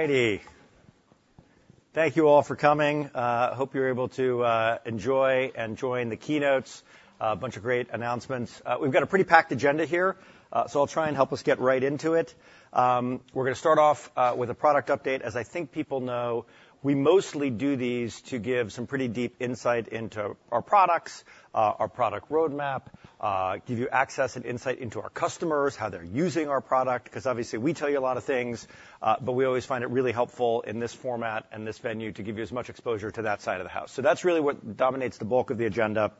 All righty. Thank you all for coming. I hope you're able to enjoy and join the keynotes. A bunch of great announcements. We've got a pretty packed agenda here, so I'll try and help us get right into it. We're gonna start off with a product update. As I think people know, we mostly do these to give some pretty deep insight into our products, our product roadmap, give you access and insight into our customers, how they're using our product, 'cause obviously, we tell you a lot of things, but we always find it really helpful in this format and this venue to give you as much exposure to that side of the house. So that's really what dominates the bulk of the agenda.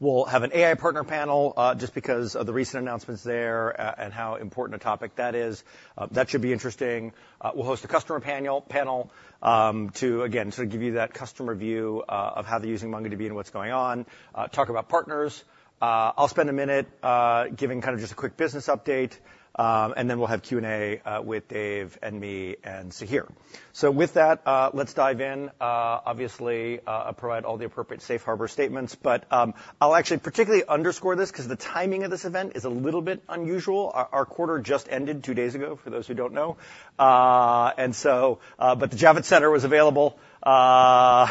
We'll have an AI partner panel, just because of the recent announcements there, and how important a topic that is. That should be interesting. We'll host a customer panel, to, again, sort of give you that customer view, of how they're using MongoDB and what's going on, talk about partners. I'll spend a minute, giving kind of just a quick business update, and then we'll have Q&A, with Dev and me and Sahir. So with that, let's dive in. Obviously, I provide all the appropriate safe harbor statements, but, I'll actually particularly underscore this 'cause the timing of this event is a little bit unusual. Our quarter just ended two days ago, for those who don't know. And so, but the Javits Center was available today. And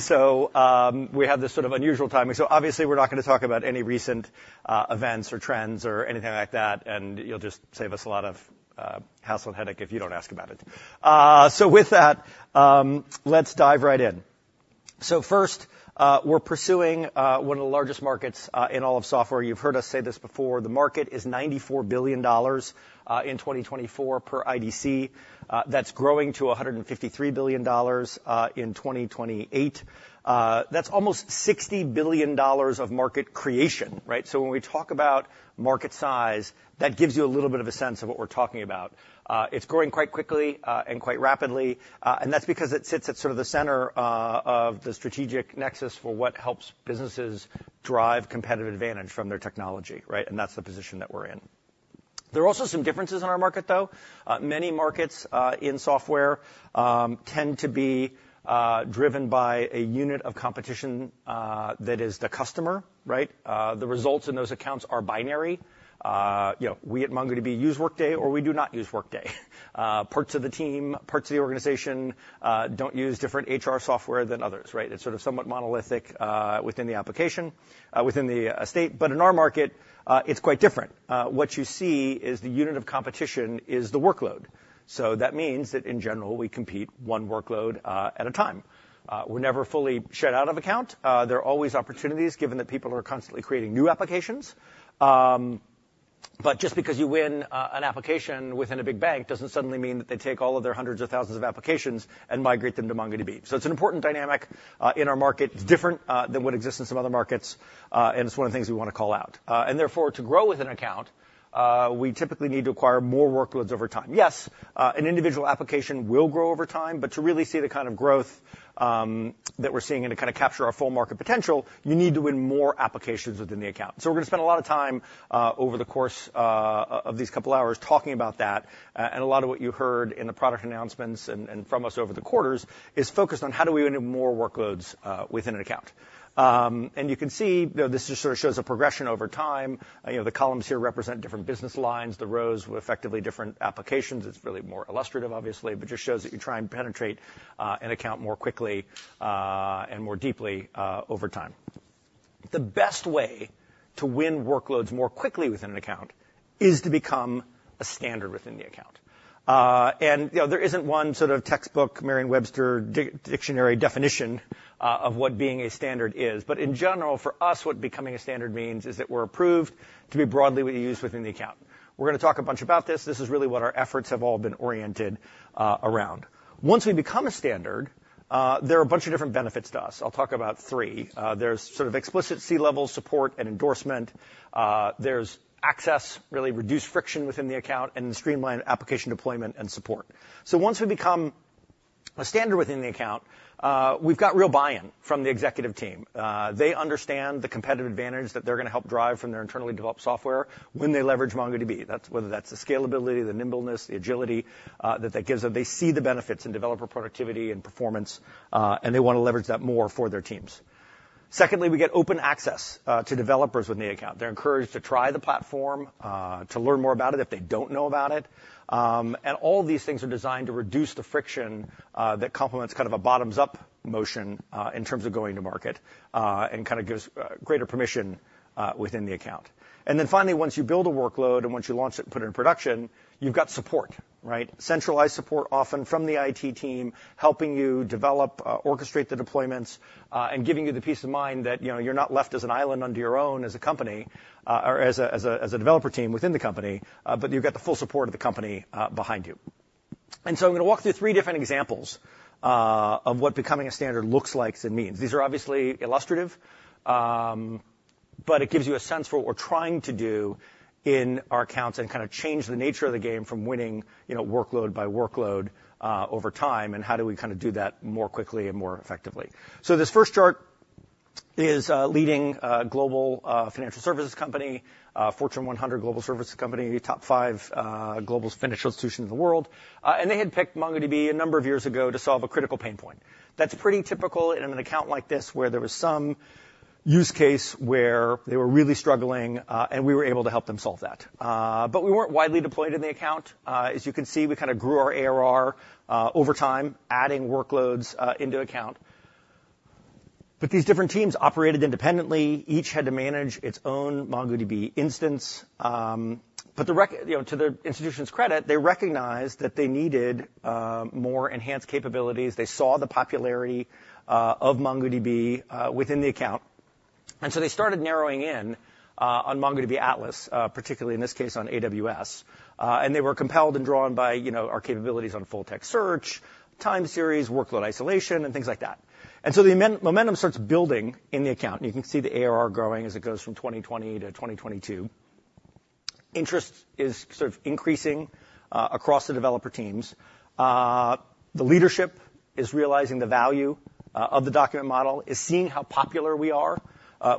so, we have this sort of unusual timing. So obviously, we're not gonna talk about any recent events or trends or anything like that, and you'll just save us a lot of hassle and headache if you don't ask about it. So with that, let's dive right in. So first, we're pursuing one of the largest markets in all of software. You've heard us say this before, the market is $94 billion in 2024 per IDC. That's growing to $153 billion in 2028. That's almost $60 billion of market creation, right? So when we talk about market size, that gives you a little bit of a sense of what we're talking about. It's growing quite quickly, and quite rapidly, and that's because it sits at sort of the center of the strategic nexus for what helps businesses drive competitive advantage from their technology, right? That's the position that we're in. There are also some differences in our market, though. Many markets in software tend to be driven by a unit of competition that is the customer, right? The results in those accounts are binary. You know, we at MongoDB use Workday, or we do not use Workday. Parts of the team, parts of the organization don't use different HR software than others, right? It's sort of somewhat monolithic within the application within the estate. But in our market, it's quite different. What you see is the unit of competition is the workload. So that means that, in general, we compete one workload at a time. We're never fully shut out of account. There are always opportunities, given that people are constantly creating new applications. But just because you win an application within a big bank doesn't suddenly mean that they take all of their hundreds of thousands of applications and migrate them to MongoDB. So it's an important dynamic in our market. It's different than what exists in some other markets, and it's one of the things we want to call out. And therefore, to grow with an account, we typically need to acquire more workloads over time. Yes, an individual application will grow over time, but to really see the kind of growth that we're seeing and to kind of capture our full market potential, you need to win more applications within the account. So we're gonna spend a lot of time over the course of these couple hours talking about that, and a lot of what you heard in the product announcements and from us over the quarters is focused on how do we win more workloads within an account. And you can see, you know, this just sort of shows a progression over time. You know, the columns here represent different business lines, the rows with effectively different applications. It's really more illustrative, obviously, but just shows that you try and penetrate an account more quickly and more deeply over time. The best way to win workloads more quickly within an account is to become a standard within the account. You know, there isn't one sort of textbook, Merriam-Webster dictionary definition of what being a standard is, but in general, for us, what becoming a standard means is that we're approved to be broadly used within the account. We're gonna talk a bunch about this. This is really what our efforts have all been oriented around. Once we become a standard, there are a bunch of different benefits to us. I'll talk about three. There's sort of explicit C-level support and endorsement, there's access, really reduced friction within the account, and streamlined application deployment and support. Once we become a standard within the account, we've got real buy-in from the executive team. They understand the competitive advantage that they're gonna help drive from their internally developed software when they leverage MongoDB. That's whether that's the scalability, the nimbleness, the agility, that that gives them. They see the benefits in developer productivity and performance, and they want to leverage that more for their teams. Secondly, we get open access to developers within the account. They're encouraged to try the platform to learn more about it if they don't know about it. And all these things are designed to reduce the friction that complements kind of a bottoms-up motion in terms of going to market and kind of gives greater permission within the account. And then finally, once you build a workload and once you launch it and put it in production, you've got support, right? Centralized support, often from the IT team, helping you develop, orchestrate the deployments, and giving you the peace of mind that, you know, you're not left as an island onto your own as a company, or as a developer team within the company, but you've got the full support of the company behind you. So I'm gonna walk through three different examples of what becoming a standard looks like and means. These are obviously illustrative, but it gives you a sense for what we're trying to do in our accounts and kind of change the nature of the game from winning, you know, workload by workload over time, and how do we kind of do that more quickly and more effectively. So this first chart is a leading global financial services company, Fortune 100 global services company, top 5 global financial institutions in the world. And they had picked MongoDB a number of years ago to solve a critical pain point. That's pretty typical in an account like this, where there was some use case where they were really struggling, and we were able to help them solve that. But we weren't widely deployed in the account. As you can see, we kind of grew our ARR over time, adding workloads into the account. But these different teams operated independently. Each had to manage its own MongoDB instance. But you know, to the institution's credit, they recognized that they needed more enhanced capabilities. They saw the popularity of MongoDB within the account, and so they started narrowing in on MongoDB Atlas, particularly in this case, on AWS. And they were compelled and drawn by, you know, our capabilities on full-text search, time series, workload isolation, and things like that. And so the momentum starts building in the account. You can see the ARR growing as it goes from 2020 to 2022. Interest is sort of increasing across the developer teams. The leadership is realizing the value of the document model, is seeing how popular we are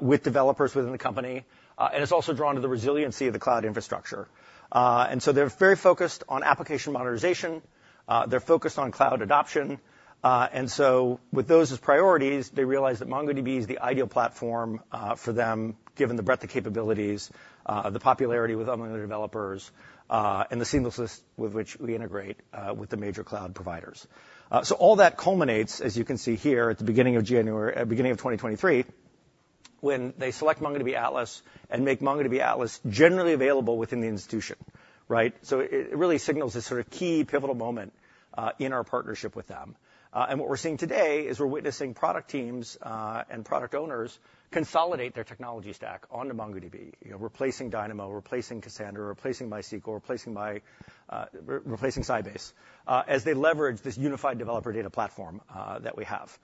with developers within the company, and it's also drawn to the resiliency of the cloud infrastructure. And so they're very focused on application modernization, they're focused on cloud adoption. And so with those as priorities, they realize that MongoDB is the ideal platform for them, given the breadth of capabilities, the popularity with other developers, and the seamlessness with which we integrate with the major cloud providers. So all that culminates, as you can see here, at the beginning of January, beginning of 2023, when they select MongoDB Atlas and make MongoDB Atlas generally available within the institution, right? So it really signals a sort of key pivotal moment in our partnership with them. And what we're seeing today is we're witnessing product teams and product owners consolidate their technology stack onto MongoDB. You know, replacing Dynamo, replacing Cassandra, replacing MySQL, replacing Sybase, as they leverage this unified developer data platform that we have.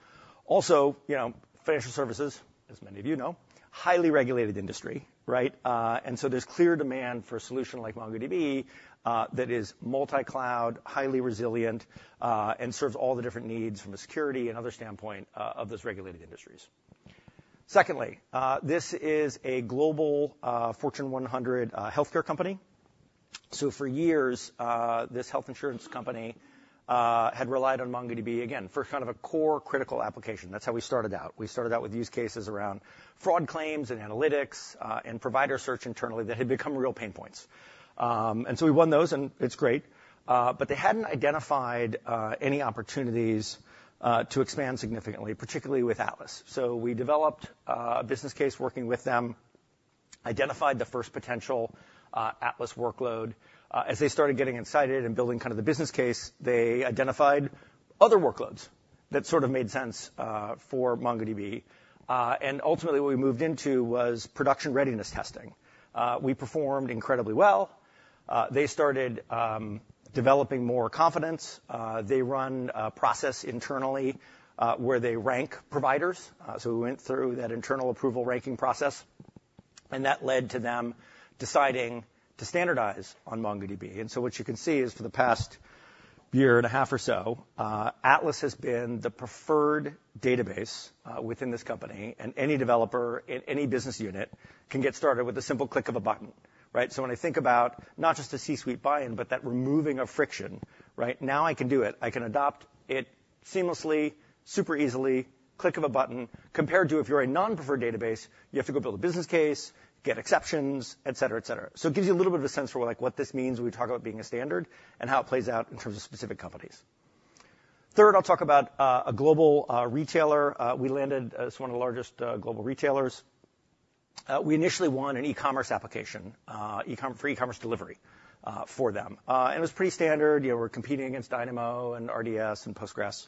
Also, you know, financial services, as many of you know, highly regulated industry, right? And so there's clear demand for a solution like MongoDB, that is multi-cloud, highly resilient, and serves all the different needs from a security and other standpoint, of those regulated industries. Secondly, this is a global, Fortune 100, healthcare company. So for years, this health insurance company, had relied on MongoDB, again, for kind of a core critical application. That's how we started out. We started out with use cases around fraud claims and analytics, and provider search internally that had become real pain points. And so we won those, and it's great, but they hadn't identified, any opportunities, to expand significantly, particularly with Atlas. So we developed a business case working with them, identified the first potential Atlas workload. As they started getting insight and building kind of the business case, they identified other workloads that sort of made sense for MongoDB. And ultimately, what we moved into was production readiness testing. We performed incredibly well. They started developing more confidence. They run a process internally where they rank providers. So we went through that internal approval ranking process, and that led to them deciding to standardize on MongoDB. And so what you can see is for the past year and a half or so, Atlas has been the preferred database within this company, and any developer in any business unit can get started with a simple click of a button, right? So when I think about not just a C-suite buy-in, but that removing of friction, right? Now I can do it. I can adopt it seamlessly, super easily, click of a button. Compared to if you're a non-preferred database, you have to go build a business case, get exceptions, et cetera, et cetera. So it gives you a little bit of a sense for like, what this means when we talk about being a standard and how it plays out in terms of specific companies. Third, I'll talk about a global retailer. We landed as one of the largest global retailers. We initially won an e-commerce application for e-commerce delivery for them. And it was pretty standard. You know, we're competing against Dynamo and RDS and Postgres.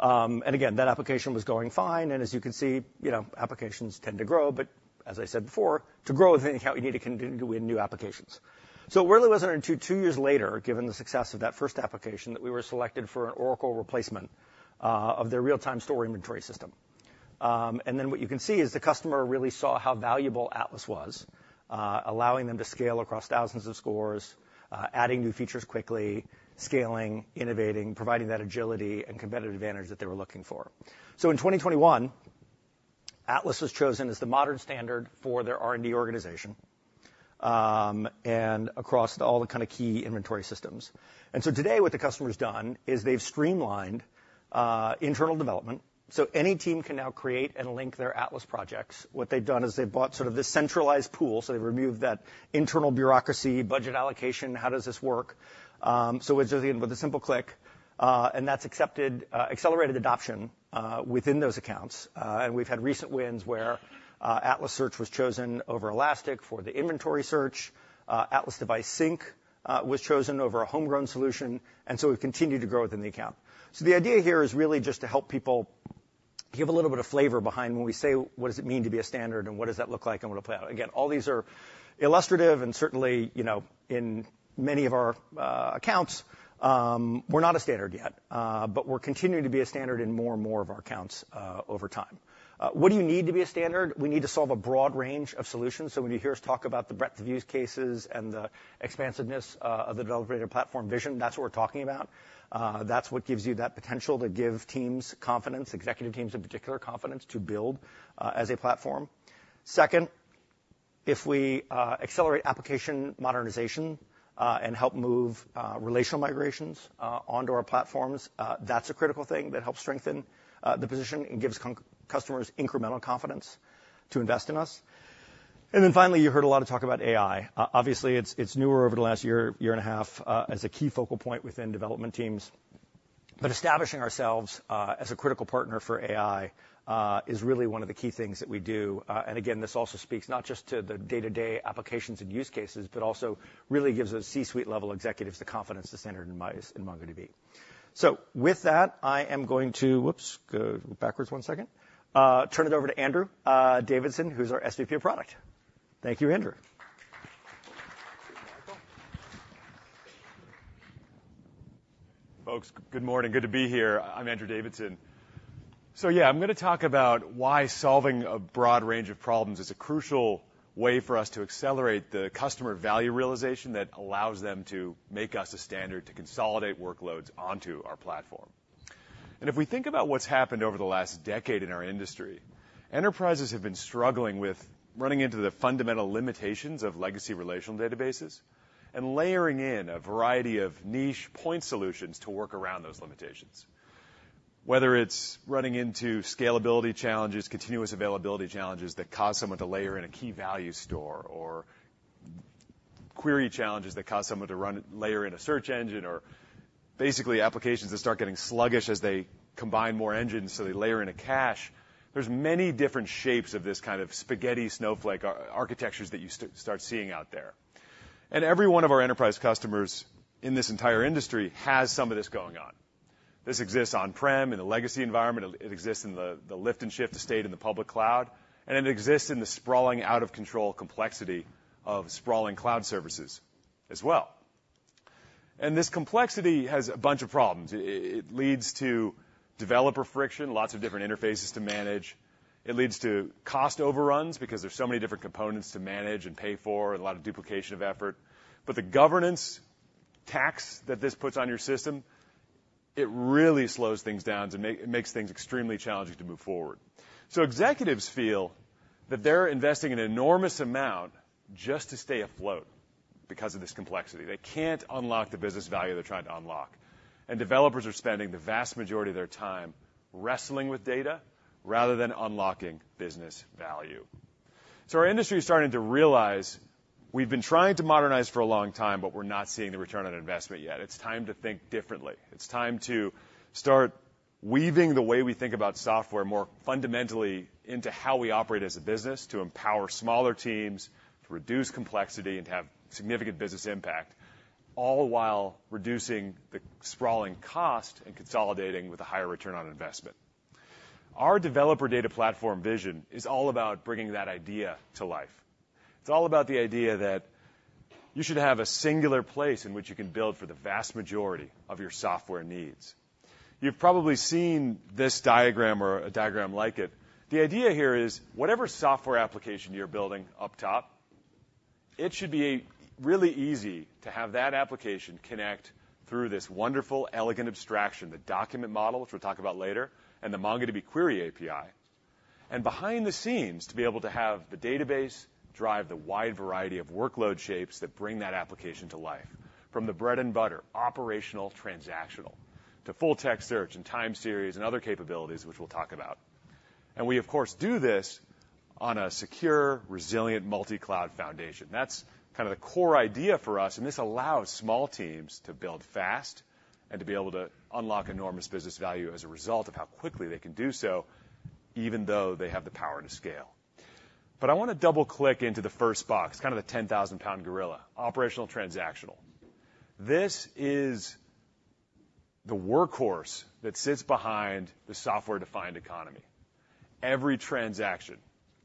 And again, that application was going fine, and as you can see, you know, applications tend to grow, but as I said before, to grow within the account, you need to continue to win new applications. So, two years later, given the success of that first application, that we were selected for an Oracle replacement of their real-time store inventory system. And then what you can see is the customer really saw how valuable Atlas was, allowing them to scale across thousands of stores, adding new features quickly, scaling, innovating, providing that agility and competitive advantage that they were looking for. So in 2021, Atlas was chosen as the modern standard for their R&D organization, and across all the kind of key inventory systems. And so today, what the customer's done is they've streamlined internal development, so any team can now create and link their Atlas projects. What they've done is they've bought sort of this centralized pool, so they've removed that internal bureaucracy, budget allocation, how does this work? So it's just, again, with a simple click, and that's accelerated adoption within those accounts. And we've had recent wins where Atlas Search was chosen over Elastic for the inventory search. Atlas Device Sync was chosen over a homegrown solution, and so we've continued to grow within the account. So the idea here is really just to help people give a little bit of flavor behind when we say, "What does it mean to be a standard, and what does that look like, and what it play out?" Again, all these are illustrative and certainly, you know, in many of our accounts, we're not a standard yet, but we're continuing to be a standard in more and more of our accounts over time. What do you need to be a standard? We need to solve a broad range of solutions. So when you hear us talk about the breadth of use cases and the expansiveness of the developer data platform vision, that's what we're talking about. That's what gives you that potential to give teams confidence, executive teams in particular, confidence to build as a platform. Second-... If we accelerate application modernization and help move relational migrations onto our platforms, that's a critical thing that helps strengthen the position and gives customers incremental confidence to invest in us. And then finally, you heard a lot of talk about AI. Obviously, it's newer over the last year and a half as a key focal point within development teams. But establishing ourselves as a critical partner for AI is really one of the key things that we do. And again, this also speaks not just to the day-to-day applications and use cases, but also really gives those C-suite level executives the confidence to center in us and MongoDB. So with that, I am going to. Whoops, go backwards one second. Turn it over to Andrew Davidson, who's our SVP of Product. Thank you, Andrew. Folks, good morning. Good to be here. I'm Andrew Davidson. So yeah, I'm gonna talk about why solving a broad range of problems is a crucial way for us to accelerate the customer value realization that allows them to make us a standard to consolidate workloads onto our platform. If we think about what's happened over the last decade in our industry, enterprises have been struggling with running into the fundamental limitations of legacy relational databases and layering in a variety of niche point solutions to work around those limitations. Whether it's running into scalability challenges, continuous availability challenges that cause someone to layer in a key value store, or query challenges that cause someone to layer in a search engine, or basically applications that start getting sluggish as they combine more engines, so they layer in a cache. There's many different shapes of this kind of spaghetti snowflake architectures that you start seeing out there. And every one of our enterprise customers in this entire industry has some of this going on. This exists on-prem, in the legacy environment, it exists in the lift and shift state, in the public cloud, and it exists in the sprawling, out-of-control complexity of sprawling cloud services as well. And this complexity has a bunch of problems. It leads to developer friction, lots of different interfaces to manage. It leads to cost overruns because there's so many different components to manage and pay for, and a lot of duplication of effort. But the governance tax that this puts on your system, it really slows things down to make... It makes things extremely challenging to move forward. Executives feel that they're investing an enormous amount just to stay afloat because of this complexity. They can't unlock the business value they're trying to unlock, and developers are spending the vast majority of their time wrestling with data rather than unlocking business value. Our industry is starting to realize we've been trying to modernize for a long time, but we're not seeing the return on investment yet. It's time to think differently. It's time to start weaving the way we think about software more fundamentally into how we operate as a business, to empower smaller teams, to reduce complexity and have significant business impact, all while reducing the sprawling cost and consolidating with a higher return on investment. Our developer data platform vision is all about bringing that idea to life. It's all about the idea that you should have a singular place in which you can build for the vast majority of your software needs. You've probably seen this diagram or a diagram like it. The idea here is, whatever software application you're building up top, it should be a really easy to have that application connect through this wonderful, elegant abstraction, the document model, which we'll talk about later, and the MongoDB query API. And behind the scenes, to be able to have the database drive the wide variety of workload shapes that bring that application to life, from the bread and butter, operational, transactional, to full text search and time series, and other capabilities, which we'll talk about. And we, of course, do this on a secure, resilient, multi-cloud foundation. That's kind of the core idea for us, and this allows small teams to build fast and to be able to unlock enormous business value as a result of how quickly they can do so, even though they have the power to scale. But I want to double-click into the first box, kind of the 10,000-pound gorilla, operational, transactional. This is the workhorse that sits behind the software-defined economy. Every transaction,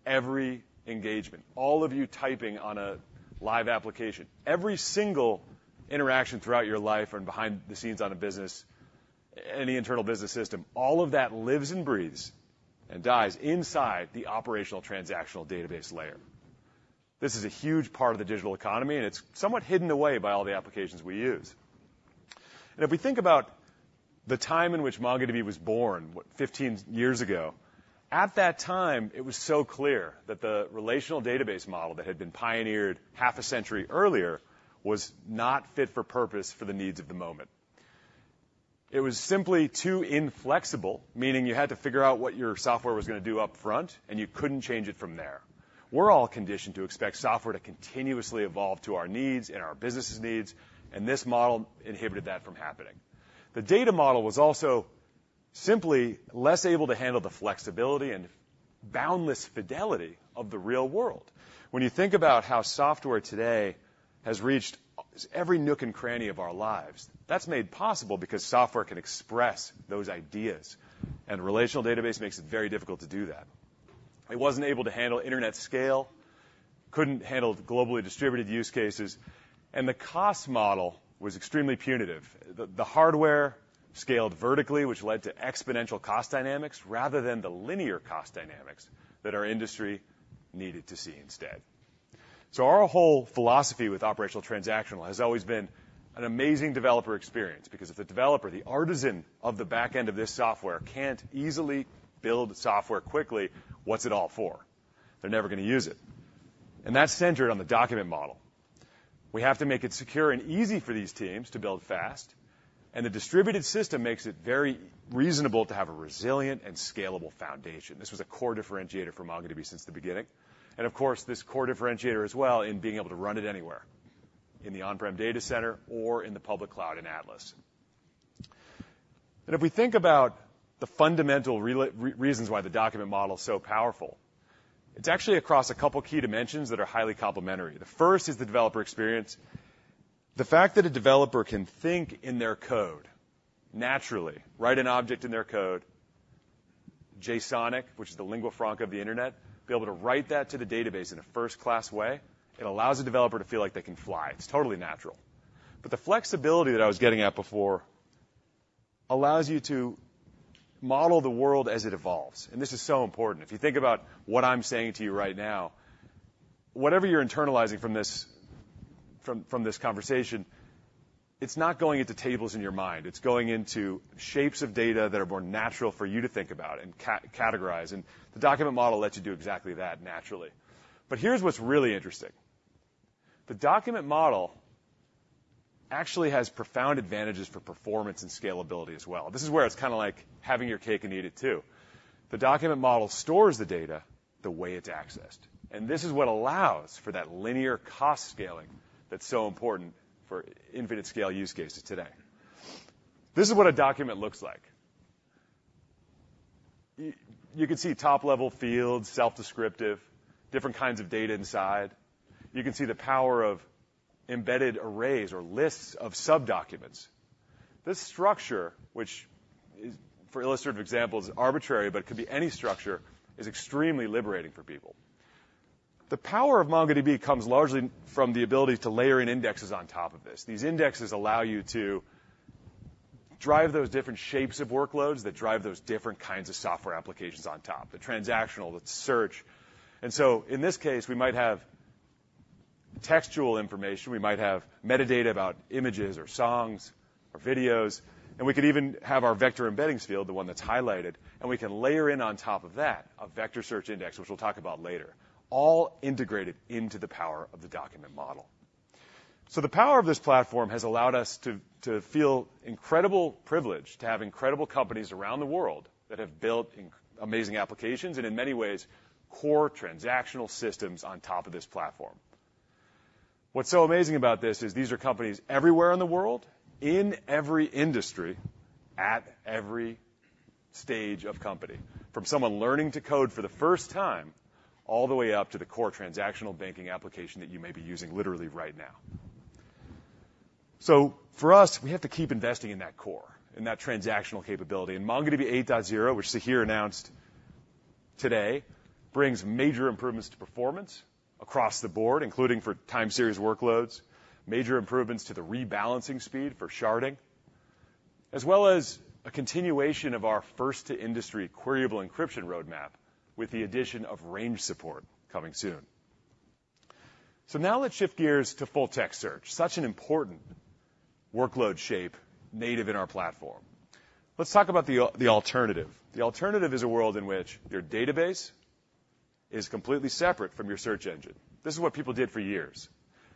every engagement, all of you typing on a live application, every single interaction throughout your life and behind the scenes on a business, any internal business system, all of that lives and breathes and dies inside the operational transactional database layer. This is a huge part of the digital economy, and it's somewhat hidden away by all the applications we use. If we think about the time in which MongoDB was born, what, 15 years ago, at that time, it was so clear that the relational database model that had been pioneered half a century earlier was not fit for purpose for the needs of the moment. It was simply too inflexible, meaning you had to figure out what your software was going to do up front, and you couldn't change it from there. We're all conditioned to expect software to continuously evolve to our needs and our business' needs, and this model inhibited that from happening. The data model was also simply less able to handle the flexibility and boundless fidelity of the real world. When you think about how software today has reached every nook and cranny of our lives, that's made possible because software can express those ideas, and relational database makes it very difficult to do that. It wasn't able to handle internet scale, couldn't handle globally distributed use cases, and the cost model was extremely punitive. The hardware scaled vertically, which led to exponential cost dynamics rather than the linear cost dynamics that our industry needed to see instead.... So our whole philosophy with operational transactional has always been an amazing developer experience, because if the developer, the artisan of the back end of this software, can't easily build software quickly, what's it all for? They're never gonna use it. And that's centered on the document model. We have to make it secure and easy for these teams to build fast, and the distributed system makes it very reasonable to have a resilient and scalable foundation. This was a core differentiator for MongoDB since the beginning, and of course, this core differentiator as well in being able to run it anywhere, in the on-prem data center or in the public cloud in Atlas. And if we think about the fundamental reasons why the document model is so powerful, it's actually across a couple key dimensions that are highly complementary. The first is the developer experience. The fact that a developer can think in their code naturally, write an object in their code, JSONic, which is the lingua franca of the internet, be able to write that to the database in a first-class way, it allows the developer to feel like they can fly. It's totally natural. But the flexibility that I was getting at before allows you to model the world as it evolves, and this is so important. If you think about what I'm saying to you right now, whatever you're internalizing from this conversation, it's not going into tables in your mind. It's going into shapes of data that are more natural for you to think about and categorize, and the document model lets you do exactly that naturally. But here's what's really interesting. The document model actually has profound advantages for performance and scalability as well. This is where it's kinda like having your cake and eat it, too. The document model stores the data the way it's accessed, and this is what allows for that linear cost scaling that's so important for infinite scale use cases today. This is what a document looks like. You can see top-level fields, self-descriptive, different kinds of data inside. You can see the power of embedded arrays or lists of sub-documents. This structure, which is, for illustrative examples, arbitrary, but it could be any structure, is extremely liberating for people. The power of MongoDB comes largely from the ability to layer in indexes on top of this. These indexes allow you to drive those different shapes of workloads that drive those different kinds of software applications on top, the transactional, the search. And so in this case, we might have textual information, we might have metadata about images or songs or videos, and we could even have our vector embeddings field, the one that's highlighted, and we can layer in on top of that a vector search index, which we'll talk about later, all integrated into the power of the document model. So the power of this platform has allowed us to feel incredible privilege, to have incredible companies around the world that have built amazing applications and in many ways, core transactional systems on top of this platform. What's so amazing about this is these are companies everywhere in the world, in every industry, at every stage of company, from someone learning to code for the first time, all the way up to the core transactional banking application that you may be using literally right now. So for us, we have to keep investing in that core, in that transactional capability. MongoDB 8.0, which Sahir announced today, brings major improvements to performance across the board, including for time series workloads, major improvements to the rebalancing speed for sharding, as well as a continuation of our first-to-industry queryable encryption roadmap, with the addition of range support coming soon. So now let's shift gears to full-text search, such an important workload shape native in our platform. Let's talk about the alternative. The alternative is a world in which your database is completely separate from your search engine. This is what people did for years.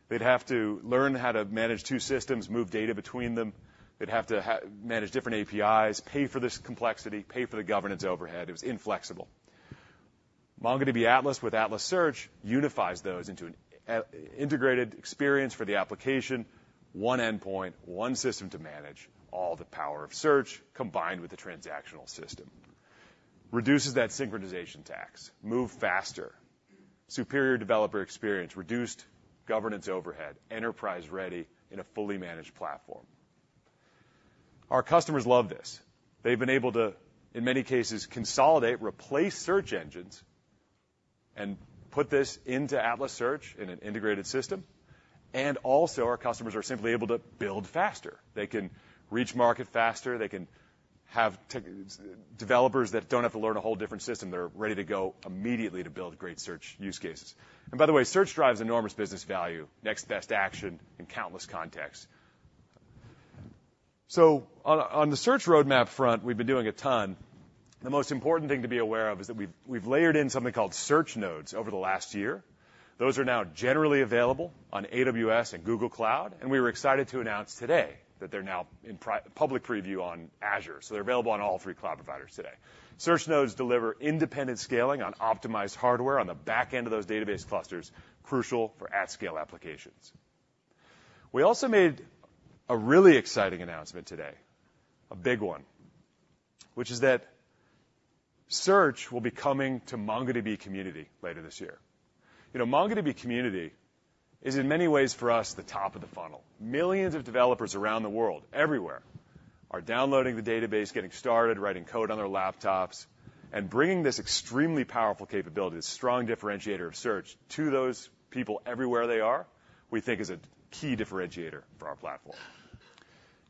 They'd have to learn how to manage two systems, move data between them. They'd have to manage different APIs, pay for this complexity, pay for the governance overhead. It was inflexible. MongoDB Atlas with Atlas Search unifies those into an integrated experience for the application, one endpoint, one system to manage all the power of search, combined with the transactional system. Reduces that synchronization tax, move faster, superior developer experience, reduced governance overhead, enterprise-ready in a fully managed platform. Our customers love this. They've been able to, in many cases, consolidate, replace search engines, and put this into Atlas Search in an integrated system. And also, our customers are simply able to build faster. They can reach market faster, they can have tech developers that don't have to learn a whole different system. They're ready to go immediately to build great search use cases. And by the way, search drives enormous business value, next best action in countless contexts. So on the search roadmap front, we've been doing a ton. The most important thing to be aware of is that we've layered in something called search nodes over the last year. Those are now generally available on AWS and Google Cloud, and we were excited to announce today that they're now in public preview on Azure, so they're available on all three cloud providers today. Search nodes deliver independent scaling on optimized hardware on the back end of those database clusters, crucial for at-scale applications. We also made a really exciting announcement today, a big one, which is that search will be coming to MongoDB Community later this year. You know, MongoDB Community is in many ways for us, the top of the funnel. Millions of developers around the world, everywhere, are downloading the database, getting started, writing code on their laptops, and bringing this extremely powerful capability, this strong differentiator of search, to those people everywhere they are, we think is a key differentiator for our platform.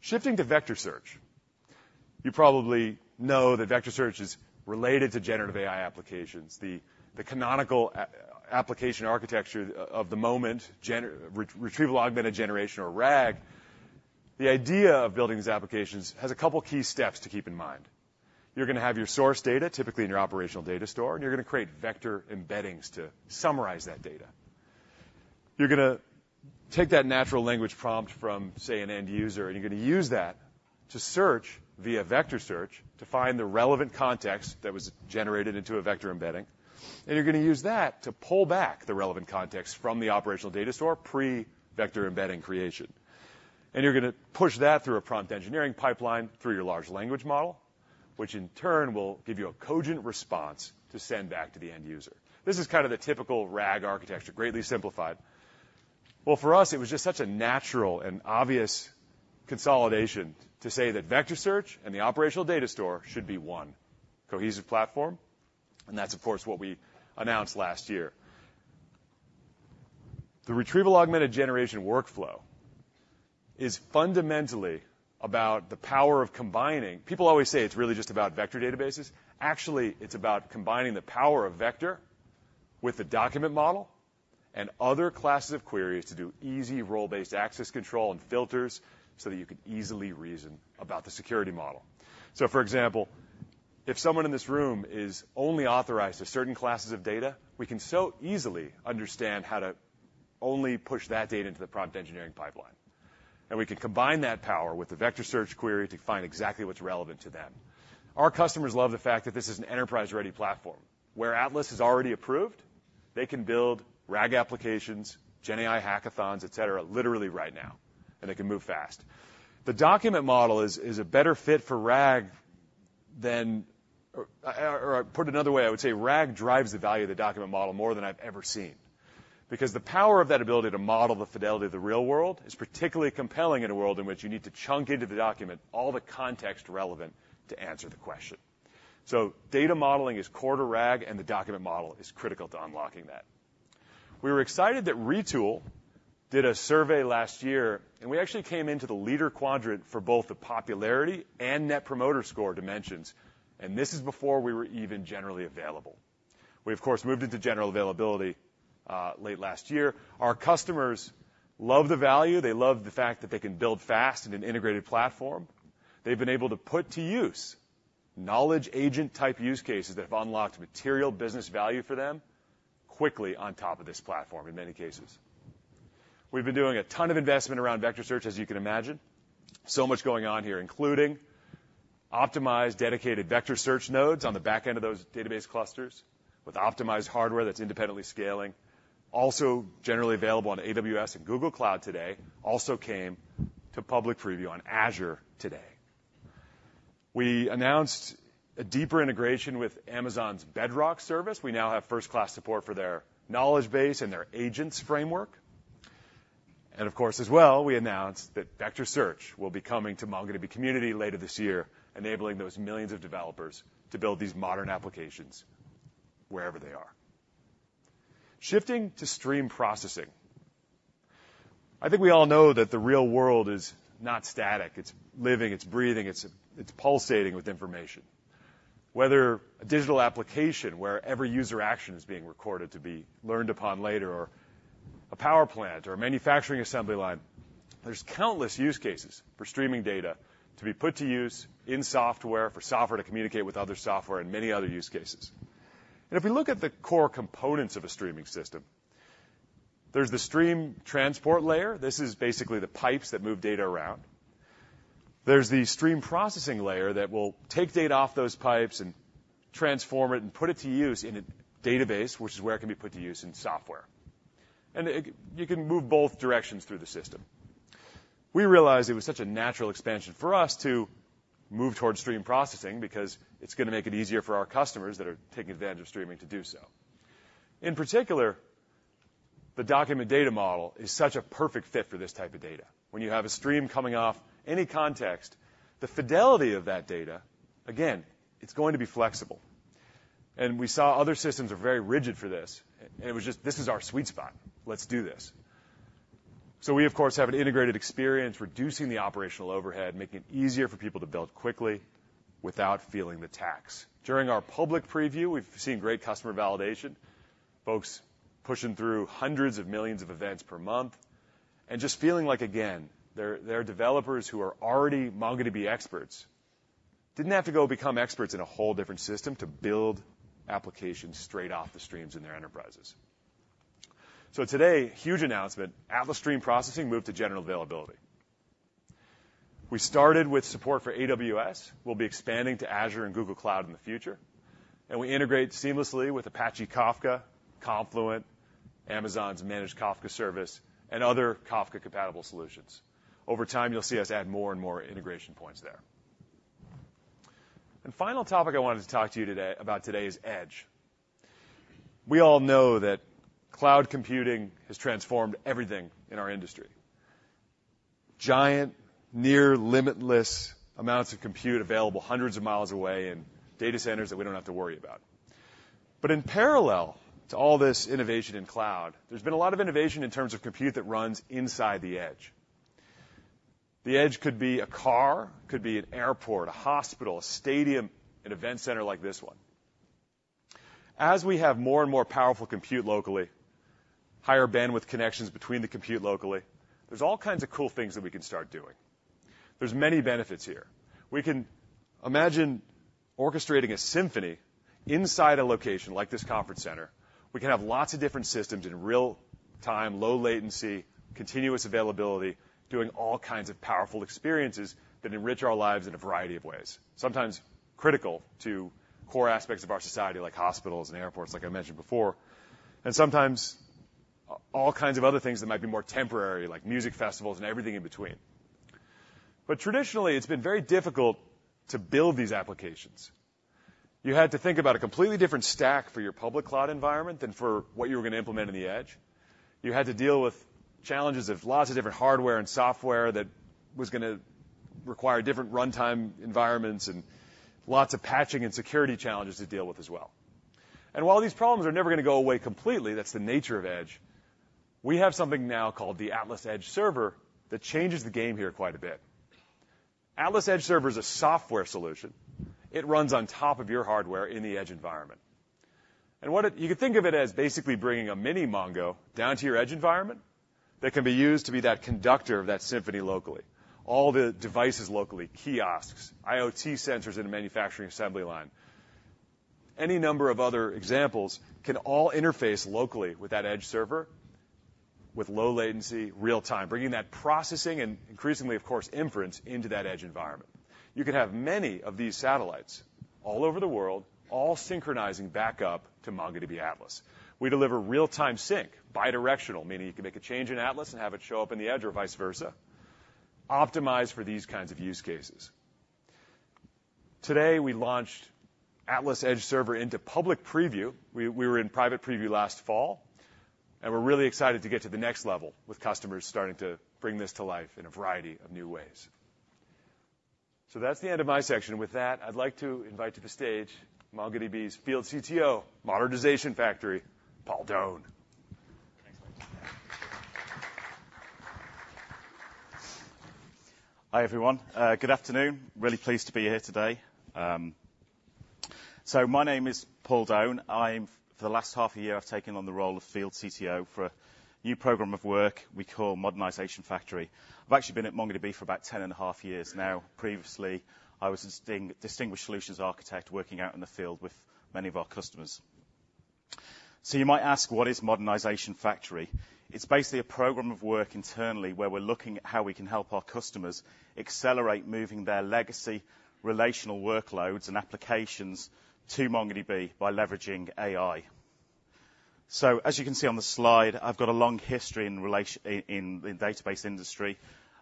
Shifting to vector search. You probably know that vector search is related to generative AI applications. The canonical application architecture of the moment, retrieval-augmented generation, or RAG, the idea of building these applications has a couple key steps to keep in mind. You're gonna have your source data, typically in your operational data store, and you're gonna create vector embeddings to summarize that data. You're gonna take that natural language prompt from, say, an end user, and you're gonna use that to search via vector search to find the relevant context that was generated into a vector embedding, and you're gonna use that to pull back the relevant context from the operational data store, pre-vector embedding creation. And you're gonna push that through a prompt engineering pipeline through your large language model, which in turn will give you a cogent response to send back to the end user. This is kind of the typical RAG architecture, greatly simplified. Well, for us, it was just such a natural and obvious consolidation to say that vector search and the operational data store should be one cohesive platform, and that's, of course, what we announced last year. The retrieval-augmented generation workflow is fundamentally about the power of combining... People always say it's really just about vector databases. Actually, it's about combining the power of vector with the document model and other classes of queries to do easy role-based access control and filters so that you can easily reason about the security model. So, for example, if someone in this room is only authorized to certain classes of data, we can so easily understand how to only push that data into the prompt engineering pipeline, and we can combine that power with the vector search query to find exactly what's relevant to them. Our customers love the fact that this is an enterprise-ready platform, where Atlas is already approved, they can build RAG applications, GenAI hackathons, et cetera, literally right now, and they can move fast. The document model is a better fit for RAG than, or put another way, I would say RAG drives the value of the document model more than I've ever seen. Because the power of that ability to model the fidelity of the real world is particularly compelling in a world in which you need to chunk into the document all the context relevant to answer the question. So data modeling is core to RAG, and the document model is critical to unlocking that. We were excited that Retool did a survey last year, and we actually came into the leader quadrant for both the popularity and net promoter score dimensions, and this is before we were even generally available. We, of course, moved into general availability late last year. Our customers love the value. They love the fact that they can build fast in an integrated platform. They've been able to put to use knowledge agent-type use cases that have unlocked material business value for them quickly on top of this platform, in many cases. We've been doing a ton of investment around vector search, as you can imagine. So much going on here, including optimized, dedicated vector search nodes on the back end of those database clusters with optimized hardware that's independently scaling, also generally available on AWS and Google Cloud today, also came to public preview on Azure today. We announced a deeper integration with Amazon's Bedrock service. We now have first-class support for their knowledge base and their agents framework. Of course, as well, we announced that vector search will be coming to MongoDB Community later this year, enabling those millions of developers to build these modern applications wherever they are. Shifting to stream processing. I think we all know that the real world is not static. It's living, it's breathing, it's, it's pulsating with information. Whether a digital application, where every user action is being recorded to be learned upon later, or a power plant or a manufacturing assembly line, there's countless use cases for streaming data to be put to use in software, for software to communicate with other software and many other use cases. And if we look at the core components of a streaming system, there's the stream transport layer. This is basically the pipes that move data around. There's the stream processing layer that will take data off those pipes and transform it and put it to use in a database, which is where it can be put to use in software. It, you can move both directions through the system. We realized it was such a natural expansion for us to move towards stream processing because it's gonna make it easier for our customers that are taking advantage of streaming to do so. In particular, the document data model is such a perfect fit for this type of data. When you have a stream coming off, any context, the fidelity of that data, again, it's going to be flexible. We saw other systems are very rigid for this. It was just, "This is our sweet spot. Let's do this." So we, of course, have an integrated experience, reducing the operational overhead, making it easier for people to build quickly without feeling the tax. During our public preview, we've seen great customer validation, folks pushing through hundreds of millions of events per month and just feeling like, again, they're, they're developers who are already MongoDB experts. Didn't have to go become experts in a whole different system to build applications straight off the streams in their enterprises. So today, huge announcement, Atlas Stream Processing moved to general availability. We started with support for AWS. We'll be expanding to Azure and Google Cloud in the future, and we integrate seamlessly with Apache Kafka, Confluent, Amazon's managed Kafka service, and other Kafka-compatible solutions. Over time, you'll see us add more and more integration points there. And final topic I wanted to talk to you today, about today is Edge. We all know that cloud computing has transformed everything in our industry. Giant, near-limitless amounts of compute available hundreds of miles away in data centers that we don't have to worry about... But in parallel to all this innovation in cloud, there's been a lot of innovation in terms of compute that runs inside the edge. The edge could be a car, could be an airport, a hospital, a stadium, an event center like this one. As we have more and more powerful compute locally, higher bandwidth connections between the compute locally, there's all kinds of cool things that we can start doing. There's many benefits here. We can imagine orchestrating a symphony inside a location like this conference center. We can have lots of different systems in real-time, low latency, continuous availability, doing all kinds of powerful experiences that enrich our lives in a variety of ways, sometimes critical to core aspects of our society, like hospitals and airports, like I mentioned before, and sometimes, all kinds of other things that might be more temporary, like music festivals and everything in between. But traditionally, it's been very difficult to build these applications. You had to think about a completely different stack for your public cloud environment than for what you were going to implement in the edge. You had to deal with challenges of lots of different hardware and software that was gonna require different runtime environments and lots of patching and security challenges to deal with as well. While these problems are never going to go away completely, that's the nature of edge. We have something now called the Atlas Edge Server that changes the game here quite a bit. Atlas Edge Server is a software solution. It runs on top of your hardware in the edge environment. And what it. You can think of it as basically bringing a mini Mongo down to your edge environment that can be used to be that conductor of that symphony locally. All the devices locally, kiosks, IoT sensors in a manufacturing assembly line, any number of other examples can all interface locally with that edge server with low latency, real-time, bringing that processing and increasingly, of course, inference into that edge environment. You can have many of these satellites all over the world, all synchronizing back up to MongoDB Atlas. We deliver real-time sync, bidirectional, meaning you can make a change in Atlas and have it show up in the edge or vice versa, optimized for these kinds of use cases. Today, we launched Atlas Edge Server into public preview. We were in private preview last fall, and we're really excited to get to the next level with customers starting to bring this to life in a variety of new ways. So that's the end of my section. With that, I'dlike to invite to the stage MongoDB's Field CTO, Modernization Factory, Paul Doan. Hi, everyone. Good afternoon. Really pleased to be here today. So my name is Paul Doan. For the last half a year, I've taken on the role of Field CTO for a new program of work we call Modernization Factory. I've actually been at MongoDB for about 10 and a half years now. Previously, I was a Distinguished Solutions Architect, working out in the field with many of our customers. So you might ask, what is Modernization Factory? It's basically a program of work internally where we're looking at how we can help our customers accelerate moving their legacy, relational workloads, and applications to MongoDB by leveraging AI. So as you can see on the slide, I've got a long history in database industry.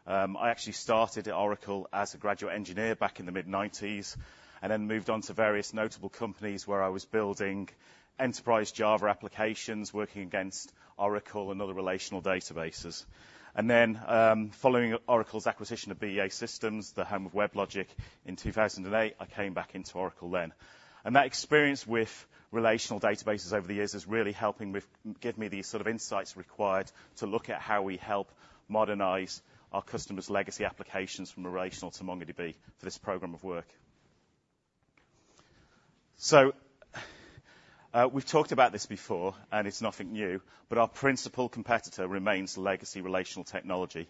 I actually started at Oracle as a graduate engineer back in the mid-1990s, and then moved on to various notable companies where I was building enterprise Java applications, working against Oracle and other relational databases. Then, following Oracle's acquisition of BEA Systems, the home of WebLogic, in 2008, I came back into Oracle then. And that experience with relational databases over the years is really helping with, give me the sort of insights required to look at how we help modernize our customers' legacy applications from relational to MongoDB for this program of work. So, we've talked about this before, and it's nothing new, but our principal competitor remains legacy relational technology.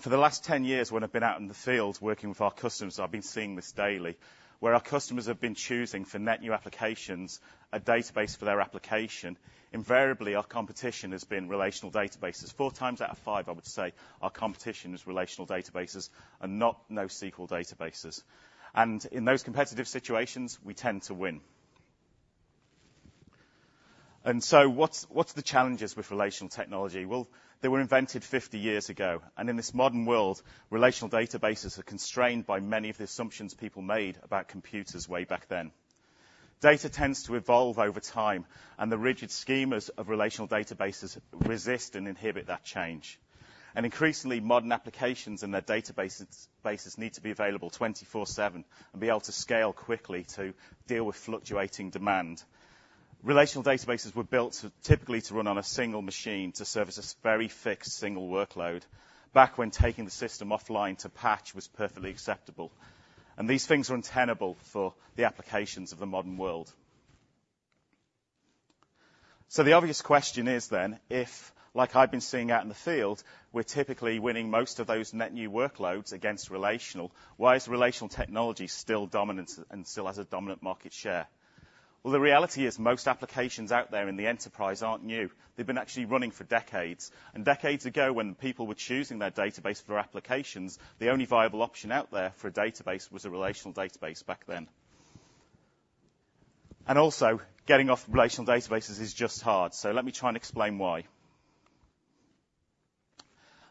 For the last 10 years, when I've been out in the field working with our customers, I've been seeing this daily, where our customers have been choosing for net new applications, a database for their application. Invariably, our competition has been relational databases. 4x out of 5, I would say, our competition is relational databases and not NoSQL databases. And in those competitive situations, we tend to win. And so what's, what are the challenges with relational technology? Well, they were invented 50 years ago, and in this modern world, relational databases are constrained by many of the assumptions people made about computers way back then. Data tends to evolve over time, and the rigid schemas of relational databases resist and inhibit that change. And increasingly, modern applications and their databases need to be available 24/7 and be able to scale quickly to deal with fluctuating demand. Relational databases were built to typically run on a single machine to service a very fixed single workload back when taking the system offline to patch was perfectly acceptable, and these things are untenable for the applications of the modern world. So the obvious question is then, if, like I've been seeing out in the field, we're typically winning most of those net new workloads against relational, why is relational technology still dominant and still has a dominant market share? Well, the reality is, most applications out there in the enterprise aren't new. They've been actually running for decades. Decades ago, when people were choosing their database for applications, the only viable option out there for a database was a relational database back then. Also, getting off relational databases is just hard. So let me try and explain why.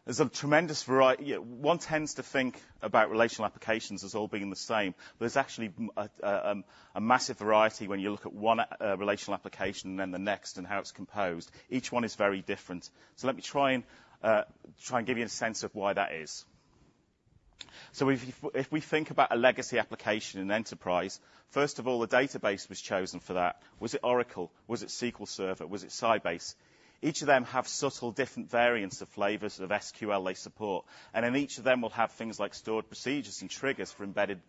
There's a tremendous variety... Yeah, one tends to think about relational applications as all being the same, but there's actually a massive variety when you look at one relational application and then the next and how it's composed. Each one is very different. So let me try and give you a sense of why that is... So if we think about a legacy application in enterprise, first of all, the database was chosen for that. Was it Oracle? Was it SQL Server? Was it Sybase? Each of them have subtle different variants of flavors of SQL they support, and then each of them will have things like stored procedures and triggers for embedded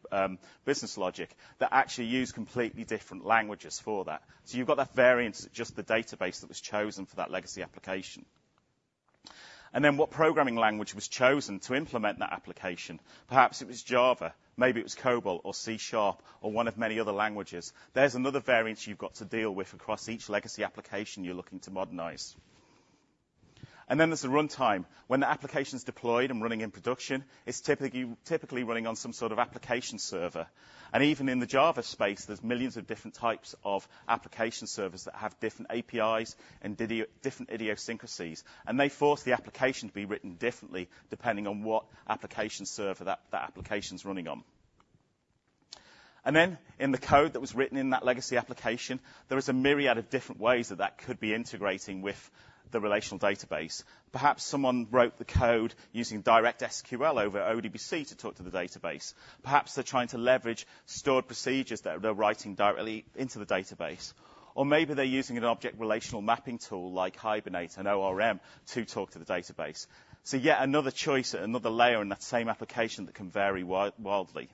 business logic that actually use completely different languages for that. So you've got that variance of just the database that was chosen for that legacy application. And then what programming language was chosen to implement that application? Perhaps it was Java, maybe it was COBOL or C# or one of many other languages. There's another variance you've got to deal with across each legacy application you're looking to modernize. And then there's the runtime. When the application's deployed and running in production, it's typically, typically running on some sort of application server. And even in the Java space, there's millions of different types of application servers that have different APIs and different idiosyncrasies, and they force the application to be written differently, depending on what application server that, that application's running on. And then, in the code that was written in that legacy application, there is a myriad of different ways that that could be integrating with the relational database. Perhaps someone wrote the code using direct SQL over ODBC to talk to the database. Perhaps they're trying to leverage stored procedures that they're writing directly into the database, or maybe they're using an object relational mapping tool like Hibernate, an ORM to talk to the database. So yet another choice, another layer in that same application that can vary wildly.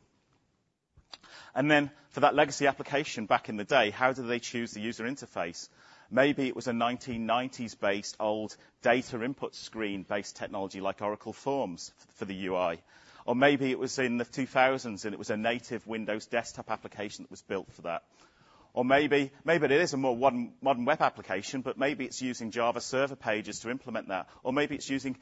And then, for that legacy application back in the day, how did they choose the user interface? Maybe it was a 1990s-based old data input screen-based technology like Oracle Forms for the UI, or maybe it was in the 2000s, and it was a native Windows desktop application that was built for that. Or maybe, maybe it is a more modern web application, but maybe it's using JavaServer Pages to implement that, or maybe it's using,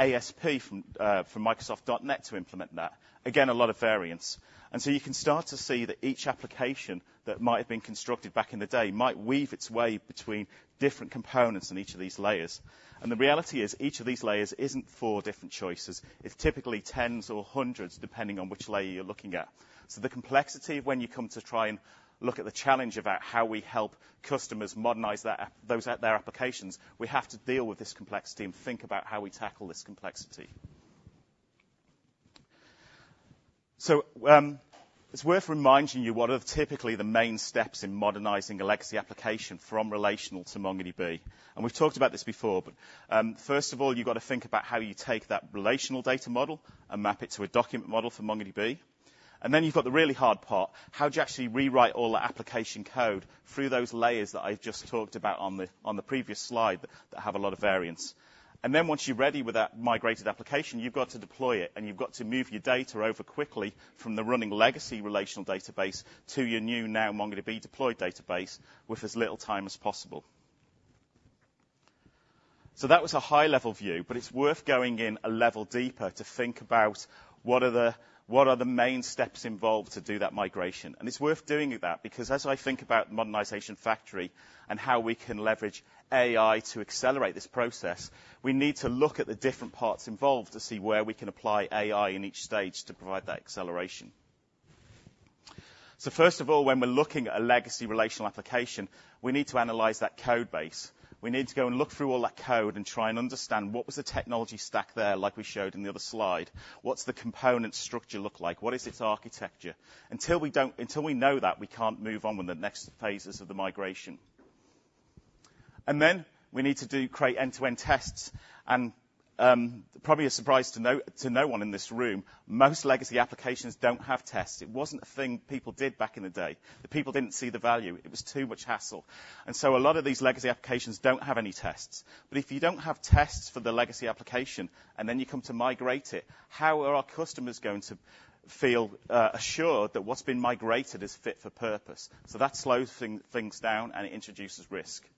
ASP from, from Microsoft .NET to implement that. Again, a lot of variance. You can start to see that each application that might have been constructed back in the day might weave its way between different components in each of these layers. The reality is, each of these layers isn't four different choices. It's typically tens or hundreds, depending on which layer you're looking at. So the complexity when you come to try and look at the challenge about how we help customers modernize those of their applications, we have to deal with this complexity and think about how we tackle this complexity. So, it's worth reminding you what are typically the main steps in modernizing a legacy application from relational to MongoDB. And we've talked about this before, but, first of all, you've got to think about how you take that relational data model and map it to a document model for MongoDB. Then you've got the really hard part: How do you actually rewrite all the application code through those layers that I've just talked about on the previous slide that have a lot of variance? And then once you're ready with that migrated application, you've got to deploy it, and you've got to move your data over quickly from the running legacy relational database to your new now MongoDB deployed database with as little time as possible. So that was a high-level view, but it's worth going in a level deeper to think about what are the main steps involved to do that migration. It's worth doing that, because as I think about Modernization Factory and how we can leverage AI to accelerate this process, we need to look at the different parts involved to see where we can apply AI in each stage to provide that acceleration. So first of all, when we're looking at a legacy relational application, we need to analyze that code base. We need to go and look through all that code and try and understand what was the technology stack there, like we showed in the other slide. What's the component structure look like? What is its architecture? Until we know that, we can't move on with the next phases of the migration. And then we need to create end-to-end tests, and probably a surprise to no one in this room, most legacy applications don't have tests. It wasn't a thing people did back in the day, that people didn't see the value. It was too much hassle. And so a lot of these legacy applications don't have any tests. But if you don't have tests for the legacy application, and then you come to migrate it, how are our customers going to feel assured that what's been migrated is fit for purpose? So that slows things down and introduces risk.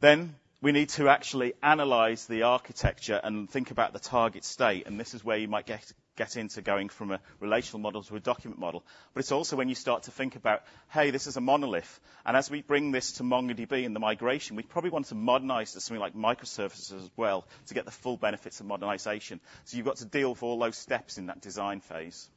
Then, we need to actually analyze the architecture and think about the target state, and this is where you might get into going from a relational model to a document model. But it's also when you start to think about, hey, this is a monolith, and as we bring this to MongoDB and the migration, we probably want to modernize to something like microservices as well to get the full benefits of modernization. So you've got to deal with all those steps in that design phase.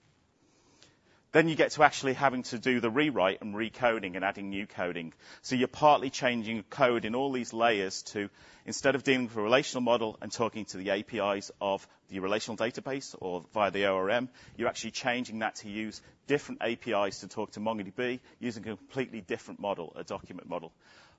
Then you get to actually having to do the rewrite and recoding and adding new coding. So you're partly changing code in all these layers to, instead of dealing with a relational model and talking to the APIs of the relational database or via the ORM, you're actually changing that to use different APIs to talk to MongoDB, using a completely different model, a document model.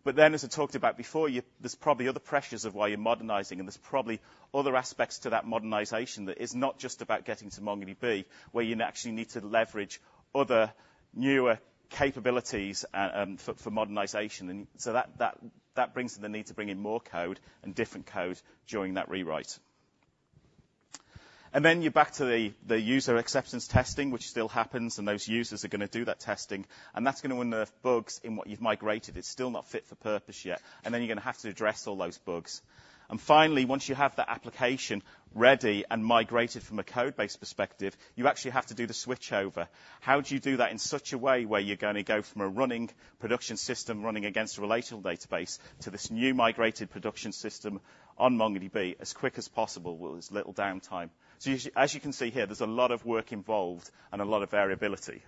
But then, as I talked about before, there's probably other pressures of why you're modernizing, and there's probably other aspects to that modernization that is not just about getting to MongoDB, where you actually need to leverage other newer capabilities, for modernization. And so that brings in the need to bring in more code and different code during that rewrite. And then you're back to the user acceptance testing, which still happens, and those users are going to do that testing, and that's going to unearth bugs in what you've migrated. It's still not fit for purpose yet, and then you're going to have to address all those bugs. And finally, once you have that application ready and migrated from a code-based perspective, you actually have to do the switchover. How do you do that in such a way where you're going to go from a running production system, running against a relational database, to this new migrated production system on MongoDB as quick as possible with as little downtime? So as you can see here, there's a lot of work involved and a lot of variability...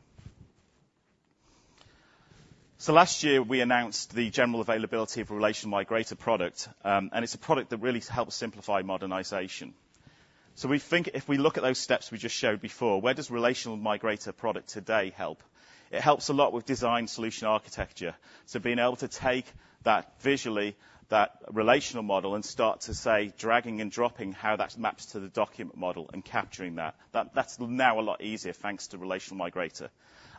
So last year, we announced the general availability of Relational Migrator product, and it's a product that really helps simplify modernization. So we think if we look at those steps we just showed before, where does Relational Migrator product today help? It helps a lot with design solution architecture. So being able to take that visually, that relational model, and start to, say, dragging and dropping how that maps to the document model and capturing that. That, that's now a lot easier, thanks to Relational Migrator.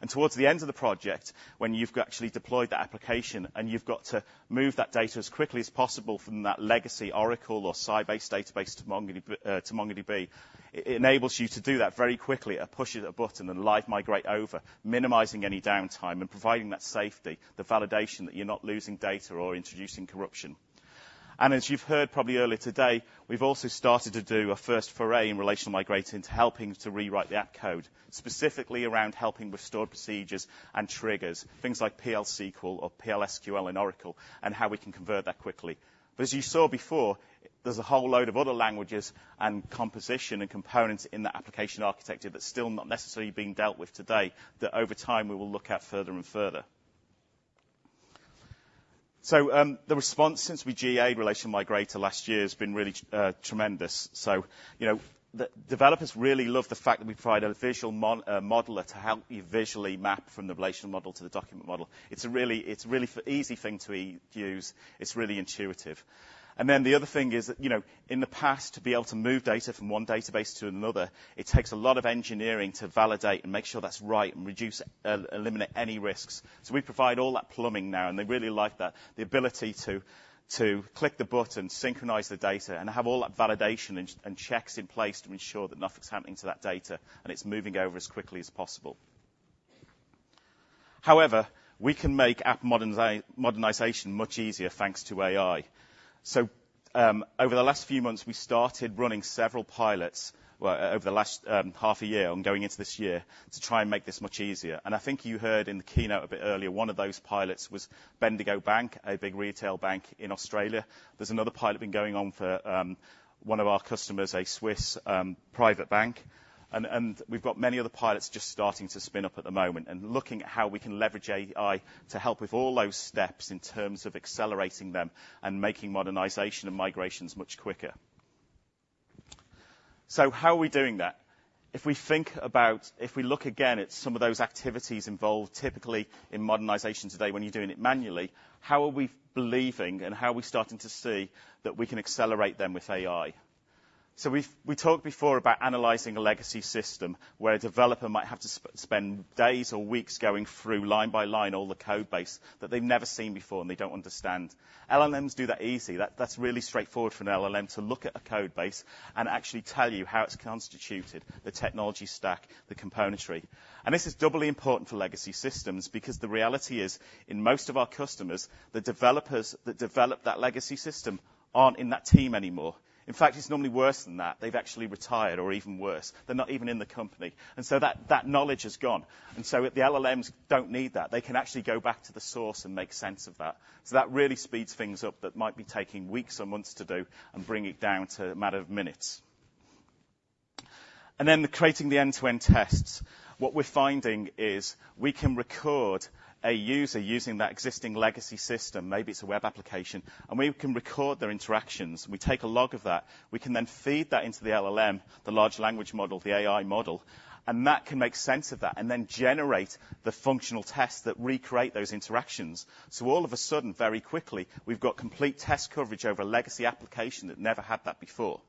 And towards the end of the project, when you've actually deployed that application, and you've got to move that data as quickly as possible from that legacy Oracle or Sybase database to MongoDB, it enables you to do that very quickly, a push of a button, and live migrate over, minimizing any downtime and providing that safety, the validation that you're not losing data or introducing corruption. And as you've heard probably earlier today, we've also started to do a first foray in Relational Migrator into helping to rewrite the app code, specifically around helping stored procedures and triggers, things like PL/SQL or PL/SQL in Oracle, and how we can convert that quickly. But as you saw before, there's a whole load of other languages and composition and components in the application architecture that's still not necessarily being dealt with today, that over time, we will look at further and further. So, the response since we GA Relational Migrator last year has been really tremendous. So, you know, the developers really love the fact that we provide a visual modeler to help you visually map from the relational model to the document model. It's a really easy thing to use. It's really intuitive. Then the other thing is, you know, in the past, to be able to move data from one database to another, it takes a lot of engineering to validate and make sure that's right and reduce, eliminate any risks. So we provide all that plumbing now, and they really like that. The ability to click the button, synchronize the data, and have all that validation and checks in place to ensure that nothing's happening to that data, and it's moving over as quickly as possible. However, we can make app modernization much easier, thanks to AI. So, over the last few months, we started running several pilots, well, over the last, half a year and going into this year, to try and make this much easier. And I think you heard in the keynote a bit earlier, one of those pilots was Bendigo Bank, a big retail bank in Australia. There's another pilot been going on for one of our customers, a Swiss private bank. And we've got many other pilots just starting to spin up at the moment and looking at how we can leverage AI to help with all those steps in terms of accelerating them and making modernization and migrations much quicker. So how are we doing that? If we think about... If we look again at some of those activities involved, typically in modernization today, when you're doing it manually, how are we believing, and how are we starting to see that we can accelerate them with AI? So we've talked before about analyzing a legacy system, where a developer might have to spend days or weeks going through line by line, all the code base that they've never seen before and they don't understand. LLMs do that easy. That's really straightforward for an LLM to look at a code base and actually tell you how it's constituted, the technology stack, the componentry. And this is doubly important for legacy systems, because the reality is, in most of our customers, the developers that develop that legacy system aren't in that team anymore. In fact, it's normally worse than that. They've actually retired, or even worse, they're not even in the company. And so that knowledge is gone. And so the LLMs don't need that. They can actually go back to the source and make sense of that. So that really speeds things up that might be taking weeks or months to do and bring it down to a matter of minutes. And then creating the end-to-end tests. What we're finding is we can record a user using that existing legacy system, maybe it's a web application, and we can record their interactions. We take a log of that. We can then feed that into the LLM, the large language model, the AI model, and that can make sense of that and then generate the functional tests that recreate those interactions. So all of a sudden, very quickly, we've got complete test coverage over a legacy application that never had that before.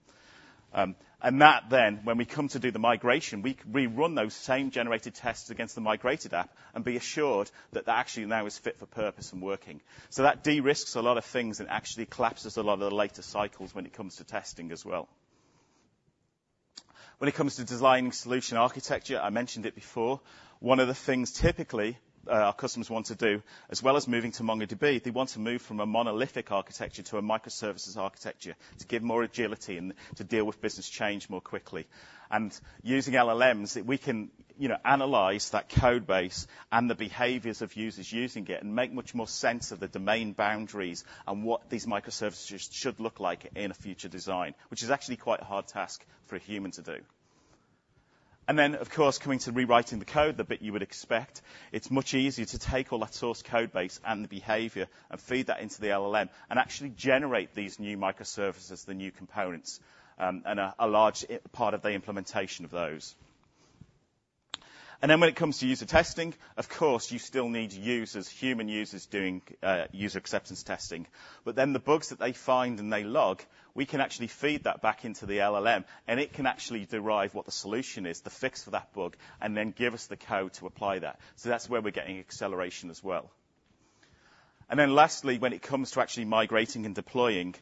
And that then, when we come to do the migration, we can rerun those same generated tests against the migrated app and be assured that that actually now is fit for purpose and working. So that de-risks a lot of things and actually collapses a lot of the later cycles when it comes to testing as well. When it comes to designing solution architecture, I mentioned it before, one of the things typically, our customers want to do, as well as moving to MongoDB, they want to move from a monolithic architecture to a microservices architecture to give more agility and to deal with business change more quickly. And using LLMs, we can, you know, analyze that code base and the behaviors of users using it and make much more sense of the domain boundaries and what these microservices should look like in a future design, which is actually quite a hard task for a human to do. And then, of course, coming to rewriting the code, the bit you would expect, it's much easier to take all that source code base and the behavior and feed that into the LLM, and actually generate these new microservices, the new components, and a large part of the implementation of those. And then when it comes to user testing, of course, you still need users, human users doing user acceptance testing. But then the bugs that they find and they log, we can actually feed that back into the LLM, and it can actually derive what the solution is, the fix for that bug, and then give us the code to apply that. So that's where we're getting acceleration as well. And then lastly, when it comes to actually migrating and deploying,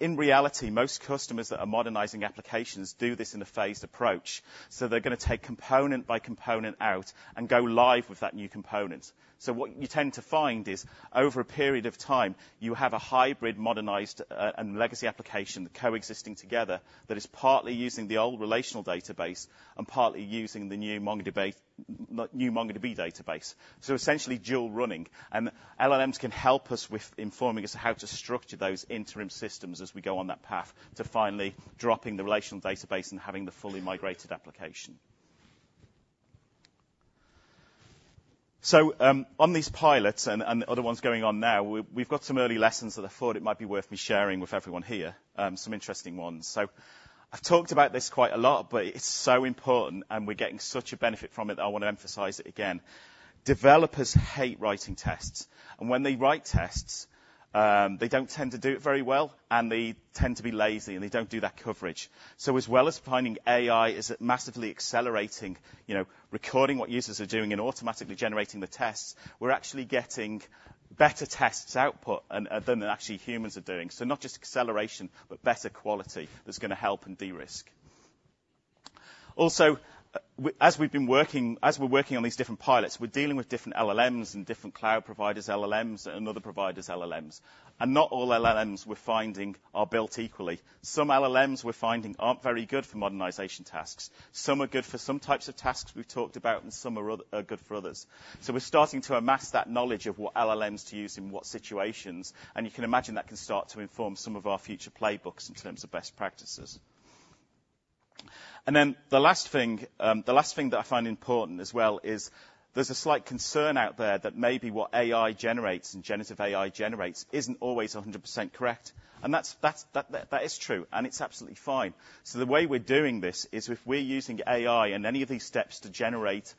in reality, most customers that are modernizing applications do this in a phased approach. So they're gonna take component by component out and go live with that new component. So what you tend to find is, over a period of time, you have a hybrid, modernized, and legacy application coexisting together that is partly using the old relational database and partly using the new MongoDB database. So essentially, dual running, and that-... LLMs can help us with informing us how to structure those interim systems as we go on that path to finally dropping the relational database and having the fully migrated application. So, on these pilots and the other ones going on now, we've got some early lessons that I thought it might be worth me sharing with everyone here, some interesting ones. So I've talked about this quite a lot, but it's so important, and we're getting such a benefit from it that I want to emphasize it again. Developers hate writing tests, and when they write tests, they don't tend to do it very well, and they tend to be lazy, and they don't do that coverage. So as well as finding AI, is it massively accelerating, you know, recording what users are doing and automatically generating the tests? We're actually getting better tests output and than actually humans are doing. So not just acceleration, but better quality that's gonna help and de-risk. Also, as we've been working, as we're working on these different pilots, we're dealing with different LLMs and different cloud providers, LLMs and other providers, LLMs. And not all LLMs we're finding are built equally. Some LLMs we're finding aren't very good for modernization tasks. Some are good for some types of tasks we've talked about, and some are good for others. So we're starting to amass that knowledge of what LLMs to use in what situations, and you can imagine that can start to inform some of our future playbooks in terms of best practices. And then the last thing, the last thing that I find important as well is there's a slight concern out there that maybe what AI generates and generative AI generates isn't always 100% correct. And that's true, and it's absolutely fine. So the way we're doing this is if we're using AI in any of these steps to generate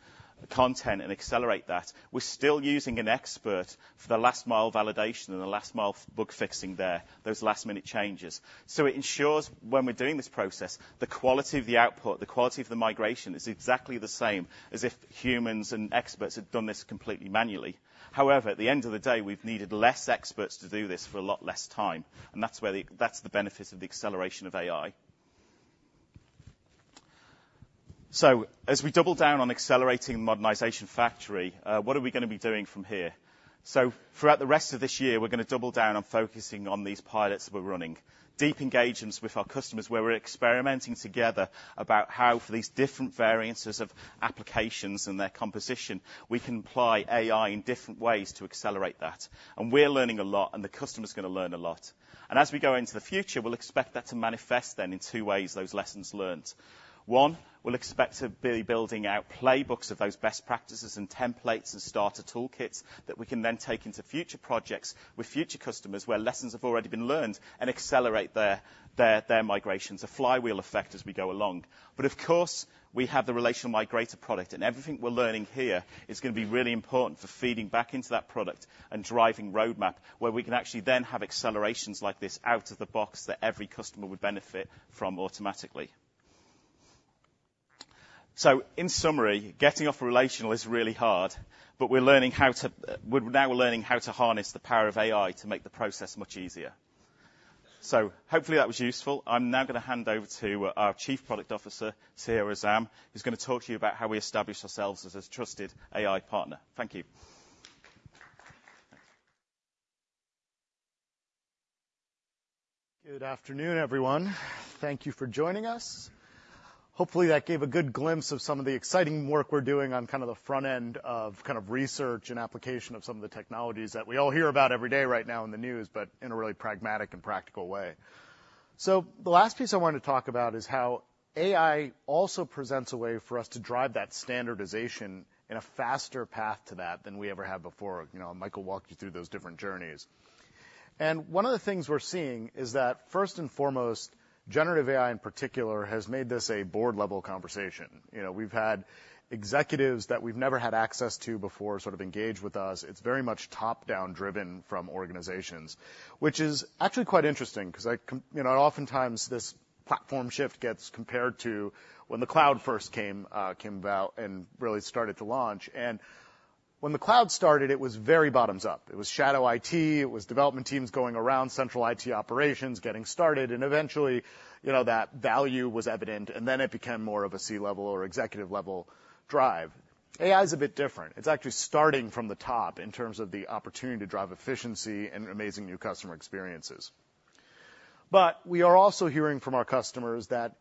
content and accelerate that, we're still using an expert for the last mile validation and the last mile bug fixing there, those last-minute changes. So it ensures when we're doing this process, the quality of the output, the quality of the migration is exactly the same as if humans and experts had done this completely manually. However, at the end of the day, we've needed less experts to do this for a lot less time, and that's where the... That's the benefit of the acceleration of AI. So as we double down on accelerating Modernization Factory, what are we gonna be doing from here? So throughout the rest of this year, we're gonna double down on focusing on these pilots that we're running. Deep engagements with our customers, where we're experimenting together about how, for these different variances of applications and their composition, we can apply AI in different ways to accelerate that. We're learning a lot, and the customer is gonna learn a lot. As we go into the future, we'll expect that to manifest then in two ways, those lessons learned. One, we'll expect to be building out playbooks of those best practices and templates and starter toolkits that we can then take into future projects with future customers, where lessons have already been learned, and accelerate their, their, their migrations, a flywheel effect as we go along. Of course, we have the Relational Migrator product, and everything we're learning here is gonna be really important for feeding back into that product and driving roadmap, where we can actually then have accelerations like this out of the box that every customer would benefit from automatically. So in summary, getting off relational is really hard, but we're learning how to, we're now learning how to harness the power of AI to make the process much easier. So hopefully, that was useful. I'm now gonna hand over to our Chief Product Officer, Sahir Azam, who's gonna talk to you about how we establish ourselves as a trusted AI partner. Thank you. Good afternoon, everyone. Thank you for joining us. Hopefully, that gave a good glimpse of some of the exciting work we're doing on kind of the front end of kind of research and application of some of the technologies that we all hear about every day right now in the news, but in a really pragmatic and practical way. So the last piece I wanted to talk about is how AI also presents a way for us to drive that standardization in a faster path to that than we ever have before. You know, Michael walked you through those different journeys. And one of the things we're seeing is that, first and foremost, generative AI, in particular, has made this a board-level conversation. You know, we've had executives that we've never had access to before sort of engage with us. It's very much top-down, driven from organizations, which is actually quite interesting. You know, oftentimes this platform shift gets compared to when the cloud first came, came out and really started to launch. And when the cloud started, it was very bottoms up. It was shadow IT, it was development teams going around, central IT operations getting started, and eventually, you know, that value was evident, and then it became more of a C-level or executive-level drive. AI is a bit different. It's actually starting from the top in terms of the opportunity to drive efficiency and amazing new customer experiences. But we are also hearing from our customers that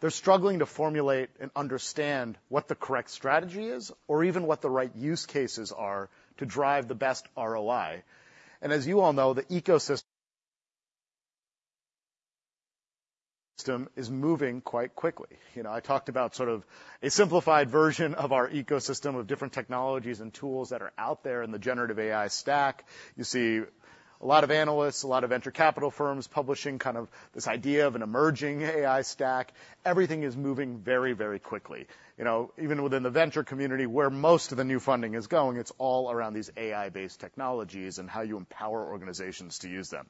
they're struggling to formulate and understand what the correct strategy is or even what the right use cases are to drive the best ROI. And as you all know, the ecosystem is moving quite quickly. You know, I talked about sort of a simplified version of our ecosystem of different technologies and tools that are out there in the generative AI stack. You see a lot of analysts, a lot of venture capital firms publishing kind of this idea of an emerging AI stack. Everything is moving very, very quickly. You know, even within the venture community, where most of the new funding is going, it's all around these AI-based technologies and how you empower organizations to use them.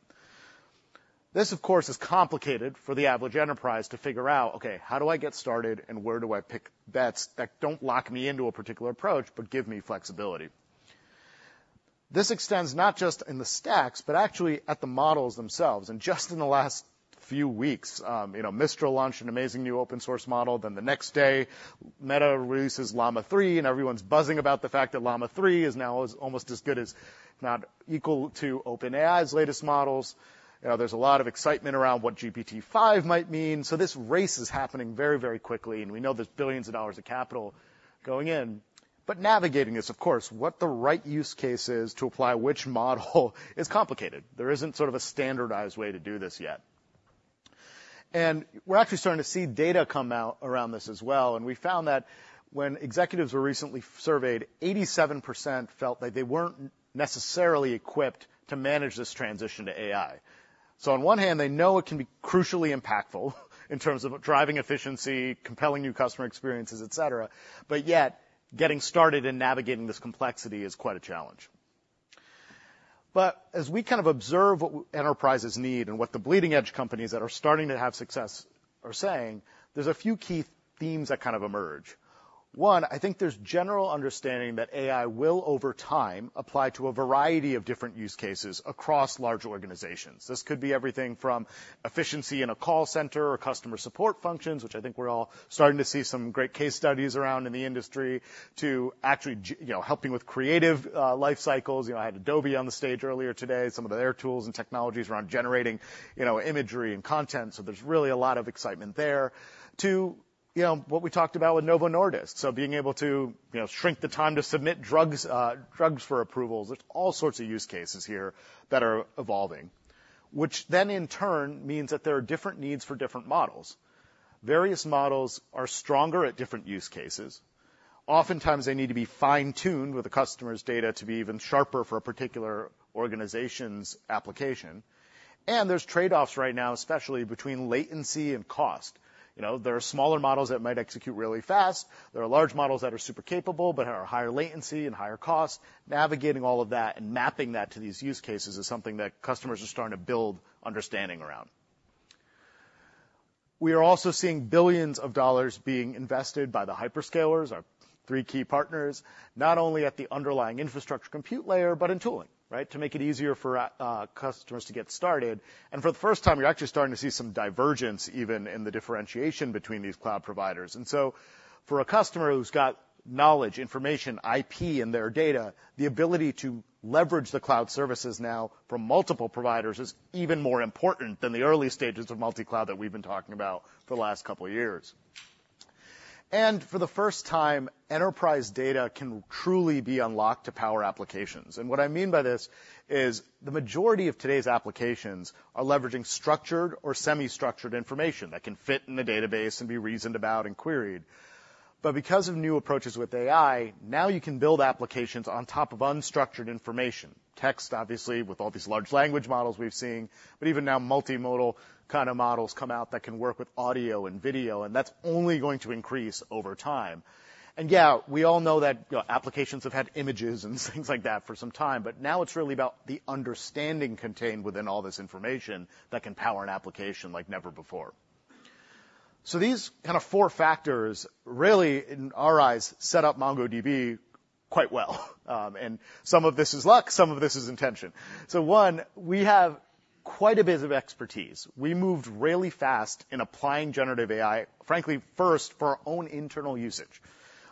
This, of course, is complicated for the average enterprise to figure out, okay, how do I get started, and where do I pick bets that don't lock me into a particular approach, but give me flexibility? This extends not just in the stacks, but actually at the models themselves. And just in the last few weeks, you know, Mistral launched an amazing new open source model, then the next day, Meta releases Llama 3, and everyone's buzzing about the fact that Llama 3 is now as almost as good as, if not equal, to OpenAI's latest models. There's a lot of excitement around what GPT-5 might mean. So this race is happening very, very quickly, and we know there's billions of dollars of capital going in. But navigating is, of course, what the right use case is to apply which model is complicated. There isn't sort of a standardized way to do this yet. And we're actually starting to see data come out around this as well, and we found that when executives were recently surveyed, 87% felt like they weren't necessarily equipped to manage this transition to AI. So on one hand, they know it can be crucially impactful in terms of driving efficiency, compelling new customer experiences, et cetera, but yet, getting started and navigating this complexity is quite a challenge. But as we kind of observe what enterprises need and what the bleeding edge companies that are starting to have success are saying, there's a few key themes that kind of emerge. One, I think there's general understanding that AI will, over time, apply to a variety of different use cases across large organizations. This could be everything from efficiency in a call center or customer support functions, which I think we're all starting to see some great case studies around in the industry, to actually you know, helping with creative life cycles. You know, I had Adobe on the stage earlier today, some of their tools and technologies around generating, you know, imagery and content, so there's really a lot of excitement there. To, you know, what we talked about with Novo Nordisk, so being able to, you know, shrink the time to submit drugs for approvals. There's all sorts of use cases here that are evolving, which then, in turn, means that there are different needs for different models. Various models are stronger at different use cases. Oftentimes, they need to be fine-tuned with the customer's data to be even sharper for a particular organization's application, and there's trade-offs right now, especially between latency and cost. You know, there are smaller models that might execute really fast. There are large models that are super capable but are higher latency and higher cost. Navigating all of that and mapping that to these use cases is something that customers are starting to build understanding around. We are also seeing $ billions being invested by the hyperscalers, our three key partners, not only at the underlying infrastructure compute layer, but in tooling, right? To make it easier for, customers to get started. And for the first time, you're actually starting to see some divergence, even in the differentiation between these cloud providers. And so for a customer who's got knowledge, information, IP, and their data, the ability to leverage the cloud services now from multiple providers is even more important than the early stages of multi-cloud that we've been talking about for the last couple of years. And for the first time, enterprise data can truly be unlocked to power applications, and what I mean by this is the majority of today's applications are leveraging structured or semi-structured information that can fit in the database and be reasoned about and queried. But because of new approaches with AI, now you can build applications on top of unstructured information, text, obviously, with all these large language models we've seen, but even now, multimodal kinda models come out that can work with audio and video, and that's only going to increase over time. And yeah, we all know that, you know, applications have had images and things like that for some time, but now it's really about the understanding contained within all this information that can power an application like never before. So these kind of four factors, really, in our eyes, set up MongoDB quite well. And some of this is luck, some of this is intention. So one, we have quite a bit of expertise. We moved really fast in applying generative AI, frankly, first for our own internal usage.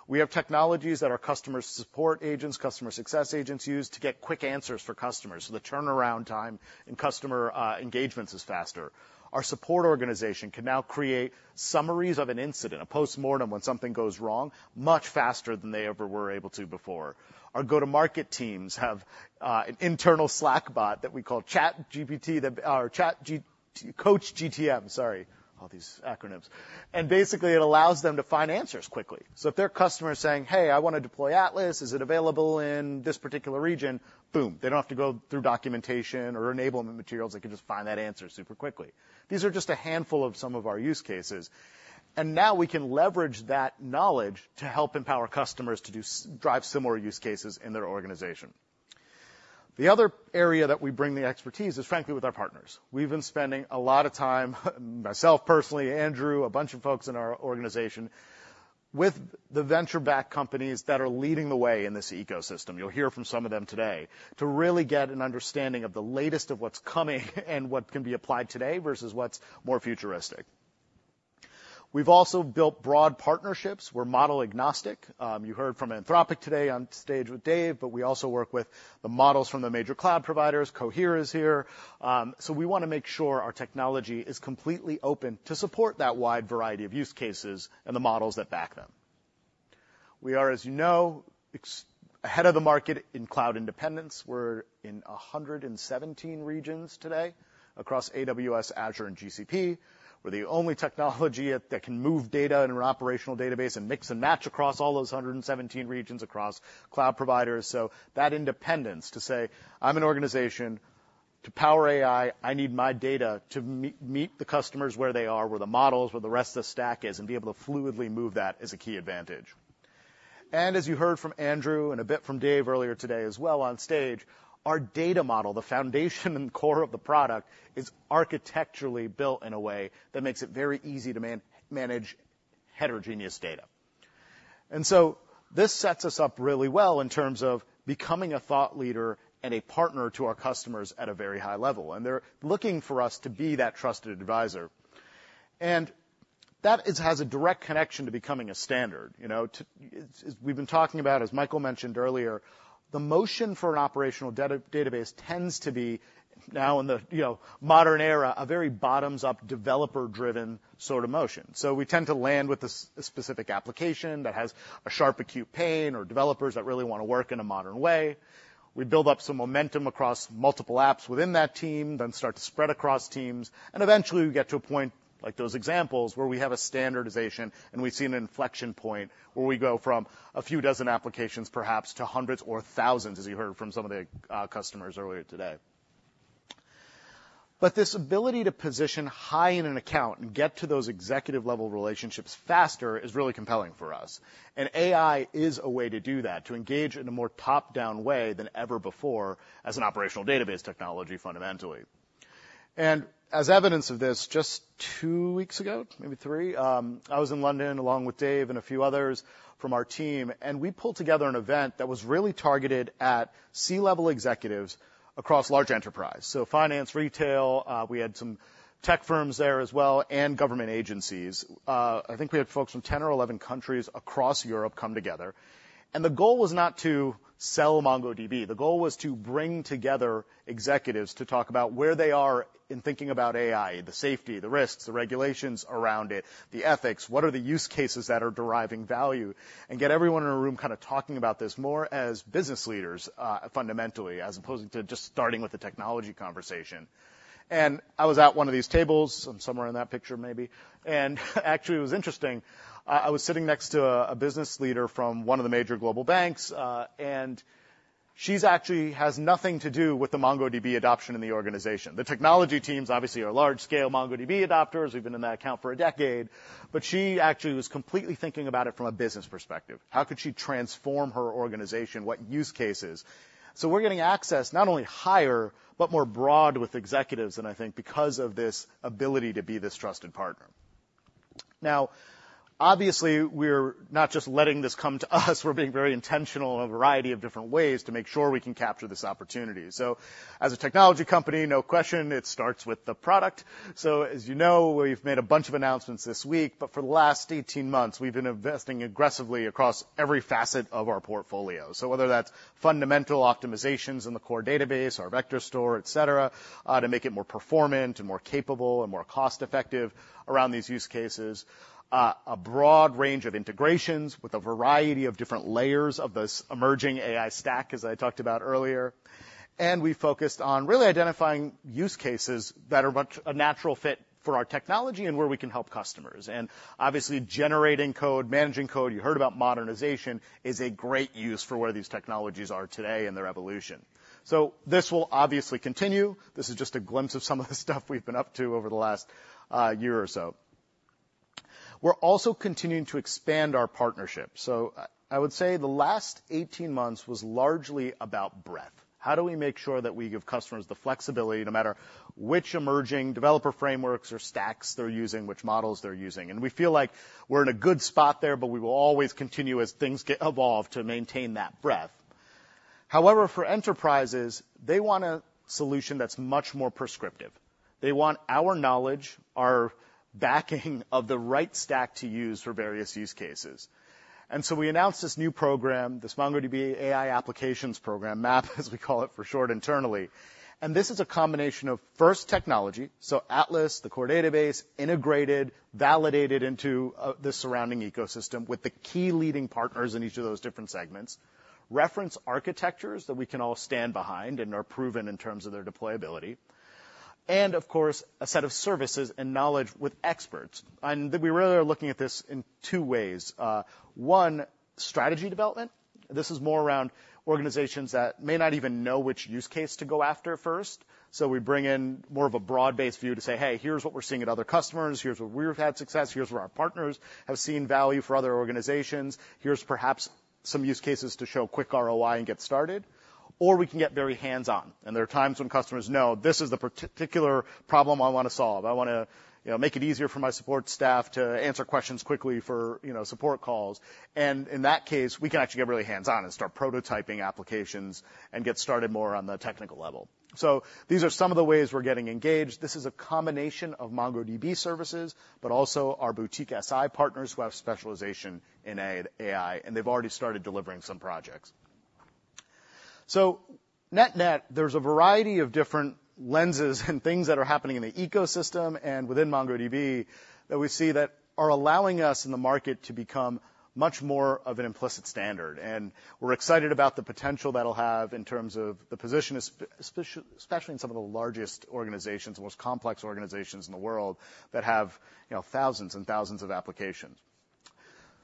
We have technologies that our customer support agents, customer success agents use to get quick answers for customers, so the turnaround time in customer engagements is faster. Our support organization can now create summaries of an incident, a postmortem when something goes wrong, much faster than they ever were able to before. Our go-to-market teams have an internal Slack bot that we call Coach GTM, sorry, all these acronyms. And basically, it allows them to find answers quickly. So if their customer is saying, "Hey, I want to deploy Atlas, is it available in this particular region?" Boom! They don't have to go through documentation or enablement materials. They can just find that answer super quickly. These are just a handful of some of our use cases, and now we can leverage that knowledge to help empower customers to do, drive similar use cases in their organization. The other area that we bring the expertise is, frankly, with our partners. We've been spending a lot of time, myself, personally, Andrew, a bunch of folks in our organization, with the venture-backed companies that are leading the way in this ecosystem. You'll hear from some of them today, to really get an understanding of the latest of what's coming and what can be applied today versus what's more futuristic. We've also built broad partnerships. We're model-agnostic. You heard from Anthropic today on stage with Dev, but we also work with the models from the major cloud providers. Cohere is here. So we wanna make sure our technology is completely open to support that wide variety of use cases and the models that back them. We are, as you know, ahead of the market in cloud independence. We're in 117 regions today across AWS, Azure, and GCP. We're the only technology that can move data in an operational database and mix and match across all those 117 regions across cloud providers. So that independence to say, "I'm an organization. To power AI, I need my data to meet, meet the customers where they are, where the models, where the rest of the stack is, and be able to fluidly move that," is a key advantage. As you heard from Andrew, and a bit from Dev earlier today as well on stage, our data model, the foundation and core of the product, is architecturally built in a way that makes it very easy to manage heterogeneous data. And so this sets us up really well in terms of becoming a thought leader and a partner to our customers at a very high level, and they're looking for us to be that trusted advisor. And that has a direct connection to becoming a standard. You know, we've been talking about, as Michael mentioned earlier, the motion for an operational database tends to be now in the, you know, modern era, a very bottoms-up, developer-driven sort of motion. So we tend to land with a specific application that has a sharp, acute pain, or developers that really wanna work in a modern way. We build up some momentum across multiple apps within that team, then start to spread across teams, and eventually, we get to a point, like those examples, where we have a standardization and we see an inflection point where we go from a few dozen applications, perhaps, to hundreds or thousands, as you heard from some of the customers earlier today. But this ability to position high in an account and get to those executive-level relationships faster is really compelling for us, and AI is a way to do that, to engage in a more top-down way than ever before as an operational database technology, fundamentally. And as evidence of this, just two weeks ago, maybe three, I was in London, along with Dev and a few others from our team, and we pulled together an event that was really targeted at C-level executives across large enterprise. So finance, retail, we had some tech firms there as well, and government agencies. I think we had folks from 10 or 11 countries across Europe come together, and the goal was not to sell MongoDB. The goal was to bring together executives to talk about where they are in thinking about AI, the safety, the risks, the regulations around it, the ethics, what are the use cases that are deriving value, and get everyone in a room kinda talking about this more as business leaders, fundamentally, as opposed to just starting with the technology conversation. I was at one of these tables, I'm somewhere in that picture maybe, and actually, it was interesting. I was sitting next to a business leader from one of the major global banks, and she's actually has nothing to do with the MongoDB adoption in the organization. The technology teams, obviously, are large-scale MongoDB adopters, we've been in that account for a decade, but she actually was completely thinking about it from a business perspective. How could she transform her organization? What use cases? We're getting access not only higher but more broad with executives, and I think because of this ability to be this trusted partner. Now, obviously, we're not just letting this come to us, we're being very intentional in a variety of different ways to make sure we can capture this opportunity. So as a technology company, no question, it starts with the product. So as you know, we've made a bunch of announcements this week, but for the last 18 months, we've been investing aggressively across every facet of our portfolio. So whether that's fundamental optimizations in the core database, our vector store, et cetera, to make it more performant and more capable and more cost-effective around these use cases, a broad range of integrations with a variety of different layers of this emerging AI stack, as I talked about earlier. And we focused on really identifying use cases that are much a natural fit for our technology and where we can help customers. And obviously, generating code, managing code, you heard about modernization, is a great use for where these technologies are today in their evolution. So this will obviously continue. This is just a glimpse of some of the stuff we've been up to over the last year or so. We're also continuing to expand our partnerships. So I would say the last 18 months was largely about breadth. How do we make sure that we give customers the flexibility, no matter which emerging developer frameworks or stacks they're using, which models they're using? And we feel like we're in a good spot there, but we will always continue, as things get evolved, to maintain that breadth. However, for enterprises, they want a solution that's much more prescriptive. They want our knowledge, our backing, of the right stack to use for various use cases. And so we announced this new program, this MongoDB AI Applications Program, MAAP, as we call it for short internally, and this is a combination of, first, technology, so Atlas, the core database, integrated, validated into, the surrounding ecosystem, with the key leading partners in each of those different segments, reference architectures that we can all stand behind and are proven in terms of their deployability, and of course, a set of services and knowledge with experts. And we really are looking at this in two ways. One, strategy development. This is more around organizations that may not even know which use case to go after first, so we bring in more of a broad-based view to say, "Hey, here's what we're seeing at other customers. Here's where we've had success, here's where our partners have seen value for other organizations. Here's perhaps some use cases to show quick ROI and get started." Or we can get very hands-on, and there are times when customers know, this is the particular problem I want to solve. I wanna, you know, make it easier for my support staff to answer questions quickly for, you know, support calls. And in that case, we can actually get really hands-on and start prototyping applications and get started more on the technical level. So these are some of the ways we're getting engaged. This is a combination of MongoDB services, but also our boutique SI partners, who have specialization in AI, and they've already started delivering some projects. So net-net, there's a variety of different lenses and things that are happening in the ecosystem and within MongoDB that we see that are allowing us in the market to become much more of an implicit standard, and we're excited about the potential that'll have in terms of the position, especially in some of the largest organizations, the most complex organizations in the world, that have, you know, thousands and thousands of applications.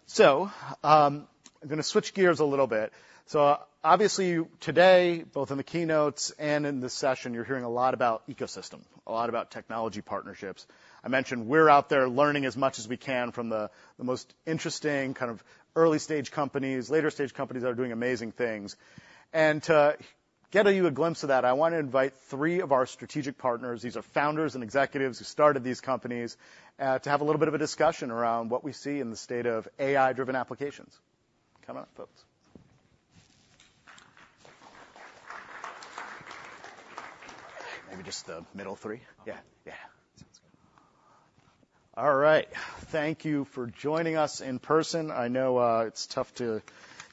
So, I'm gonna switch gears a little bit. So obviously, today, both in the keynotes and in this session, you're hearing a lot about ecosystem, a lot about technology partnerships. I mentioned we're out there learning as much as we can from the most interesting kind of early-stage companies, later-stage companies that are doing amazing things. To get you a glimpse of that, I want to invite three of our strategic partners, these are founders and executives who started these companies, to have a little bit of a discussion around what we see in the state of AI-driven applications. Come up, folks. Maybe just the middle three. Yeah. Yeah. Sounds good. All right, thank you for joining us in person. I know, it's tough to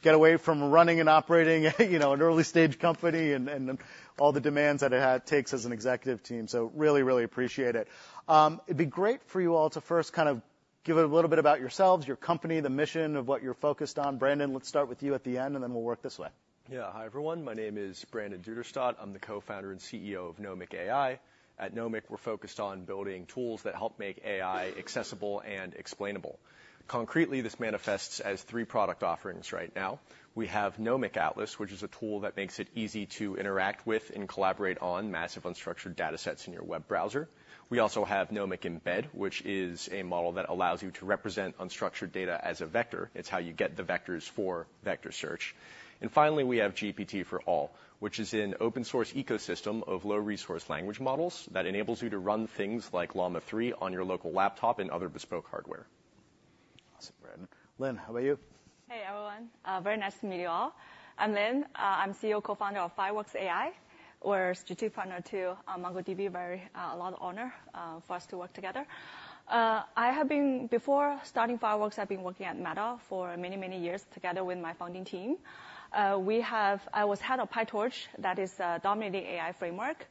get away from running and operating, you know, an early-stage company, and all the demands that it takes as an executive team, so really, really appreciate it. It'd be great for you all to first give a little bit about yourselves, your company, the mission of what you're focused on. Brandon, let's start with you at the end, and then we'll work this way. Yeah. Hi, everyone. My name is Brandon Duderstadt. I'm the co-founder and CEO of Nomic AI. At Nomic, we're focused on building tools that help make AI accessible and explainable. Concretely, this manifests as three product offerings right now. We have Nomic Atlas, which is a tool that makes it easy to interact with and collaborate on massive, unstructured data sets in your web browser. We also have Nomic Embed, which is a model that allows you to represent unstructured data as a vector. It's how you get the vectors for vector search. And finally, we have GPT4All, which is an open source ecosystem of low-resource language models that enables you to run things like Llama 3 on your local laptop and other bespoke hardware. Awesome, Brandon. Lin, how about you? Hey, everyone. Very nice to meet you all. I'm Lin, CEO, co-founder of Fireworks AI. We're strategic partner to MongoDB. Very, a lot of honor, for us to work together. Before starting Fireworks, I've been working at Meta for many, many years together with my founding team. We have. I was head of PyTorch, that is, dominating AI framework,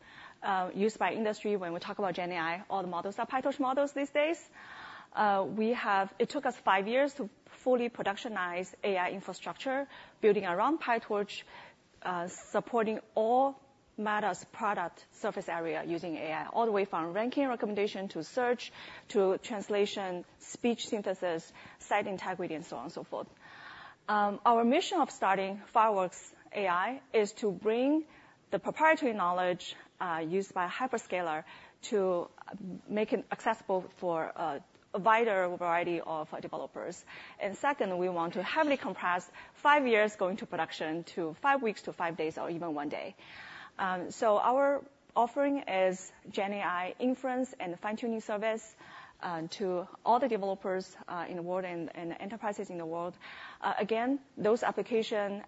used by industry. When we talk about GenAI, all the models are PyTorch models these days. We have. It took us five years to fully productionize AI infrastructure, building around PyTorch, supporting all Meta's product surface area using AI, all the way from ranking recommendation, to search, to translation, speech synthesis, site integrity, and so on and so forth. Our mission of starting Fireworks AI is to bring the proprietary knowledge used by a hyperscaler to make it accessible for a wider variety of developers. And second, we want to heavily compress 5 years going to production to 5 weeks, to 5 days or even 1 day. So our offering is GenAI inference and fine-tuning service to all the developers in the world and enterprises in the world. Again, those application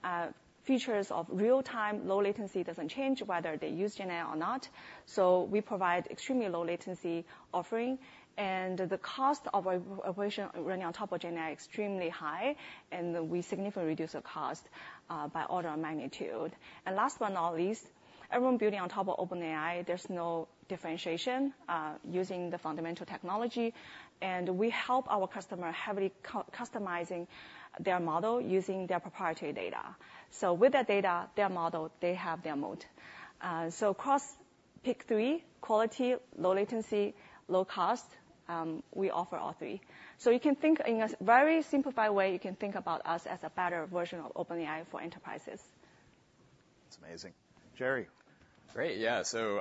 features of real-time, low latency doesn't change whether they use GenAI or not. So we provide extremely low latency offering, and the cost of operation running on top of GenAI extremely high, and we significantly reduce the cost by order of magnitude. And last but not least, everyone building on top of OpenAI, there's no differentiation, using the fundamental technology, and we help our customer heavily customizing their model, using their proprietary data. So with their data, their model, they have their moat. So across pick three: quality, low latency, low cost, we offer all three. So you can think in a very simplified way, you can think about us as a better version of OpenAI for enterprises. That's amazing. Jerry? Great. Yeah, so,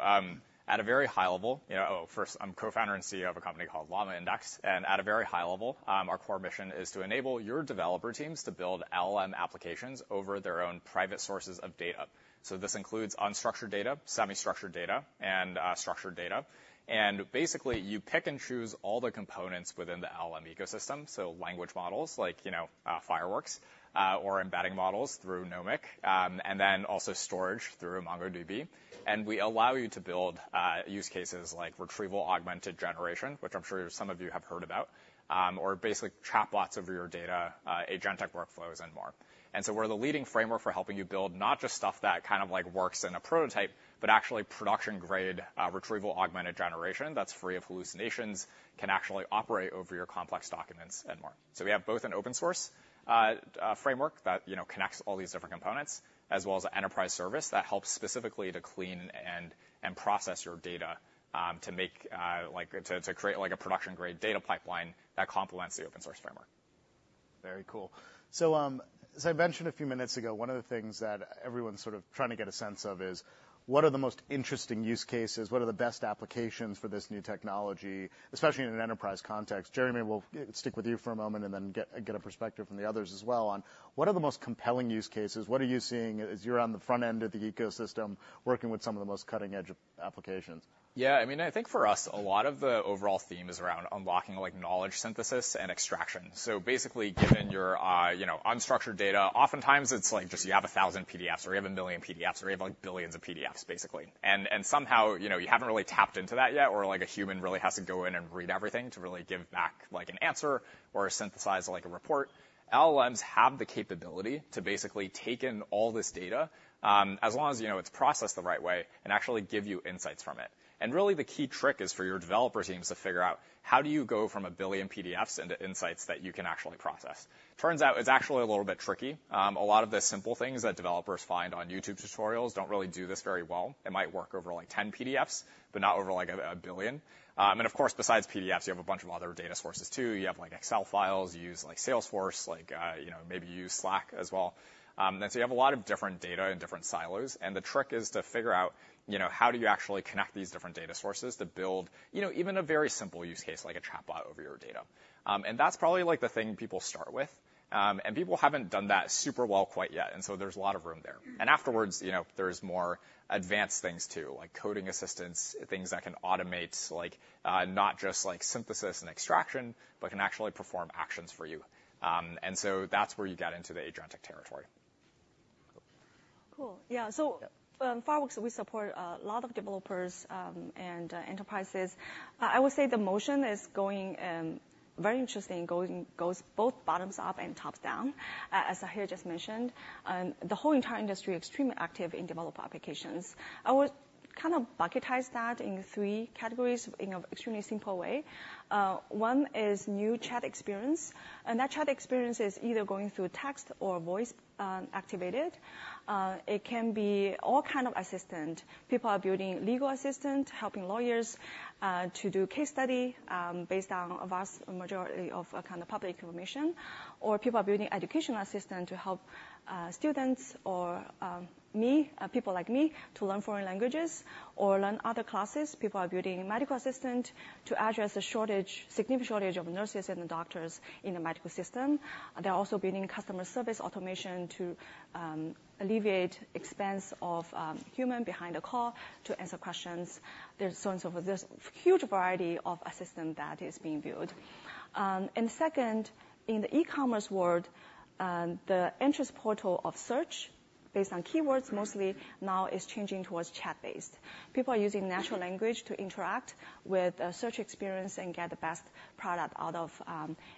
at a very high level... You know, oh, first, I'm co-founder and CEO of a company called LlamaIndex, and at a very high level, our core mission is to enable your developer teams to build LLM applications over their own private sources of data. So this includes unstructured data, semi-structured data, and, structured data. And basically, you pick and choose all the components within the LM ecosystem, so language models like, you know, Fireworks, or embedding models through Nomic, and then also storage through MongoDB. And we allow you to build, use cases like retrieval-augmented generation, which I'm sure some of you have heard about, or basically chat bots over your data, agentic workflows and more. So we're the leading framework for helping you build, not just stuff that kind of like works in a prototype, but actually production-grade retrieval augmented generation that's free of hallucinations, can actually operate over your complex documents and more. So we have both an open source framework that, you know, connects all these different components, as well as an enterprise service that helps specifically to clean and process your data, to make, like, to create, like, a production-grade data pipeline that complements the open-source framework. Very cool. So, as I mentioned a few minutes ago, one of the things that everyone's sort of trying to get a sense of is: What are the most interesting use cases? What are the best applications for this new technology, especially in an enterprise context? Jerry, we'll stick with you for a moment and then get a perspective from the others as well on what are the most compelling use cases. What are you seeing as you're on the front end of the ecosystem, working with some of the most cutting-edge applications? Yeah, I mean, I think for us, a lot of the overall theme is around unlocking, like, knowledge, synthesis, and extraction. So basically, given your, you know, unstructured data, oftentimes it's like just you have 1,000 PDFs, or you have 1 million PDFs, or you have, like, billions of PDFs, basically. And, and somehow, you know, you haven't really tapped into that yet, or, like, a human really has to go in and read everything to really give back, like, an answer or synthesize, like, a report. LLMs have the capability to basically take in all this data, as long as, you know, it's processed the right way and actually give you insights from it. And really, the key trick is for your developers teams to figure out how do you go from 1 billion PDFs into insights that you can actually process? Turns out it's actually a little bit tricky. A lot of the simple things that developers find on YouTube tutorials don't really do this very well. It might work over, like, 10 PDFs, but not over, like, a billion. And of course, besides PDFs, you have a bunch of other data sources, too. You have, like, Excel files, you use, like, Salesforce, like, you know, maybe you use Slack as well. And so you have a lot of different data in different silos, and the trick is to figure out, you know, how do you actually connect these different data sources to build, you know, even a very simple use case, like a chatbot over your data. And that's probably, like, the thing people start with. And people haven't done that super well quite yet, and so there's a lot of room there. Afterwards, you know, there's more advanced things, too, like coding assistance, things that can automate, like, not just like synthesis and extraction, but can actually perform actions for you. And so that's where you get into the agentic territory. Cool. Yeah, so, Fireworks, we support a lot of developers and enterprises. I would say the motion is going very interesting, going, goes both bottoms up and tops down. As Sahir just mentioned, the whole entire industry extremely active in developer applications. I would kind of bucketize that in three categories in a extremely simple way. One is new chat experience, and that chat experience is either going through text or voice activated. It can be all kind of assistant. People are building legal assistant, helping lawyers to do case study based on a vast majority of kind of public information. Or people are building educational assistant to help students or me, people like me to learn foreign languages or learn other classes. People are building medical assistant to address the shortage, significant shortage of nurses and the doctors in the medical system. They're also building customer service automation to alleviate expense of human behind a call to answer questions. There's huge variety of assistant that is being built. And second, in the e-commerce world, the entrance portal of search, based on keywords mostly, now is changing towards chat-based. People are using natural language to interact with search experience and get the best product out of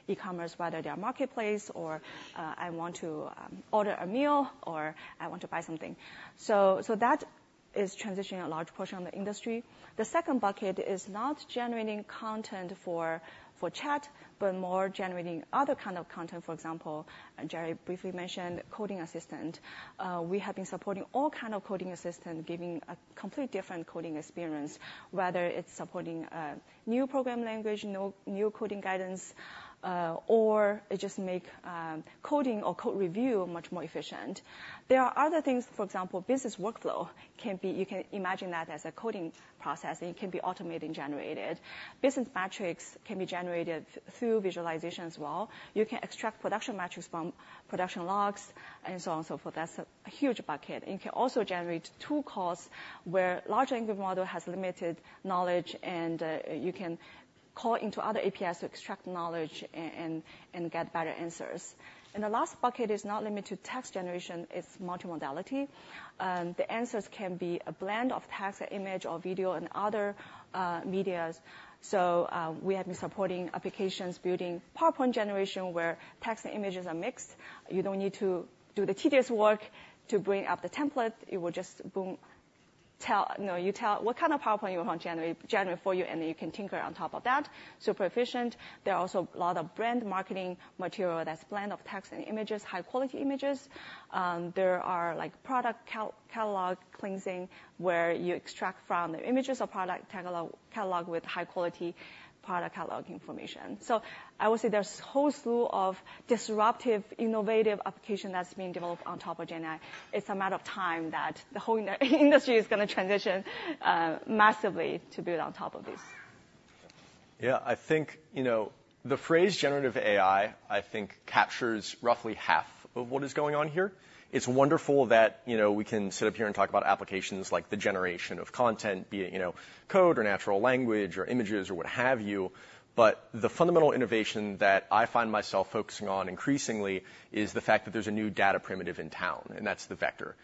e-commerce, whether they are marketplace or I want to order a meal, or I want to buy something. So that is transitioning a large portion of the industry. The second bucket is not generating content for chat, but more generating other kind of content. For example, and Jerry briefly mentioned coding assistant. We have been supporting all kind of coding assistant, giving a complete different coding experience, whether it's supporting new program language, new coding guidance, or it just make coding or code review much more efficient. There are other things, for example, business workflow can be. You can imagine that as a coding process, and it can be automated and generated. Business metrics can be generated through visualization as well. You can extract production metrics from production logs and so on and so forth. That's a huge bucket. And you can also generate tool calls, where large language model has limited knowledge, and you can call into other APIs to extract knowledge and get better answers. And the last bucket is not limited to text generation, it's multimodality. And the answers can be a blend of text or image or video and other, medias. So, we have been supporting applications, building PowerPoint generation, where text and images are mixed. You don't need to do the tedious work to bring up the template. It will just, boom, tell... No, you tell what kind of PowerPoint you want generated for you, and then you can tinker on top of that. Super efficient. There are also a lot of brand marketing material that's blend of text and images, high quality images. There are, like, product catalog cleansing, where you extract from the images or product catalog with high quality product catalog information. So I would say there's a whole slew of disruptive, innovative application that's being developed on top of GenAI. It's a matter of time that the whole industry is gonna transition massively to build on top of this. Yeah, I think, you know, the phrase generative AI, I think, captures roughly half of what is going on here. It's wonderful that, you know, we can sit up here and talk about applications like the generation of content, be it, you know, code or natural language or images or what have you. But the fundamental innovation that I find myself focusing on increasingly is the fact that there's a new data primitive in town, and that's the vector.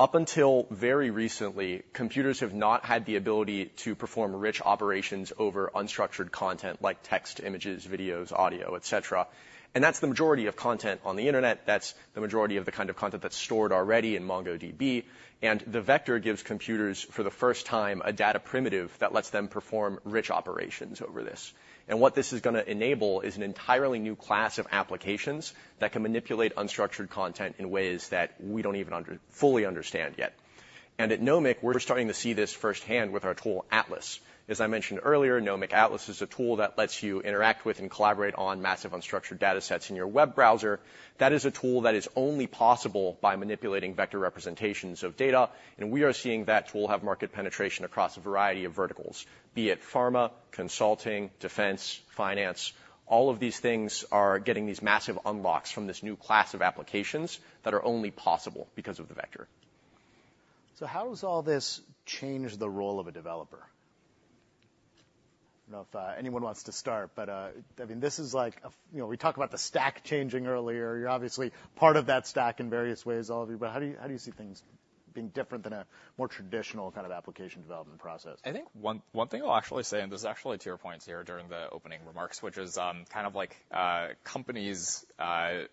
Up until very recently, computers have not had the ability to perform rich operations over unstructured content like text, images, videos, audio, et cetera, and that's the majority of content on the internet, that's the majority of the kind of content that's stored already in MongoDB. And the vector gives computers, for the first time, a data primitive that lets them perform rich operations over this. What this is gonna enable is an entirely new class of applications that can manipulate unstructured content in ways that we don't even fully understand yet. At Nomic, we're starting to see this firsthand with our tool, Atlas. As I mentioned earlier, Nomic Atlas is a tool that lets you interact with and collaborate on massive unstructured data sets in your web browser. That is a tool that is only possible by manipulating vector representations of data, and we are seeing that tool have market penetration across a variety of verticals, be it pharma, consulting, defense, finance. All of these things are getting these massive unlocks from this new class of applications that are only possible because of the vector. So how does all this change the role of a developer? I don't know if anyone wants to start, but, I mean, this is like a... You know, we talked about the stack changing earlier. You're obviously part of that stack in various ways, all of you, but how do you, how do you see things being different than a more traditional kind of application development process? I think one, one thing I'll actually say, and this is actually to your points here during the opening remarks, which is, kind of like, companies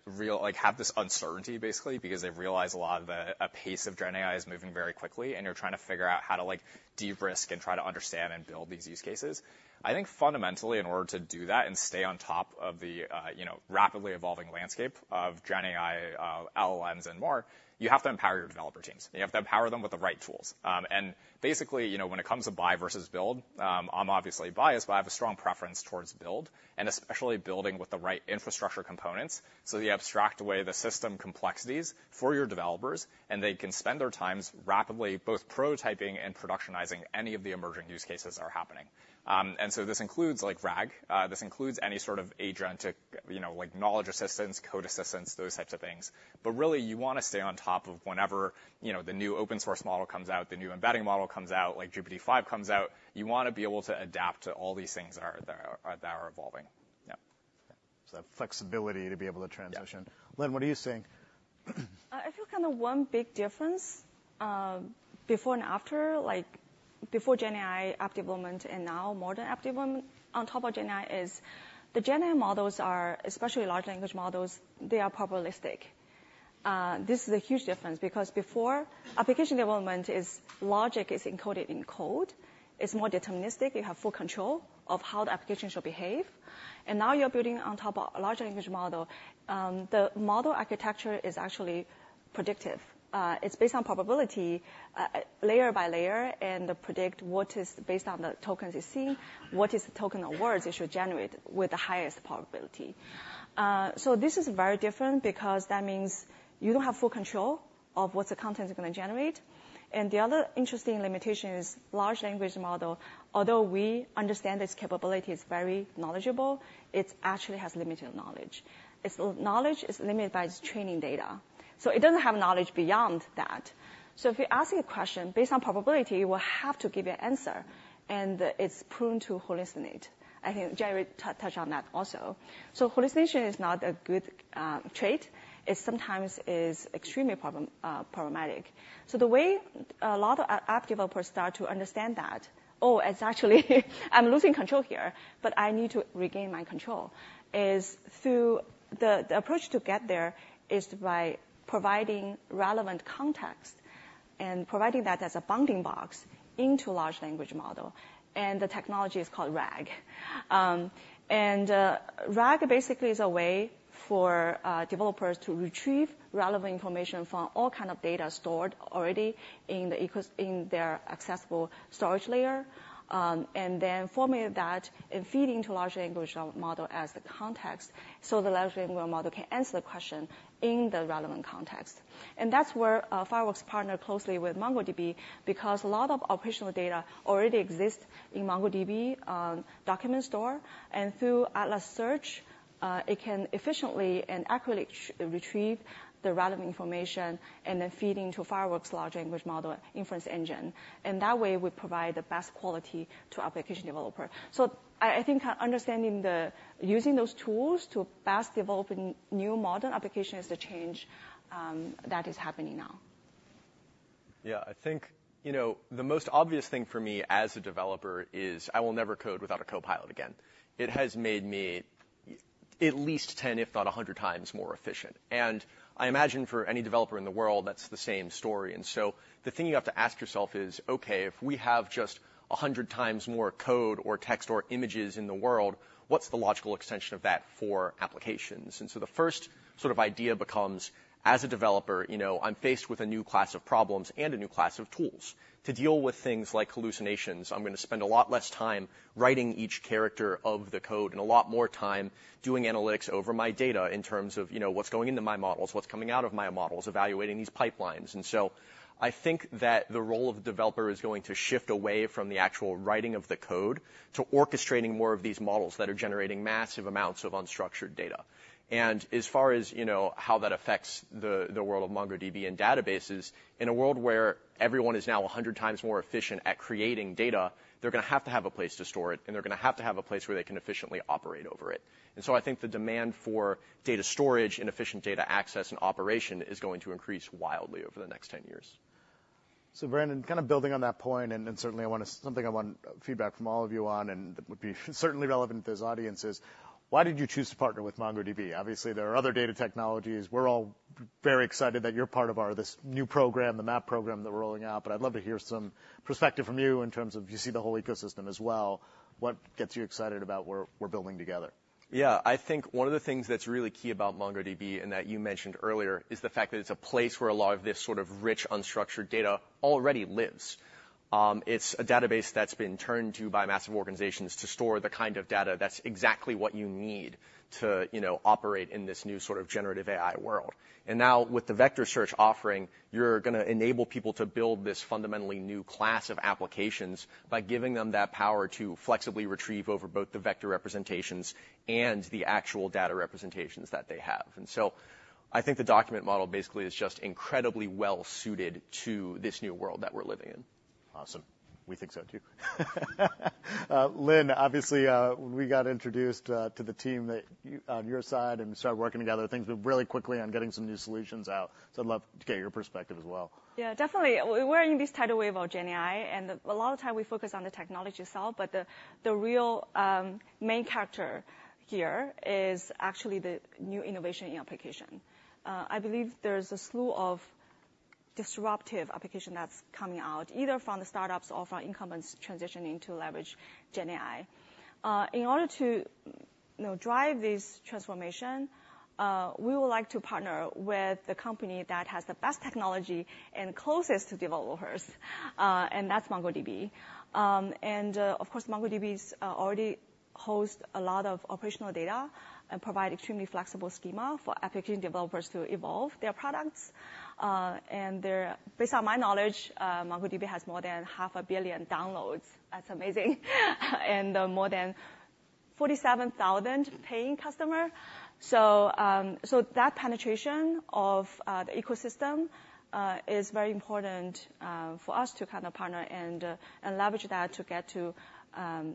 really have this uncertainty, basically, because they've realized a lot of the pace of GenAI is moving very quickly, and you're trying to figure out how to, like, de-risk and try to understand and build these use cases. I think fundamentally, in order to do that and stay on top of the, you know, rapidly evolving landscape of GenAI, LLMs and more, you have to empower your developer teams, and you have to empower them with the right tools. And basically, you know, when it comes to buy versus build, I'm obviously biased, but I have a strong preference towards build, and especially building with the right infrastructure components. So you abstract away the system complexities for your developers, and they can spend their times rapidly, both prototyping and productionizing any of the emerging use cases are happening. And so this includes, like, RAG. This includes any sort of agentic, you know, like, knowledge assistance, code assistance, those types of things. But really, you wanna stay on top of whenever, you know, the new open source model comes out, the new embedding model comes out, like GPT-5 comes out, you wanna be able to adapt to all these things that are evolving. Yeah. So that flexibility to be able to transition. Yeah. Lynn, what are you seeing? I feel kind of one big difference, before and after, like, before GenAI app development and now more than app development on top of GenAI is the GenAI models are, especially large language models, they are probabilistic. This is a huge difference because before application development is logic is encoded in code. It's more deterministic. You have full control of how the application should behave, and now you're building on top of a large language model. The model architecture is actually predictive. It's based on probability, layer by layer, and to predict what is based on the tokens you see, what is the token of words it should generate with the highest probability. So this is very different because that means you don't have full control of what the content is gonna generate. And the other interesting limitation is large language model, although we understand its capability, it's very knowledgeable, it actually has limited knowledge. Its knowledge is limited by its training data, so it doesn't have knowledge beyond that. So if you're asking a question, based on probability, it will have to give you an answer, and it's prone to hallucinate. I think Jerry touched on that also. So hallucination is not a good trait. It sometimes is extremely problematic. So the way a lot of app developers start to understand that, "Oh, it's actually I'm losing control here, but I need to regain my control," is through the approach to get there is by providing relevant context and providing that as a bounding box into a large language model, and the technology is called RAG. And RAG basically is a way for developers to retrieve relevant information from all kind of data stored already in the ecosystem in their accessible storage layer, and then formulate that and feed into large language model as the context, so the large language model can answer the question in the relevant context. And that's where Fireworks partner closely with MongoDB, because a lot of operational data already exist in MongoDB document store, and through Atlas Search it can efficiently and accurately retrieve the relevant information, and then feed into Fireworks large language model inference engine. And that way, we provide the best quality to application developer. So I think using those tools to fast developing new modern application is the change that is happening now. Yeah, I think, you know, the most obvious thing for me as a developer is I will never code without a copilot again. It has made me at least 10, if not 100 times more efficient, and I imagine for any developer in the world, that's the same story. And so the thing you have to ask yourself is, okay, if we have just 100 times more code or text or images in the world, what's the logical extension of that for applications? And so the first sort of idea becomes, as a developer, you know, I'm faced with a new class of problems and a new class of tools. To deal with things like hallucinations, I'm gonna spend a lot less time writing each character of the code and a lot more time doing analytics over my data in terms of, you know, what's going into my models, what's coming out of my models, evaluating these pipelines. So I think that the role of the developer is going to shift away from the actual writing of the code to orchestrating more of these models that are generating massive amounts of unstructured data. As far as, you know, how that affects the world of MongoDB and databases, in a world where everyone is now 100x more efficient at creating data, they're gonna have to have a place to store it, and they're gonna have to have a place where they can efficiently operate over it. I think the demand for data storage and efficient data access and operation is going to increase wildly over the next 10 years. So, Brandon, kind of building on that point, and certainly I want to—something I want feedback from all of you on and that would be certainly relevant to this audience is: Why did you choose to partner with MongoDB? Obviously, there are other data technologies. We're all very excited that you're part of our—this new program, the MAAP program, that we're rolling out, but I'd love to hear some perspective from you in terms of you see the whole ecosystem as well. What gets you excited about what we're building together? Yeah. I think one of the things that's really key about MongoDB, and that you mentioned earlier, is the fact that it's a place where a lot of this sort of rich, unstructured data already lives. It's a database that's been turned to by massive organizations to store the kind of data that's exactly what you need to, you know, operate in this new sort of generative AI world. And now, with the vector search offering, you're gonna enable people to build this fundamentally new class of applications by giving them that power to flexibly retrieve over both the vector representations and the actual data representations that they have. And so I think the document model basically is just incredibly well suited to this new world that we're living in. Awesome. We think so too. Lynn, obviously, we got introduced to the team that you on your side and started working together things, but really quickly on getting some new solutions out. So I'd love to get your perspective as well. Yeah, definitely. We're in this tidal wave of GenAI, and a lot of time we focus on the technology itself, but the real main character here is actually the new innovation in application. I believe there's a slew of disruptive application that's coming out, either from the startups or from incumbents transitioning to leverage GenAI. In order to, you know, drive this transformation, we would like to partner with the company that has the best technology and closest to developers, and that's MongoDB. And, of course, MongoDB's already host a lot of operational data and provide extremely flexible schema for application developers to evolve their products. And they're... Based on my knowledge, MongoDB has more than 500 million downloads. That's amazing. And, more than 47,000 paying customer.... So that penetration of the ecosystem is very important for us to kind of partner and and leverage that to get to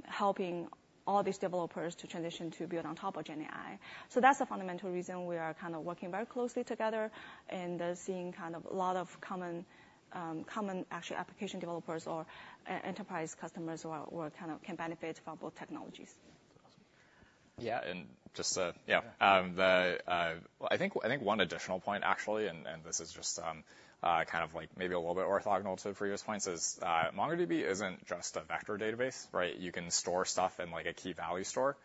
helping all these developers to transition to build on top of GenAI. So that's the fundamental reason we are kind of working very closely together and seeing kind of a lot of common common actual application developers or enterprise customers who kind of can benefit from both technologies. Yeah, and just to. Yeah. I think, I think one additional point, actually, and this is just kind of like maybe a little bit orthogonal to previous points, is MongoDB isn't just a vector database, right? You can store stuff in, like, a key-value store.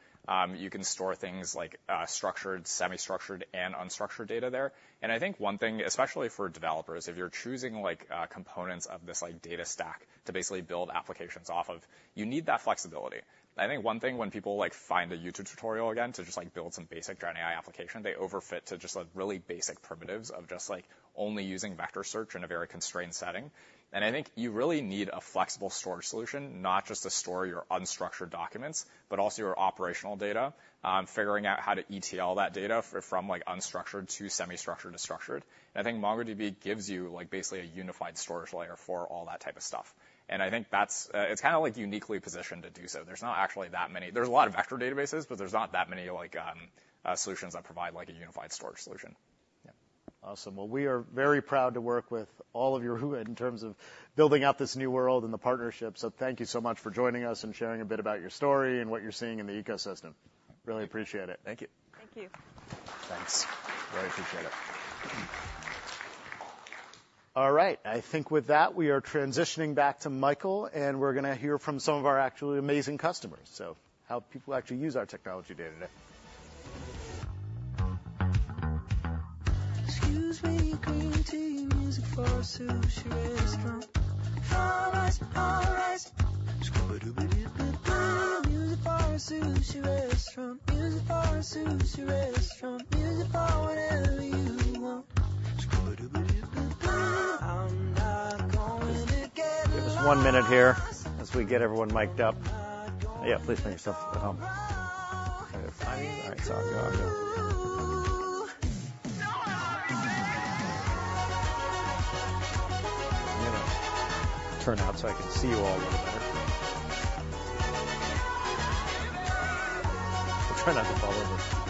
You can store things like structured, semi-structured, and unstructured data there. And I think one thing, especially for developers, if you're choosing, like, components of this, like, data stack to basically build applications off of, you need that flexibility. I think one thing when people, like, find a YouTube tutorial again, to just, like, build some basic GenAI application, they overfit to just, like, really basic primitives of just, like, only using vector search in a very constrained setting. I think you really need a flexible storage solution, not just to store your unstructured documents, but also your operational data, figuring out how to ETL that data from, like, unstructured to semi-structured to structured. I think MongoDB gives you, like, basically a unified storage layer for all that type of stuff. I think that's, it's kind of, like, uniquely positioned to do so. There's not actually that many. There's a lot of vector databases, but there's not that many, like, solutions that provide, like, a unified storage solution. Yeah. Awesome. Well, we are very proud to work with all of you in terms of building out this new world and the partnership. So thank you so much for joining us and sharing a bit about your story and what you're seeing in the ecosystem. Really appreciate it. Thank you. Thank you. Thanks. Really appreciate it. All right, I think with that, we are transitioning back to Michael, and we're going to hear from some of our actually amazing customers. So how people actually use our technology day-to-day. Excuse me, green tea. Music for a sushi restaurant. Farmers harvest. Music for a sushi restaurant. Music for a sushi restaurant. Music for whatever you want. I'm not going to get lost. Give us one minute here as we get everyone mic'd up. Yeah, please make yourself at home. I'm going to turn out so I can see you all a little better. I'll try not to fall over.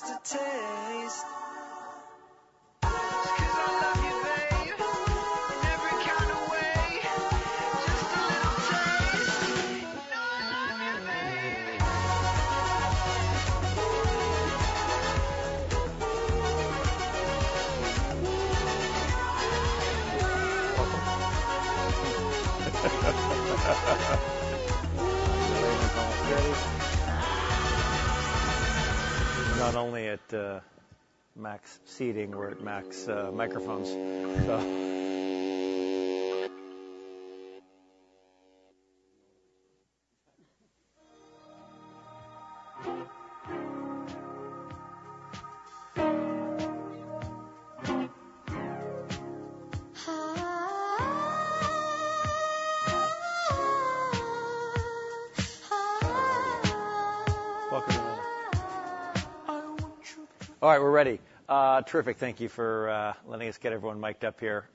Mic'd up. If the stars were edible, and the hearts would never fall. Could we live with just a taste? Just a taste. 'Cause I love you, babe, in every kind of way. Just a little taste. You know I love you, babe. Almost ready. We're not only at max seating, we're at max microphones, so. Welcome. I want you to- All right, we're ready. Terrific. Thank you for letting us get everyone mic'd up here.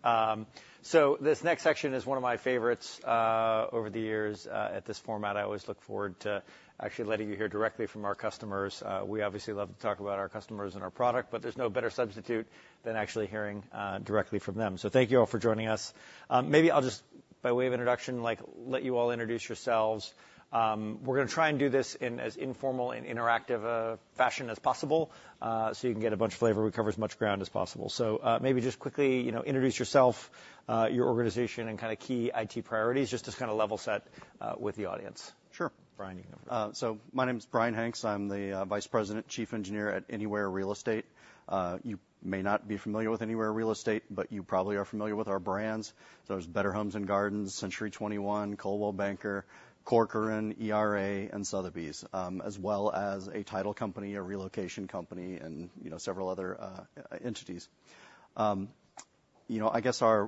So this next section is one of my favorites over the years. At this format, I always look forward to actually letting you hear directly from our customers. We obviously love to talk about our customers and our product, but there's no better substitute than actually hearing directly from them. So thank you all for joining us. Maybe I'll just, by way of introduction, like, let you all introduce yourselves. We're going to try and do this in as informal and interactive fashion as possible, so you can get a bunch of flavor. We cover as much ground as possible. Maybe just quickly, you know, introduce yourself, your organization, and kind of key IT priorities, just to kind of level set with the audience. Sure. Brian, you can go first. So my name is Brian Hanks. I'm the Vice President, Chief Engineer at Anywhere Real Estate. You may not be familiar with Anywhere Real Estate, but you probably are familiar with our brands. So there's Better Homes and Gardens, Century 21, Coldwell Banker, Corcoran, ERA, and Sotheby's, as well as a title company, a relocation company, and you know, several other entities. You know, I guess our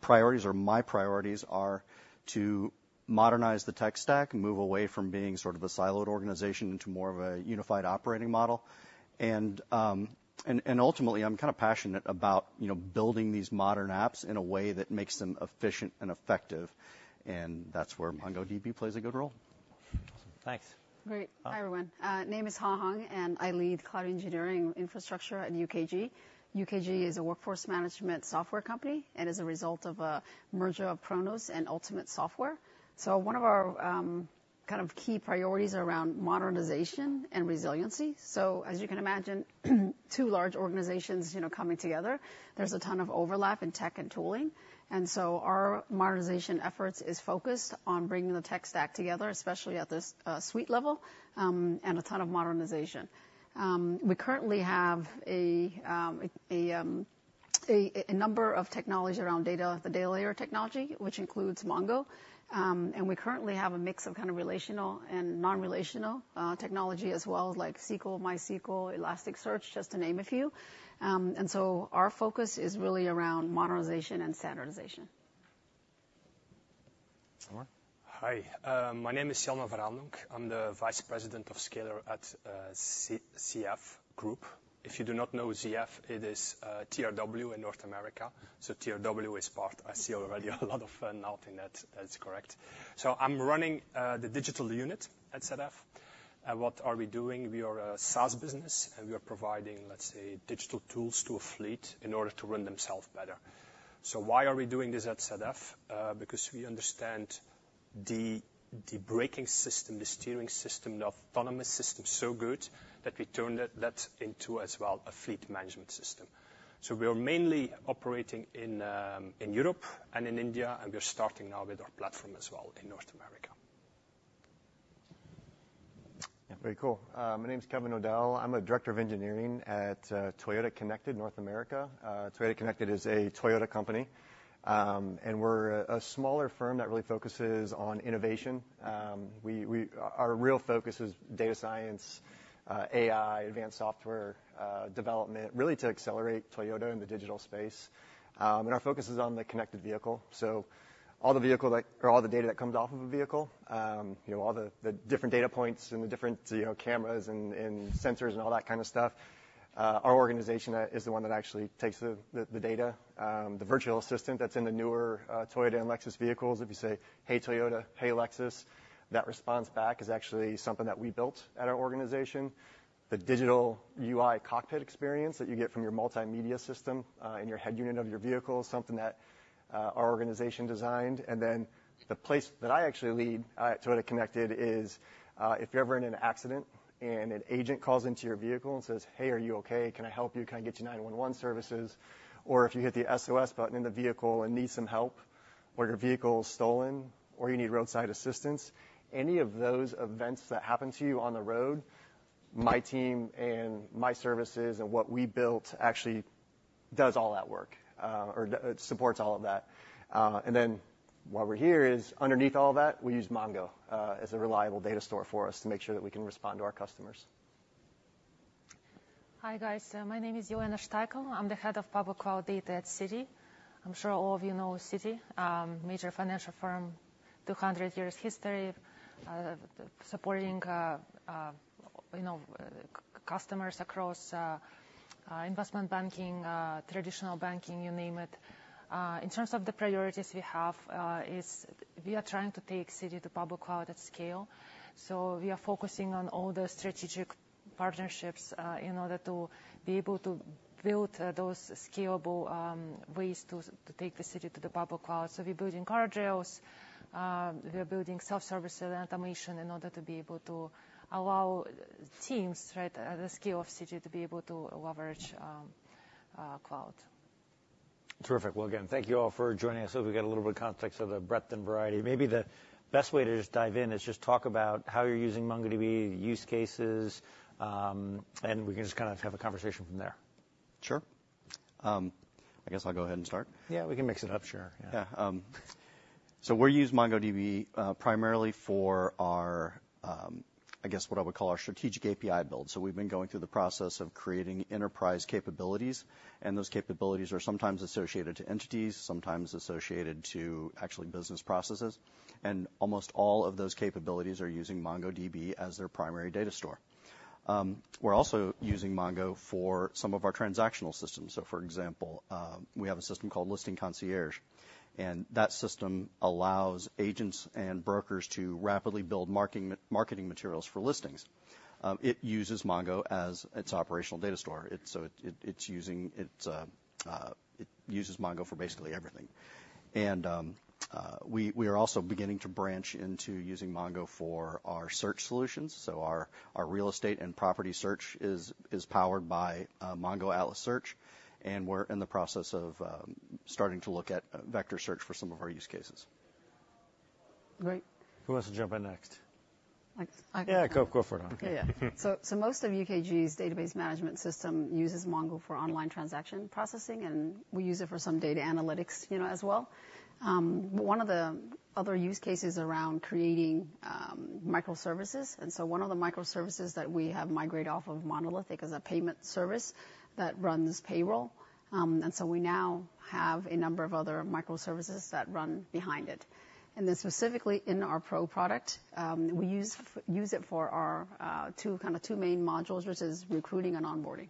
priorities or my priorities are to modernize the tech stack, move away from being sort of a siloed organization into more of a unified operating model. And ultimately, I'm kind of passionate about, you know, building these modern apps in a way that makes them efficient and effective, and that's where MongoDB plays a good role. Thanks. Great. Ha. Hi, everyone. Name is Ha Hong, and I lead cloud engineering infrastructure at UKG. UKG is a workforce management software company, and as a result of a merger of Kronos and Ultimate Software. So one of our kind of key priorities around modernization and resiliency. So as you can imagine, two large organizations, you know, coming together, there's a ton of overlap in tech and tooling, and so our modernization efforts is focused on bringing the tech stack together, especially at this suite level, and a ton of modernization. We currently have a number of technologies around data, the data layer technology, which includes Mongo. And we currently have a mix of kind of relational and non-relational technology as well, like SQL, MySQL, Elasticsearch, just to name a few. And so our focus is really around modernization and standardization. Mark? Hi. My name is Yann Verandonck. I'm the Vice President of Scalar at ZF Group. If you do not know ZF, it is TRW in North America. So TRW is part-- I see already a lot of nodding that that's correct. So I'm running the digital unit at ZF. And what are we doing? We are a SaaS business, and we are providing, let's say, digital tools to a fleet in order to run themselves better. So why are we doing this at ZF? Because we understand the braking system, the steering system, the autonomous system so good that we turned that into, as well, a fleet management system. So we are mainly operating in Europe and in India, and we are starting now with our platform as well in North America. Yeah. Very cool. My name is Kevin O'Dell. I'm a Director of Engineering at Toyota Connected North America. Toyota Connected is a Toyota company. And we're a smaller firm that really focuses on innovation. Our real focus is data science, AI, advanced software development, really to accelerate Toyota in the digital space. And our focus is on the connected vehicle. So all the vehicle that... or all the data that comes off of a vehicle, you know, all the different data points and the different, you know, cameras and sensors and all that kind of stuff, our organization is the one that actually takes the data. The virtual assistant that's in the newer Toyota and Lexus vehicles, if you say, "Hey, Toyota," "Hey, Lexus," that responds back is actually something that we built at our organization. The digital UI cockpit experience that you get from your multimedia system in your head unit of your vehicle is something that our organization designed. And then the place that I actually lead at Toyota Connected is if you're ever in an accident, and an agent calls into your vehicle and says: "Hey, are you okay? Can I help you? Can I get you 911 services?" Or if you hit the SOS button in the vehicle and need some help, or your vehicle is stolen, or you need roadside assistance, any of those events that happen to you on the road, my team and my services and what we built actually does all that work, or supports all of that. And then why we're here is, underneath all that, we use Mongo as a reliable data store for us to make sure that we can respond to our customers. Hi, guys. My name is Yelena Stekel. I'm the head of Public Cloud Data at Citi. I'm sure all of you know Citi, major financial firm, 200 years history, supporting, you know, customers across, investment banking, traditional banking, you name it. In terms of the priorities we have, is we are trying to take Citi to public cloud at scale. So we are focusing on all the strategic partnerships, in order to be able to build, those scalable, ways to, to take the Citi to the public cloud. So we're building guardrails, we are building self-service and automation in order to be able to allow teams, right, at the scale of Citi, to be able to leverage, cloud. Terrific. Well, again, thank you all for joining us. So we got a little bit of context of the breadth and variety. Maybe the best way to just dive in is just talk about how you're using MongoDB, use cases, and we can just kind of have a conversation from there. Sure. I guess I'll go ahead and start. Yeah, we can mix it up. Sure. Yeah. Yeah. So we use MongoDB primarily for our, I guess, what I would call our strategic API build. So we've been going through the process of creating enterprise capabilities, and those capabilities are sometimes associated to entities, sometimes associated to actually business processes. And almost all of those capabilities are using MongoDB as their primary data store. We're also using Mongo for some of our transactional systems. So, for example, we have a system called Listing Concierge, and that system allows agents and brokers to rapidly build marketing materials for listings. It uses Mongo as its operational data store. It uses Mongo for basically everything. And we are also beginning to branch into using Mongo for our search solutions. So our real estate and property search is powered by MongoDB Atlas Search, and we're in the process of starting to look at vector search for some of our use cases. Great. Who wants to jump in next? I, I- Yeah, go, go for it, Ha. Yeah. So most of UKG's database management system uses Mongo for online transaction processing, and we use it for some data analytics, you know, as well. One of the other use cases around creating microservices, and so one of the microservices that we have migrated off of monolithic is a payment service that runs payroll. And so we now have a number of other microservices that run behind it. And then specifically in our Pro product, we use it for our two, kind of two main modules, which is recruiting and onboarding.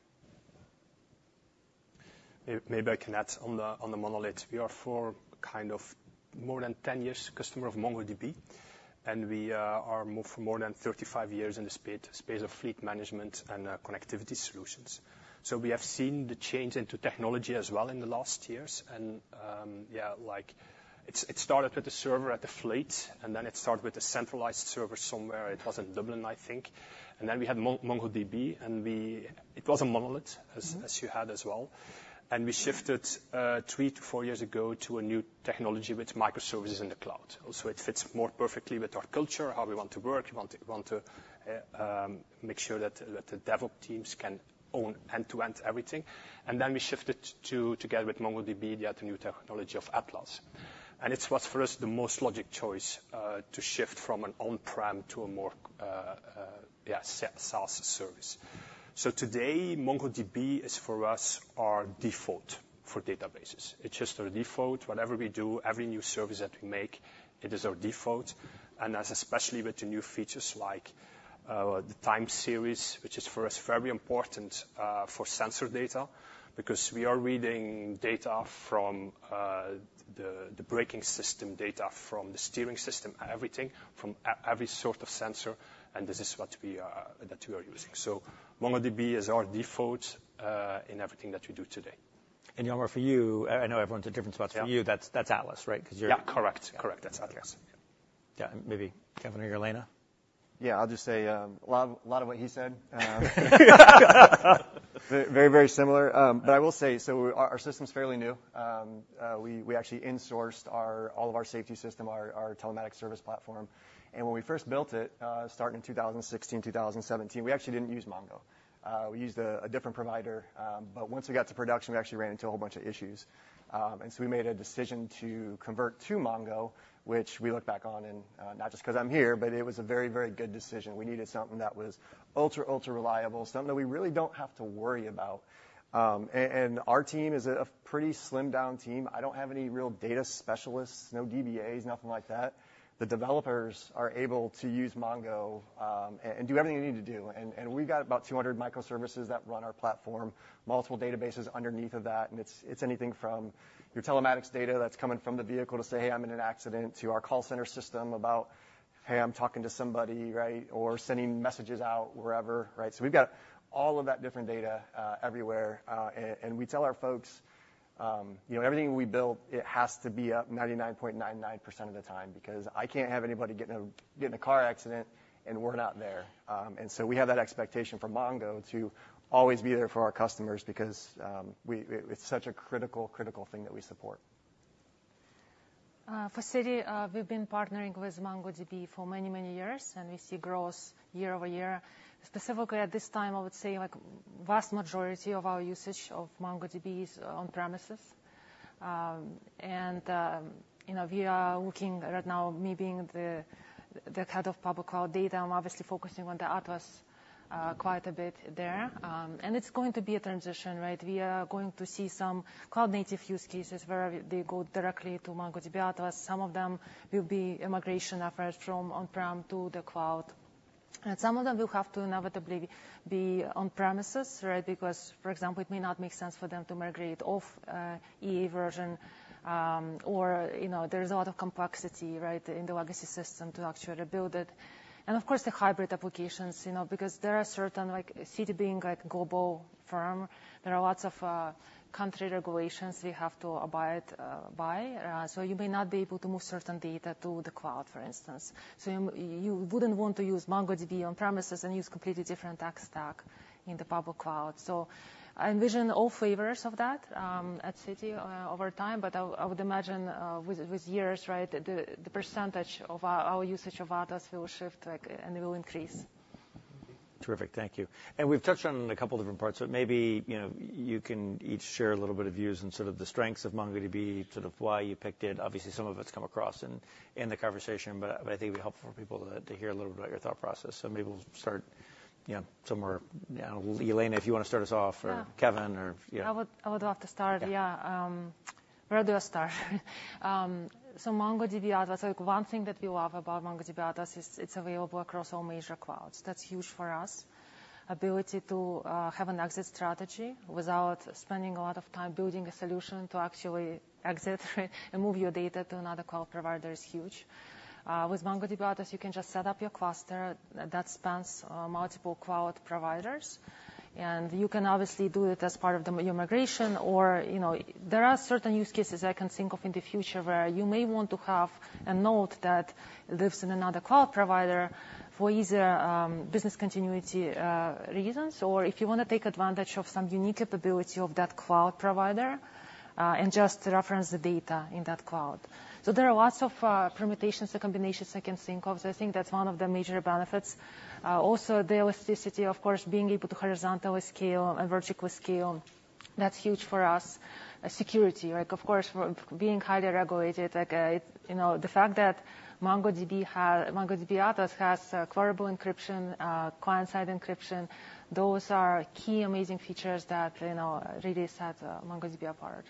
Maybe I can add on the monolith. We are for kind of more than 10 years customer of MongoDB, and we are more than 35 years in the space of fleet management and connectivity solutions. So we have seen the change into technology as well in the last years. And yeah, like, it started with the server at the fleet, and then it started with the centralized server somewhere. It was in Dublin, I think. And then we had MongoDB, and it was a monolith, as you had as well. And we shifted 3-4 years ago to a new technology, which microservices in the cloud. So it fits more perfectly with our culture, how we want to work. We want to make sure that the DevOps teams can own end-to-end everything. Then we shifted to, together with MongoDB, the new technology of Atlas. And it was, for us, the most logical choice, to shift from an on-prem to a more, SaaS service. So today, MongoDB is, for us, our default for databases. It's just our default. Whatever we do, every new service that we make, it is our default, and that's especially with the new features like, the time series, which is, for us, very important, for sensor data, because we are reading data from, the braking system, data from the steering system, everything, from every sort of sensor, and this is what we are using. So MongoDB is our default, in everything that we do today. Yann, for you, I know everyone's at different spots. Yeah. For you, that's Atlas, right? 'Cause you're- Yeah, correct, correct. That's Atlas. Yeah. Yeah, maybe Kevin or Yelena? Yeah, I'll just say a lot, a lot of what he said. Very, very similar. But I will say, so our system's fairly new. We actually insourced all of our safety system, our telematics service platform. And when we first built it, starting in 2016, 2017, we actually didn't use Mongo. We used a different provider. But once we got to production, we actually ran into a whole bunch of issues. And so we made a decision to convert to Mongo, which we look back on and, not just 'cause I'm here, but it was a very, very good decision. We needed something that was ultra, ultra reliable, something that we really don't have to worry about. And our team is a pretty slimmed-down team. I don't have any real data specialists, no DBAs, nothing like that. The developers are able to use Mongo and do everything they need to do. And we've got about 200 microservices that run our platform, multiple databases underneath of that, and it's anything from your telematics data that's coming from the vehicle to say, "Hey, I'm in an accident," to our call center system about, "Hey, I'm talking to somebody," right? Or sending messages out wherever, right? So we've got all of that different data everywhere and we tell our folks, you know, everything we build, it has to be up 99.99% of the time, because I can't have anybody get in a car accident, and we're not there. And so we have that expectation for Mongo to always be there for our customers because it's such a critical thing that we support. For Citi, we've been partnering with MongoDB for many, many years, and we see growth year-over-year. Specifically, at this time, I would say, like, vast majority of our usage of MongoDB is on-premises. And, you know, we are looking right now, me being the head of public cloud data, I'm obviously focusing on the Atlas quite a bit there. And it's going to be a transition, right? We are going to see some cloud-native use cases where they go directly to MongoDB Atlas. Some of them will be migration efforts from on-prem to the cloud, and some of them will have to inevitably be on-premises, right? Because, for example, it may not make sense for them to migrate off, EA version, or, you know, there is a lot of complexity, right, in the legacy system to actually build it. And of course, the hybrid applications, you know, because there are certain like... Citi being a global firm, there are lots of, country regulations we have to abide, by. So you may not be able to move certain data to the cloud, for instance. So you, you wouldn't want to use MongoDB on premises and use completely different tech stack in the public cloud. So I envision all flavors of that, at Citi, over time, but I, I would imagine, with, with years, right, the, the percentage of our, our usage of Atlas will shift, like, and it will increase. Terrific. Thank you. And we've touched on a couple different parts, but maybe, you know, you can each share a little bit of views and sort of the strengths of MongoDB, sort of why you picked it. Obviously, some of it's come across in the conversation, but I think it'd be helpful for people to hear a little about your thought process. So maybe we'll start, you know, somewhere, Yelena, if you want to start us off- Yeah.... or Kevin, or, yeah. I would love to start. Yeah. Yeah, where do I start? So MongoDB Atlas, so one thing that we love about MongoDB Atlas is it's available across all major clouds. That's huge for us. Ability to have an exit strategy without spending a lot of time building a solution to actually exit and move your data to another cloud provider is huge. With MongoDB Atlas, you can just set up your cluster that spans multiple cloud providers, and you can obviously do it as part of the your migration or, you know. There are certain use cases I can think of in the future where you may want to have a node that lives in another cloud provider for either business continuity reasons, or if you wanna take advantage of some unique capability of that cloud provider and just reference the data in that cloud. So there are lots of, permutations and combinations I can think of. So I think that's one of the major benefits. Also, the elasticity, of course, being able to horizontally scale and vertically scale, that's huge for us. Security, like, of course, for being highly regulated, like, you know, the fact that MongoDB ha- MongoDB Atlas has, credible encryption, client-side encryption, those are key amazing features that, you know, really sets MongoDB apart.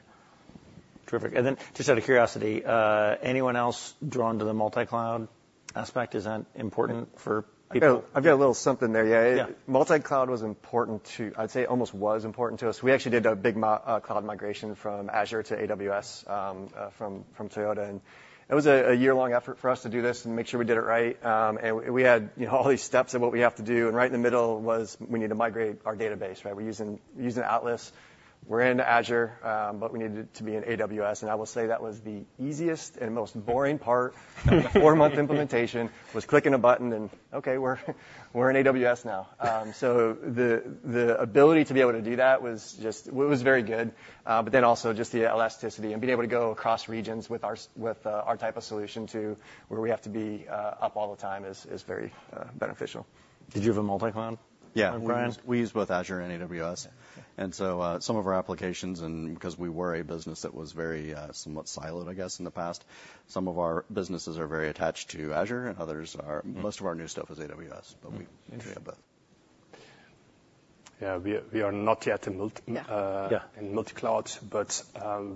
Terrific. And then just out of curiosity, anyone else drawn to the multi-cloud aspect? Is that important for people? I've got a little something there, yeah. Yeah. Multi-cloud was important to—I'd say almost was important to us. We actually did a big migration from Azure to AWS from Toyota, and it was a year-long effort for us to do this and make sure we did it right. And we had, you know, all these steps of what we have to do, and right in the middle was we need to migrate our database, right? We're using Atlas. We're in Azure, but we needed to be in AWS, and I will say that was the easiest and most boring part of the four-month implementation, was clicking a button and, okay, we're in AWS now. So the ability to be able to do that was just—it was very good. But then also just the elasticity and being able to go across regions with our type of solution to where we have to be up all the time is very beneficial. Did you have a multi-cloud? Yeah. Brian? We use both Azure and AWS. And so, some of our applications, and because we were a business that was very, somewhat siloed, I guess, in the past, some of our businesses are very attached to Azure, and others are, most of our new stuff is AWS, but we have both. Mm-hmm. Yeah, we are, we are not yet in mult- Yeah. in multi-cloud, but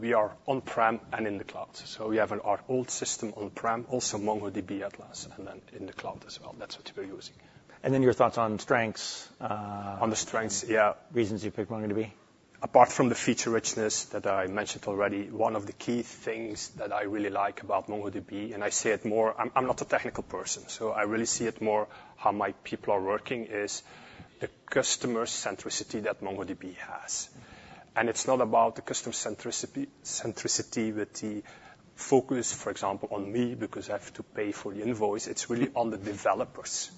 we are on-prem and in the cloud. So we have an old system on-prem, also MongoDB Atlas, and then in the cloud as well. That's what we're using. And then your thoughts on strengths? On the strengths, yeah. Reasons you picked MongoDB. Apart from the feature richness that I mentioned already, one of the key things that I really like about MongoDB, and I see it more... I'm not a technical person, so I really see it more how my people are working, is the customer centricity that MongoDB has. And it's not about the customer centricity with the focus, for example, on me, because I have to pay for the invoice. It's really on the developers.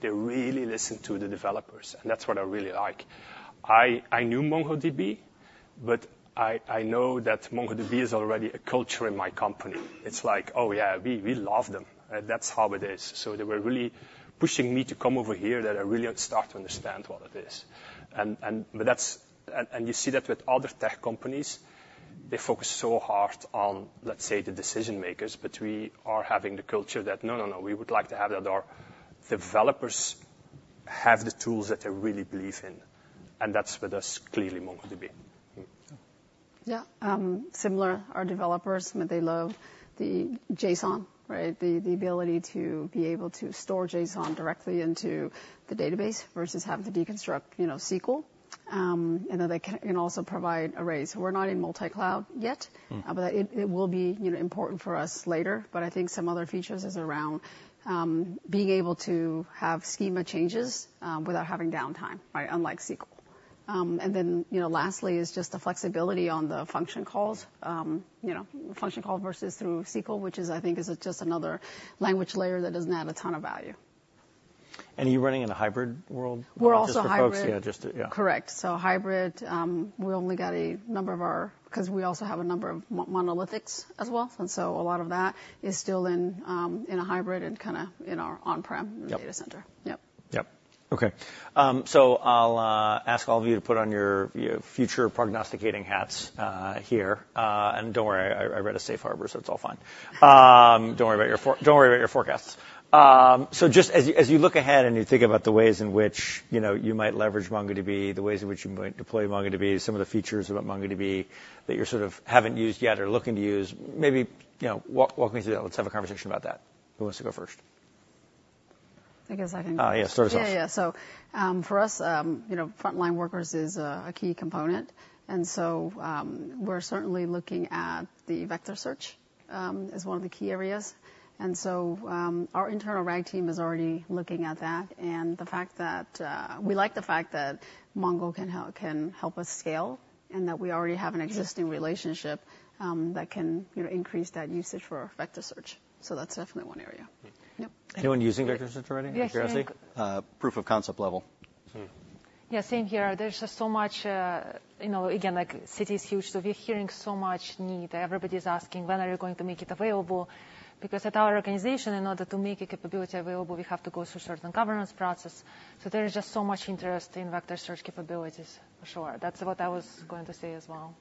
They really listen to the developers, and that's what I really like. I knew MongoDB, but I know that MongoDB is already a culture in my company. It's like, oh, yeah, we love them. That's how it is. So they were really pushing me to come over here, that I really start to understand what it is. But that's, and you see that with other tech companies. They focus so hard on, let's say, the decision makers, but we are having the culture that, no, no, no, we would like to have that our developers have the tools that they really believe in, and that's with us, clearly, MongoDB. Mm-hmm. Yeah, similar. Our developers, they love the JSON, right? The ability to be able to store JSON directly into the database versus having to deconstruct, you know, SQL. And then they can also provide arrays. We're not in multi-cloud yet- Mm.... but it will be, you know, important for us later. But I think some other features is around, being able to have schema changes, without having downtime, right, unlike SQL. And then, you know, lastly is just the flexibility on the function calls. You know, function call versus through SQL, which is, I think, is just another language layer that doesn't add a ton of value. Are you running in a hybrid world? We're also hybrid. Just to focus. Yeah, just to... Yeah. Correct. So hybrid, we only got a number of our—'cause we also have a number of monolithics as well, and so a lot of that is still in a hybrid and kinda in our on-prem- Yep. Data center. Yep. Yep. Okay, so I'll ask all of you to put on your, your future prognosticating hats, here. And don't worry, I read a safe harbor, so it's all fine. Don't worry about your forecasts. So just as you look ahead and you think about the ways in which, you know, you might leverage MongoDB, the ways in which you might deploy MongoDB, some of the features about MongoDB that you sort of haven't used yet or looking to use, maybe, you know, walk me through that. Let's have a conversation about that. Who wants to go first? I guess I can- Yeah, start us off. Yeah, yeah. So, for us, you know, frontline workers is a key component, and so, we're certainly looking at the vector search as one of the key areas. And so, our internal RAG team is already looking at that, and the fact that we like the fact that Mongo can help us scale, and that we already have an existing relationship that can, you know, increase that usage for our vector search. So that's definitely one area. Mm. Yep. Anyone using vector search already? Yes. Proof of concept level. Mm-hmm. Yeah, same here. There's just so much, you know, again, like, Citi is huge, so we're hearing so much need. Everybody's asking, "When are you going to make it available?" Because at our organization, in order to make a capability available, we have to go through certain governance process. So there is just so much interest in vector search capabilities, for sure. That's what I was going to say as well.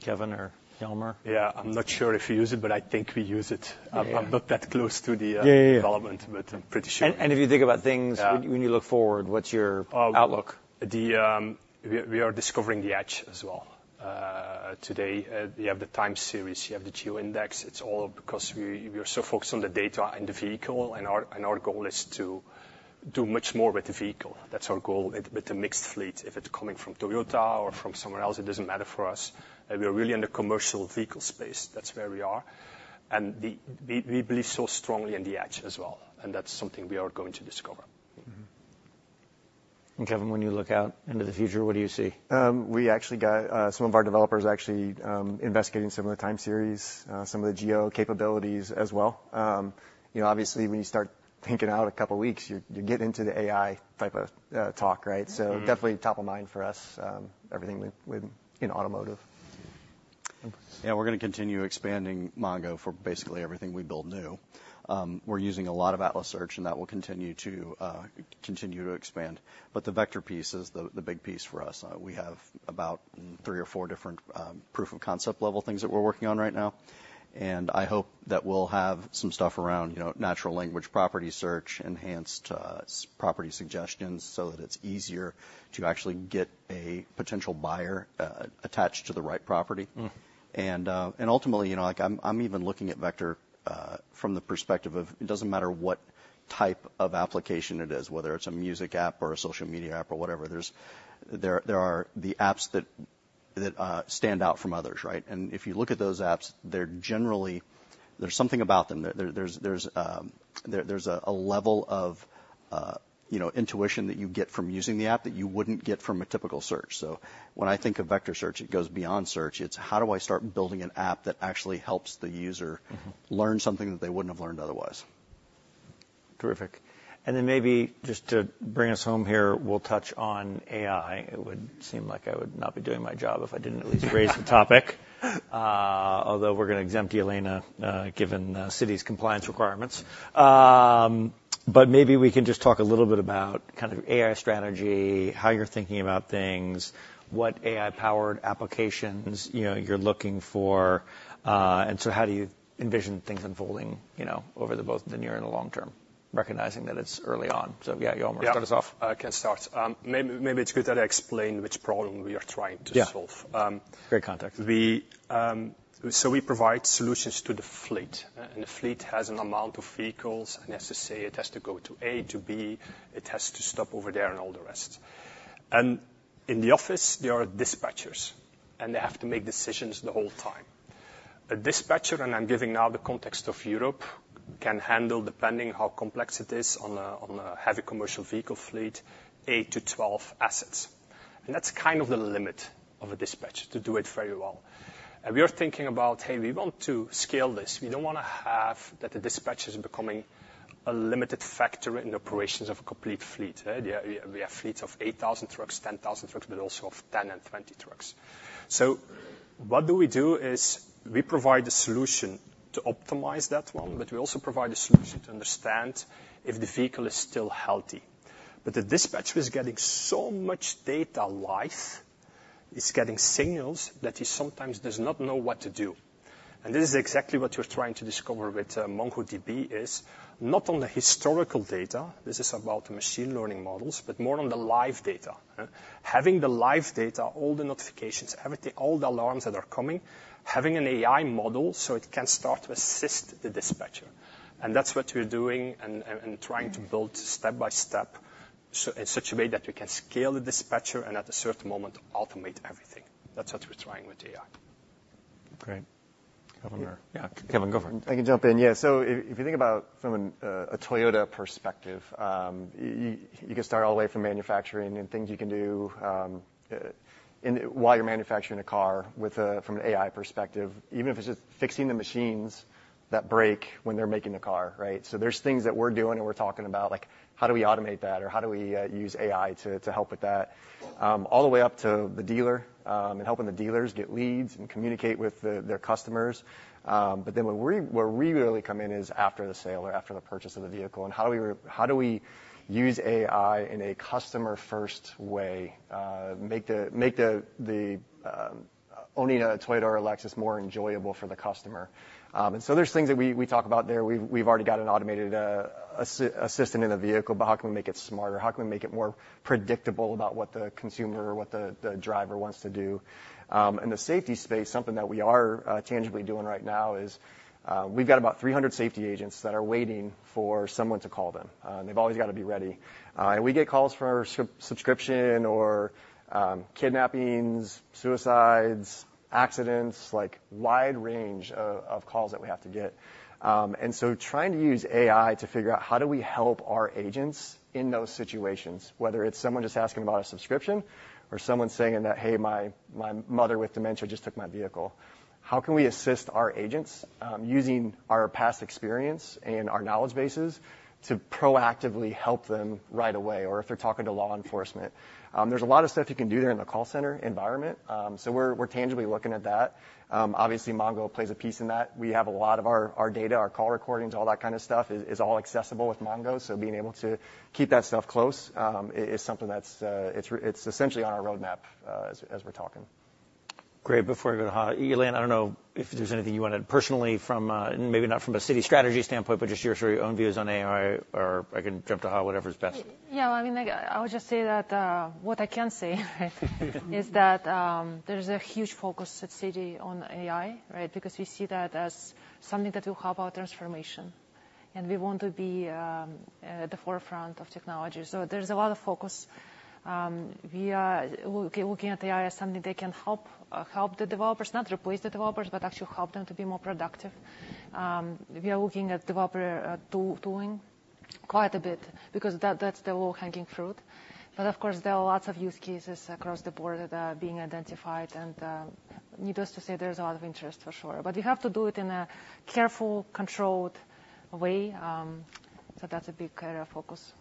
Kevin or Yann? Yeah, I'm not sure if we use it, but I think we use it. Yeah, yeah. I'm not that close to the Yeah, yeah. development, but I'm pretty sure. And if you think about things- Yeah.... when you look forward, what's your outlook? We are discovering the edge as well. Today, you have the time series, you have the geo index. It's all because we are so focused on the data and the vehicle, and our goal is to do much more with the vehicle. That's our goal, with the mixed fleet. If it's coming from Toyota or from somewhere else, it doesn't matter for us. We're really in the commercial vehicle space. That's where we are. We believe so strongly in the edge as well, and that's something we are going to discover. Mm-hmm. And, Kevin, when you look out into the future, what do you see? We actually got some of our developers actually investigating some of the time series, some of the geo capabilities as well. You know, obviously, when you start thinking out a couple of weeks, you're getting into the AI type of talk, right? Mm-hmm. Definitely top of mind for us, everything with, you know, automotive. Yeah, we're gonna continue expanding Mongo for basically everything we build new. We're using a lot of Atlas Search, and that will continue to continue to expand. But the vector piece is the big piece for us. We have about three or four different proof of concept level things that we're working on right now, and I hope that we'll have some stuff around, you know, natural language property search, enhanced property suggestions, so that it's easier to actually get a potential buyer attached to the right property. Mm. And, and ultimately, you know, like I'm, I'm even looking at vector from the perspective of, it doesn't matter what type of application it is, whether it's a music app or a social media app or whatever, there's, there, there are the apps that-... that stand out from others, right? And if you look at those apps, they're generally. There's something about them. There's a level of, you know, intuition that you get from using the app that you wouldn't get from a typical search. So when I think of vector search, it goes beyond search. It's how do I start building an app that actually helps the user- Mm-hmm. Learn something that they wouldn't have learned otherwise? Terrific. Then maybe just to bring us home here, we'll touch on AI. It would seem like I would not be doing my job if I didn't at least raise the topic. Although we're going to exempt you, Elena, given the city's compliance requirements. But maybe we can just talk a little bit about kind of AI strategy, how you're thinking about things, what AI-powered applications, you know, you're looking for, and so how do you envision things unfolding, you know, over both the near and the long term, recognizing that it's early on. So, yeah, Yann, start us off. Yeah, I can start. Maybe it's good that I explain which problem we are trying to solve. Yeah, great context. We, so we provide solutions to the fleet, and the fleet has an amount of vehicles. It has to say it has to go to A to B, it has to stop over there, and all the rest. And in the office, there are dispatchers, and they have to make decisions the whole time. A dispatcher, and I'm giving now the context of Europe, can handle, depending how complex it is, on a heavy commercial vehicle fleet, 8-12 assets. And that's kind of the limit of a dispatcher to do it very well. And we are thinking about, hey, we want to scale this. We don't want to have that the dispatcher is becoming a limited factor in the operations of a complete fleet, right? We have fleets of 8,000 trucks, 10,000 trucks, but also of 10 and 20 trucks. So what do we do is we provide a solution to optimize that one, but we also provide a solution to understand if the vehicle is still healthy. But the dispatcher is getting so much data live, he's getting signals, that he sometimes does not know what to do. And this is exactly what you're trying to discover with MongoDB, is not on the historical data, this is about the machine learning models, but more on the live data. Having the live data, all the notifications, everything, all the alarms that are coming, having an AI model, so it can start to assist the dispatcher. And that's what we're doing and trying to build step by step, so in such a way that we can scale the dispatcher and, at a certain moment, automate everything. That's what we're trying with AI. Great. Kevin or- Yeah. Kevin, go for it. I can jump in. Yeah. So if you think about from a Toyota perspective, you can start all the way from manufacturing and things you can do, and while you're manufacturing a car with—from an AI perspective, even if it's just fixing the machines that break when they're making the car, right? So there's things that we're doing and we're talking about, like, how do we automate that, or how do we use AI to help with that? All the way up to the dealer, and helping the dealers get leads and communicate with their customers. But then where we really come in is after the sale or after the purchase of the vehicle, and how do we use AI in a customer-first way, make owning a Toyota or a Lexus more enjoyable for the customer. And so there's things that we talk about there. We've already got an automated assistant in the vehicle, but how can we make it smarter? How can we make it more predictable about what the consumer or what the driver wants to do? In the safety space, something that we are tangibly doing right now is, we've got about 300 safety agents that are waiting for someone to call them. They've always got to be ready. And we get calls for subscription or kidnappings, suicides, accidents, like wide range of calls that we have to get. And so trying to use AI to figure out how do we help our agents in those situations, whether it's someone just asking about a subscription or someone saying that, "Hey, my mother with dementia just took my vehicle." How can we assist our agents using our past experience and our knowledge bases to proactively help them right away, or if they're talking to law enforcement? There's a lot of stuff you can do there in the call center environment, so we're tangibly looking at that. Obviously, Mongo plays a piece in that. We have a lot of our data, our call recordings, all that kind of stuff is all accessible with Mongo. So being able to keep that stuff close is something that's, it's essentially on our roadmap as we're talking. Great. Before I go to Ha, Joanna, I don't know if there's anything you wanted personally from, maybe not from a Citi strategy standpoint, but just your, your own views on AI, or I can jump to Ha, whatever's best. Yeah, I mean, I would just say that, what I can say, is that, there is a huge focus at Citi on AI, right? Because we see that as something that will help our transformation, and we want to be, at the forefront of technology. So there's a lot of focus. We are looking at AI as something that can help, help the developers, not replace the developers, but actually help them to be more productive. We are looking at developer tooling quite a bit because that, that's the low-hanging fruit. But of course, there are lots of use cases across the board that are being identified, and, needless to say, there's a lot of interest for sure. But you have to do it in a careful, controlled way, so that's a big area of focus.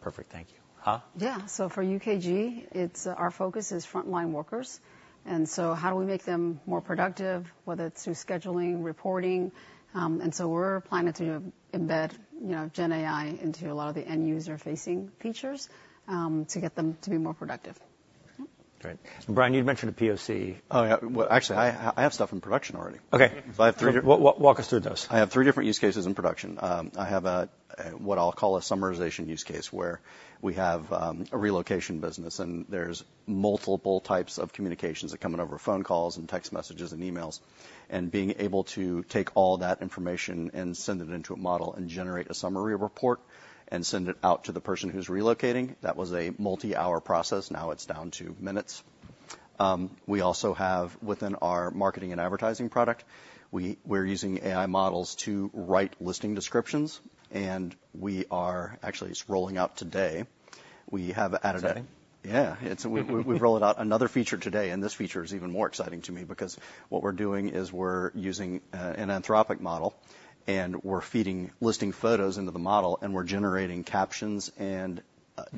Perfect. Thank you. Ha? Yeah. So for UKG, it's our focus is frontline workers, and so how do we make them more productive, whether it's through scheduling, reporting? And so we're planning to embed, you know, GenAI into a lot of the end-user facing features, to get them to be more productive. Mm-hmm. Great. Brian, you'd mentioned a POC. Oh, yeah. Well, actually, I have stuff in production already. Okay. So I have three- Walk us through those. I have three different use cases in production. I have a what I'll call a summarization use case, where we have a relocation business, and there's multiple types of communications that come in over phone calls and text messages and emails, and being able to take all that information and send it into a model and generate a summary report and send it out to the person who's relocating, that was a multi-hour process. Now it's down to minutes. We also have within our marketing and advertising product, we're using AI models to write listing descriptions, and we are actually just rolling out today. We have added a- Today? Yeah. It's, we've rolled out another feature today, and this feature is even more exciting to me because what we're doing is we're using an Anthropic model, and we're feeding listing photos into the model, and we're generating captions and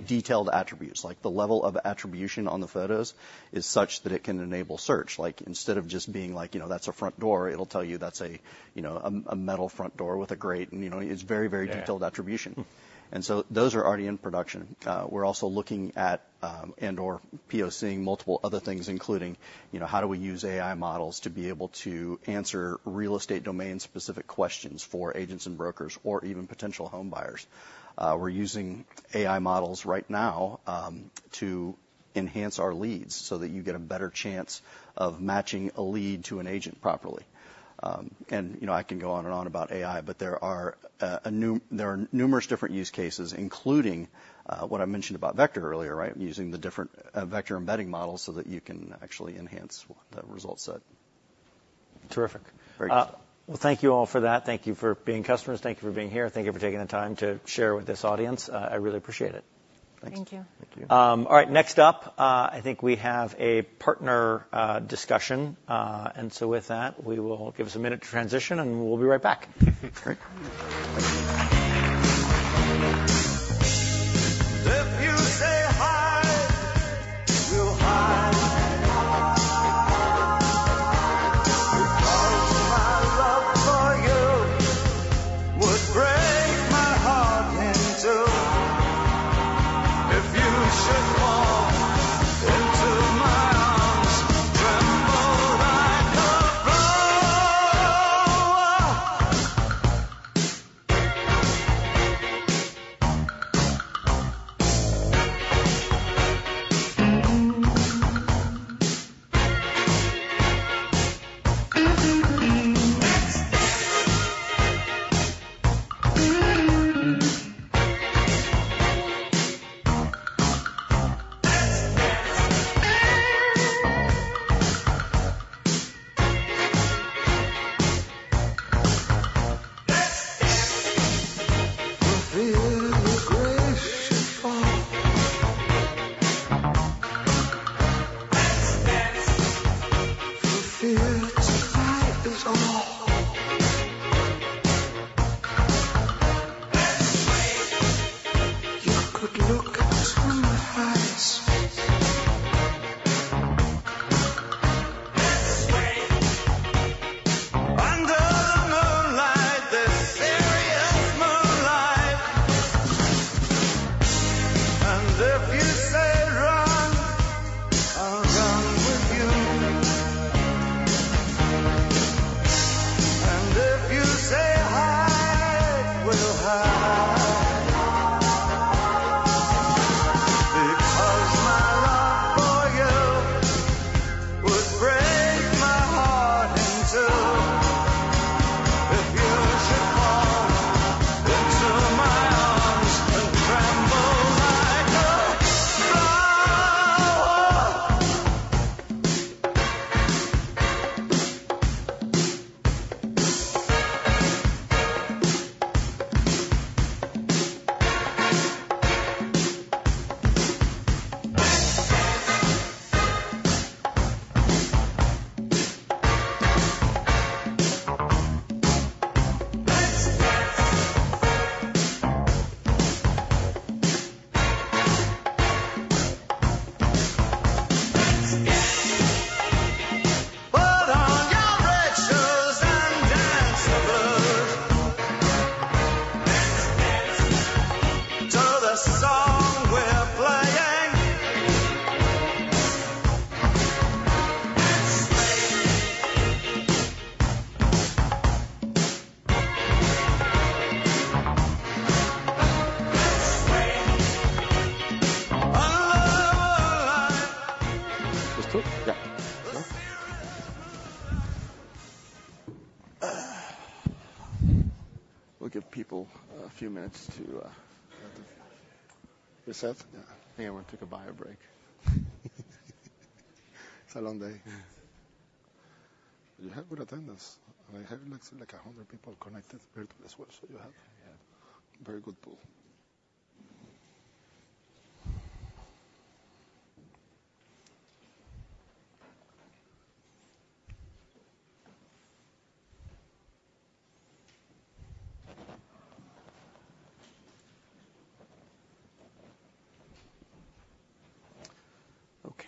detailed attributes. Like, the level of attribution on the photos is such that it can enable search. Like, instead of just being like, you know, that's a front door, it'll tell you that's a, you know, a metal front door with a grate, and, you know, it's very, very detailed attribution. Yeah. Those are already in production. We're also looking at, and/or POCing multiple other things, including, you know, how do we use AI models to be able to answer real estate domain-specific questions for agents and brokers or even potential home buyers? We're using AI models right now, to enhance our leads so that you get a better chance of matching a lead to an agent properly. And, you know, I can go on and on about AI, but there are numerous different use cases, including, what I mentioned about vector earlier, right? Using the different, vector embedding models so that you can actually enhance the result set. Terrific. Great. Well, thank you all for that. Thank you for being customers. Thank you for being here. Thank you for taking the time to share with this audience. I really appreciate it. Thanks. Thank you. Thank you. All right, next up, I think we have a partner discussion, and so with that, we will give us a minute to transition, and we'll be right back. Great. If you say hide, we'll hide. Because my love for you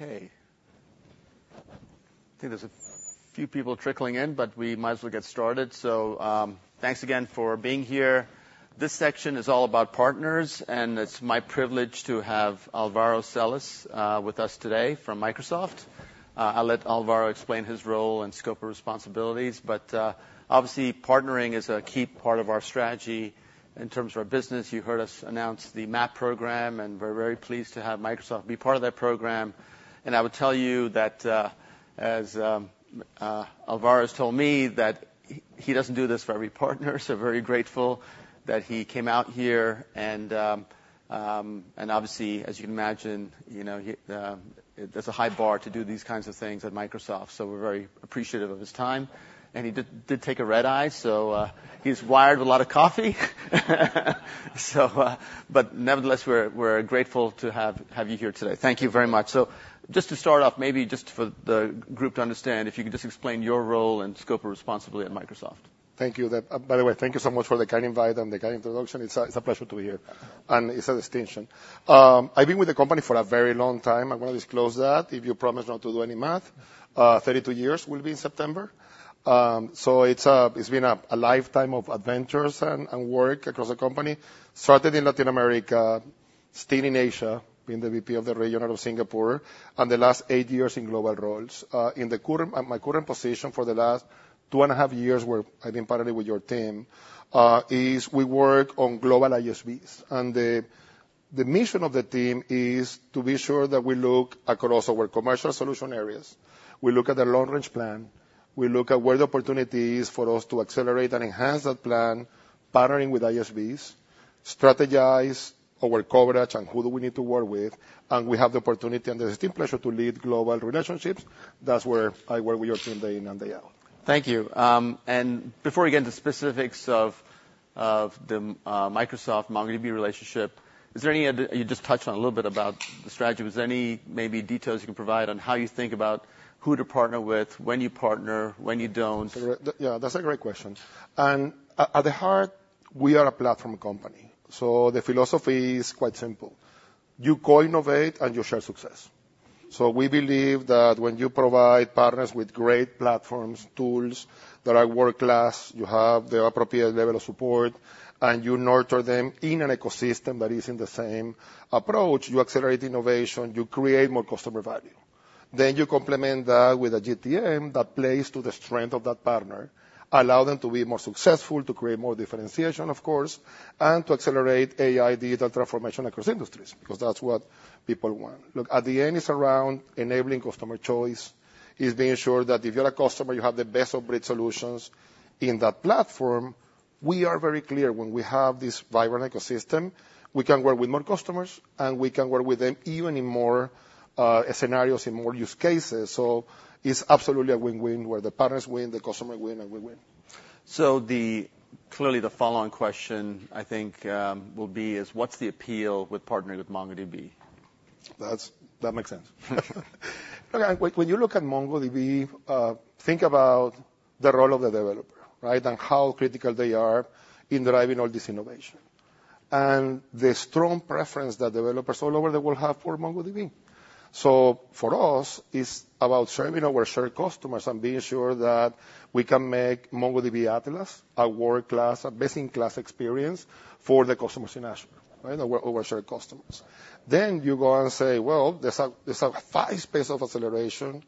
Okay. I think there's a few people trickling in, but we might as well get started. So, thanks again for being here. This section is all about partners, and it's my privilege to have Alvaro Celis with us today from Microsoft. I'll let Alvaro explain his role and scope of responsibilities, but obviously, partnering is a key part of our strategy in terms of our business. You heard us announce the MAAP program, and we're very pleased to have Microsoft be part of that program. And I would tell you that-... as, Alvaro told me that he doesn't do this for every partner, so very grateful that he came out here. And obviously, as you can imagine, you know, he, there's a high bar to do these kinds of things at Microsoft, so we're very appreciative of his time. And he did take a red eye, so, he's wired with a lot of coffee. So, but nevertheless, we're grateful to have you here today. Thank you very much. So just to start off, maybe just for the group to understand, if you could just explain your role and scope of responsibility at Microsoft. Thank you. By the way, thank you so much for the kind invite and the kind introduction. It's a pleasure to be here, and it's a distinction. I've been with the company for a very long time. I'm gonna disclose that, if you promise not to do any math. 32 years will be in September. So it's been a lifetime of adventures and work across the company. Started in Latin America, stayed in Asia, being the VP of the region out of Singapore, and the last eight years in global roles. My current position for the last two and a half years, where I've been partnering with your team, is we work on global ISVs. The mission of the team is to be sure that we look across our commercial solution areas, we look at the long-range plan, we look at where the opportunity is for us to accelerate and enhance that plan, partnering with ISVs, strategize our coverage and who do we need to work with, and we have the opportunity and the distinct pleasure to lead global relationships. That's where I work with your team day in and day out Thank you. And before we get into specifics of, of the, Microsoft-MongoDB relationship, is there any ad-- You just touched on a little bit about the strategy. Was there any maybe details you can provide on how you think about who to partner with, when you partner, when you don't? Yeah, that's a great question. At the heart, we are a platform company, so the philosophy is quite simple: You co-innovate, and you share success. We believe that when you provide partners with great platforms, tools that are world-class, you have the appropriate level of support, and you nurture them in an ecosystem that is in the same approach, you accelerate innovation, you create more customer value. You complement that with a GTM that plays to the strength of that partner, allow them to be more successful, to create more differentiation, of course, and to accelerate AI digital transformation across industries, because that's what people want. Look, at the end, it's around enabling customer choice. It's being sure that if you're a customer, you have the best-of-breed solutions in that platform. We are very clear, when we have this vibrant ecosystem, we can work with more customers, and we can work with them even in more scenarios, in more use cases. So it's absolutely a win-win, where the partners win, the customer win, and we win. Clearly, the follow-on question, I think, will be is: What's the appeal with partnering with MongoDB? That makes sense. Okay, when you look at MongoDB, think about the role of the developer, right? And how critical they are in driving all this innovation, and the strong preference that developers all over the world have for MongoDB. So for us, it's about serving our shared customers and being sure that we can make MongoDB Atlas a world-class, a best-in-class experience for the customers in Azure, right? Our shared customers. Then you go and say, "Well, there's a fast pace of acceleration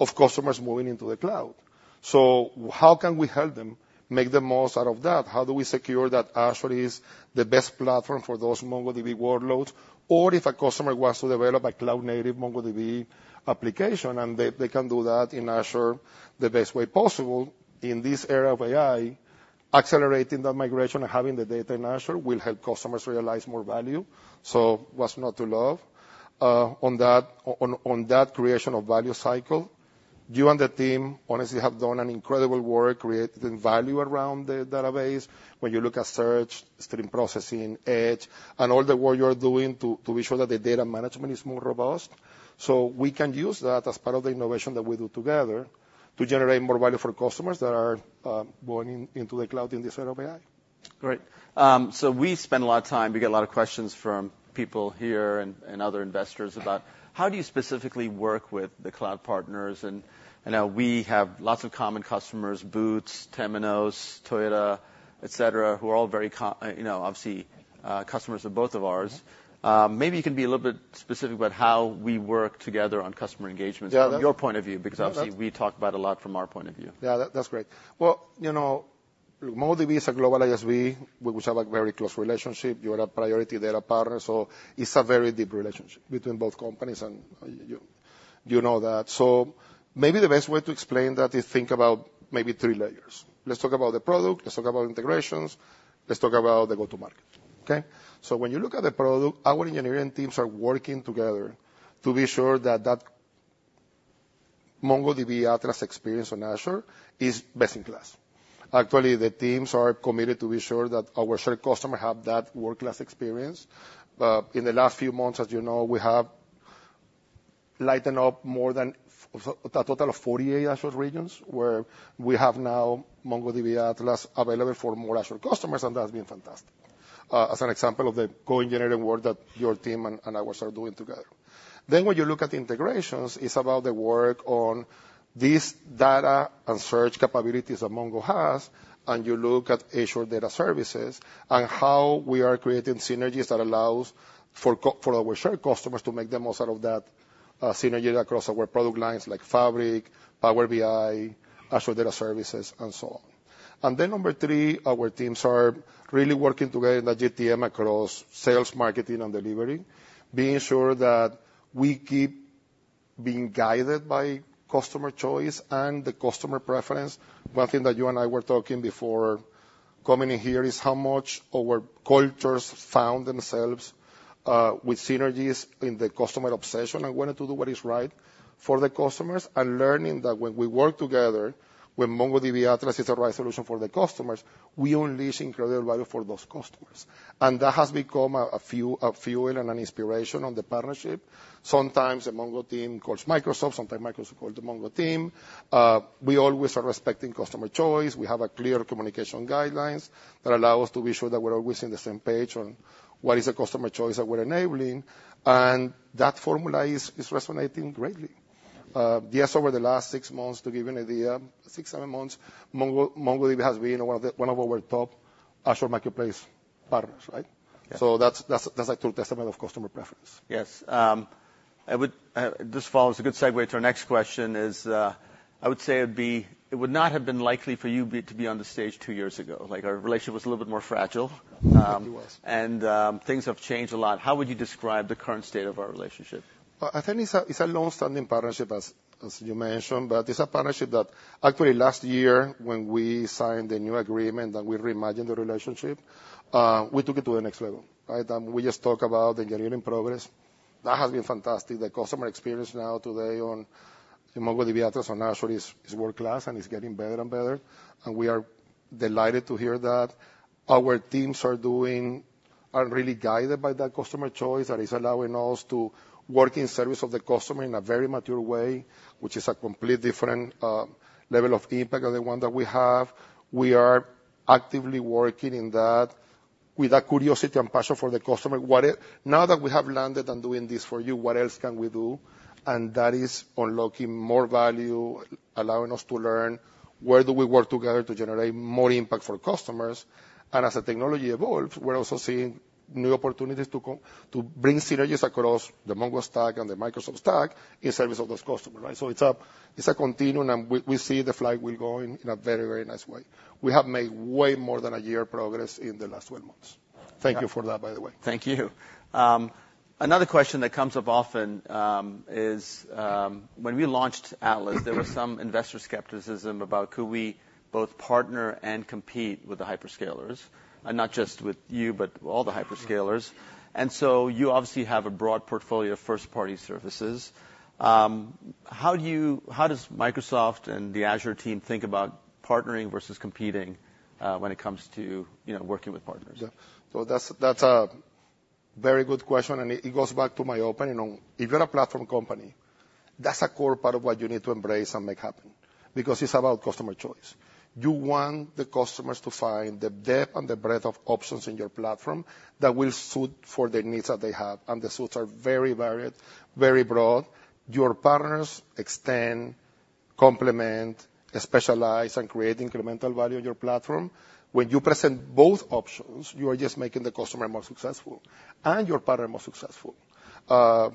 of customers moving into the cloud." So how can we help them make the most out of that? How do we secure that Azure is the best platform for those MongoDB workloads? Or if a customer wants to develop a cloud-native MongoDB application, and they can do that in Azure the best way possible. In this era of AI, accelerating that migration and having the data in Azure will help customers realize more value, so what's not to love? On that creation of value cycle, you and the team honestly have done an incredible work creating value around the database. When you look at search, stream processing, Edge, and all the work you are doing to be sure that the data management is more robust. So we can use that as part of the innovation that we do together to generate more value for customers that are going into the cloud in this era of AI. Great. So we spend a lot of time, we get a lot of questions from people here and, and other investors about: How do you specifically work with the cloud partners? And, I know we have lots of common customers, Boots, Temenos, Toyota, et cetera, who are all very co... You know, obviously, customers of both of ours. Mm-hmm. Maybe you can be a little bit specific about how we work together on customer engagements? Yeah. From your point of view, because obviously- Yeah.... we talk about a lot from our point of view. Yeah, that, that's great. Well, you know, MongoDB is a global ISV. We, we have a very close relationship. You are a priority. They're a partner, so it's a very deep relationship between both companies, and you, you know that. So maybe the best way to explain that is think about maybe three layers. Let's talk about the product, let's talk about integrations, let's talk about the go-to-market, okay? So when you look at the product, our engineering teams are working together to be sure that that MongoDB Atlas experience on Azure is best in class. Actually, the teams are committed to be sure that our shared customer have that world-class experience. In the last few months, as you know, we have lit up more than a total of 48 Azure regions, where we have now MongoDB Atlas available for more Azure customers, and that has been fantastic, as an example of the co-engineering work that your team and ours are doing together. Then, when you look at integrations, it's about the work on these data and search capabilities that Mongo has, and you look at Azure data services and how we are creating synergies that allows for our shared customers to make the most out of that, synergy across our product lines, like Fabric, Power BI, Azure data services, and so on. Then number three, our teams are really working together in the GTM across sales, marketing, and delivery, being sure that we keep being guided by customer choice and the customer preference. One thing that you and I were talking before coming in here is how much our cultures found themselves with synergies in the customer obsession and wanting to do what is right for the customers, and learning that when we work together, when MongoDB Atlas is the right solution for the customers, we unleash incredible value for those customers. And that has become a fuel and an inspiration on the partnership. Sometimes the Mongo team calls Microsoft, sometimes Microsoft calls the Mongo team. We always are respecting customer choice. We have a clear communication guidelines that allow us to be sure that we're always on the same page on what is the customer choice that we're enabling, and that formula is resonating greatly. Just over the last 6 months, to give you an idea, 6-7 months, MongoDB has been one of our top Azure Marketplace partners, right? Yeah. So that's a true testament of customer preference. Yes. This follows a good segue to our next question. I would say it'd be... It would not have been likely for you to be on the stage two years ago. Like, our relationship was a little bit more fragile. It was. Things have changed a lot. How would you describe the current state of our relationship? Well, I think it's a, it's a long-standing partnership as, as you mentioned, but it's a partnership that actually last year, when we signed the new agreement and we reimagined the relationship, we took it to the next level, right? And we just talked about the getting in progress. That has been fantastic. The customer experience now today on the MongoDB Atlas on Azure is, is world-class, and it's getting better and better, and we are delighted to hear that. Our teams are doing really guided by that customer choice, that is allowing us to work in service of the customer in a very mature way, which is a complete different level of impact than the one that we have. We are actively working in that with a curiosity and passion for the customer. Now that we have landed on doing this for you, what else can we do? And that is unlocking more value, allowing us to learn where do we work together to generate more impact for customers. And as the technology evolves, we're also seeing new opportunities to come, to bring synergies across the Mongo stack and the Microsoft stack in service of those customers, right? So it's a, it's a continuum, and we, we see the flight wheel going in a very, very nice way. We have made way more than a year of progress in the last 12 months. Thank you for that, by the way. Thank you. Another question that comes up often is when we launched Atlas, there was some investor skepticism about could we both partner and compete with the hyperscalers, and not just with you, but all the hyperscalers. And so you obviously have a broad portfolio of first-party services. How does Microsoft and the Azure team think about partnering versus competing when it comes to, you know, working with partners? Yeah. So that's a very good question, and it goes back to my opening. If you're a platform company, that's a core part of what you need to embrace and make happen, because it's about customer choice. You want the customers to find the depth and the breadth of options in your platform that will suit for the needs that they have, and the suits are very varied, very broad. Your partners extend, complement, specialize, and create incremental value on your platform. When you present both options, you are just making the customer more successful and your partner more successful. Well,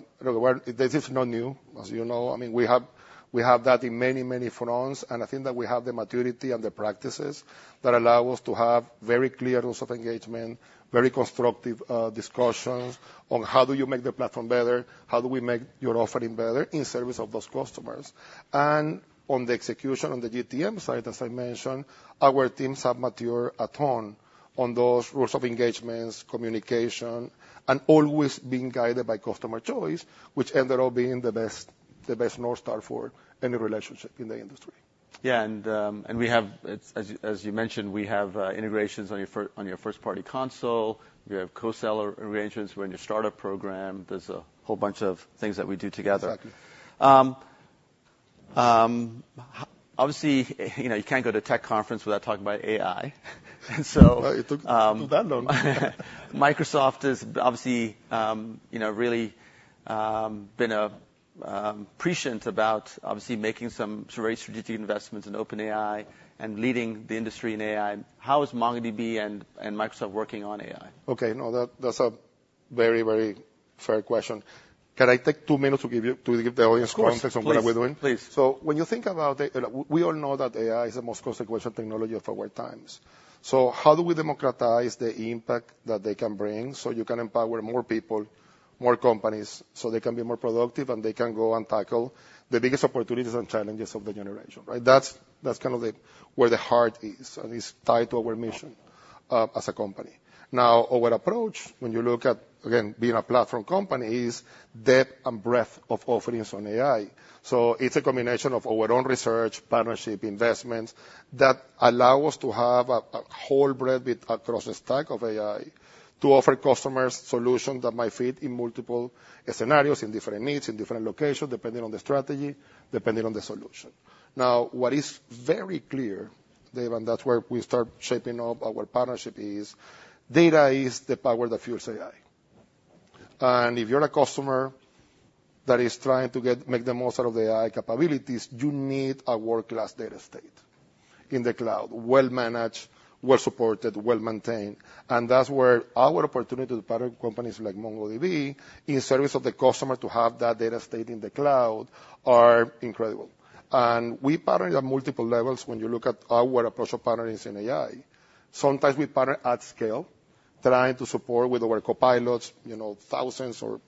this is not new, as you know. I mean, we have, we have that in many, many fronts, and I think that we have the maturity and the practices that allow us to have very clear rules of engagement, very constructive discussions on how do you make the platform better, how do we make your offering better in service of those customers. And on the execution, on the GTM side, as I mentioned, our teams have matured a ton on those rules of engagements, communication, and always being guided by customer choice, which ended up being the best, the best North Star for any relationship in the industry. Yeah, and we have, as you mentioned, we have integrations on your first-party console. We have co-seller arrangements. We're in your startup program. There's a whole bunch of things that we do together. Exactly. Obviously, you know, you can't go to a tech conference without talking about AI, and so, It took that long. Microsoft has obviously, you know, really, been prescient about obviously making some very strategic investments in OpenAI and leading the industry in AI. How is MongoDB and Microsoft working on AI? Okay, no, that, that's a very, very fair question. Can I take two minutes to give you - to give the audience- Of course. Context on what are we doing? Please. So when you think about it, we all know that AI is the most consequential technology of our times. So how do we democratize the impact that they can bring so you can empower more people, more companies, so they can be more productive, and they can go and tackle the biggest opportunities and challenges of the generation, right? That's, that's kind of the, where the heart is, and it's tied to our mission, as a company. Now, our approach, when you look at, again, being a platform company, is depth and breadth of offerings on AI. So it's a combination of our own research, partnership, investments, that allow us to have a, a whole breadth across the stack of AI, to offer customers solutions that might fit in multiple scenarios, in different needs, in different locations, depending on the strategy, depending on the solution. Now, what is very clear, Dev, and that's where we start shaping up our partnership, is data is the power that fuels AI. If you're a customer that is trying to make the most out of the AI capabilities, you need a world-class data estate in the cloud, well-managed, well supported, well maintained, and that's where our opportunity to partner with companies like MongoDB, in service of the customer to have that data stayed in the cloud, are incredible. We partner at multiple levels when you look at our approach of partnering in AI. Sometimes we partner at scale, trying to support with our copilots, you know, thousands or,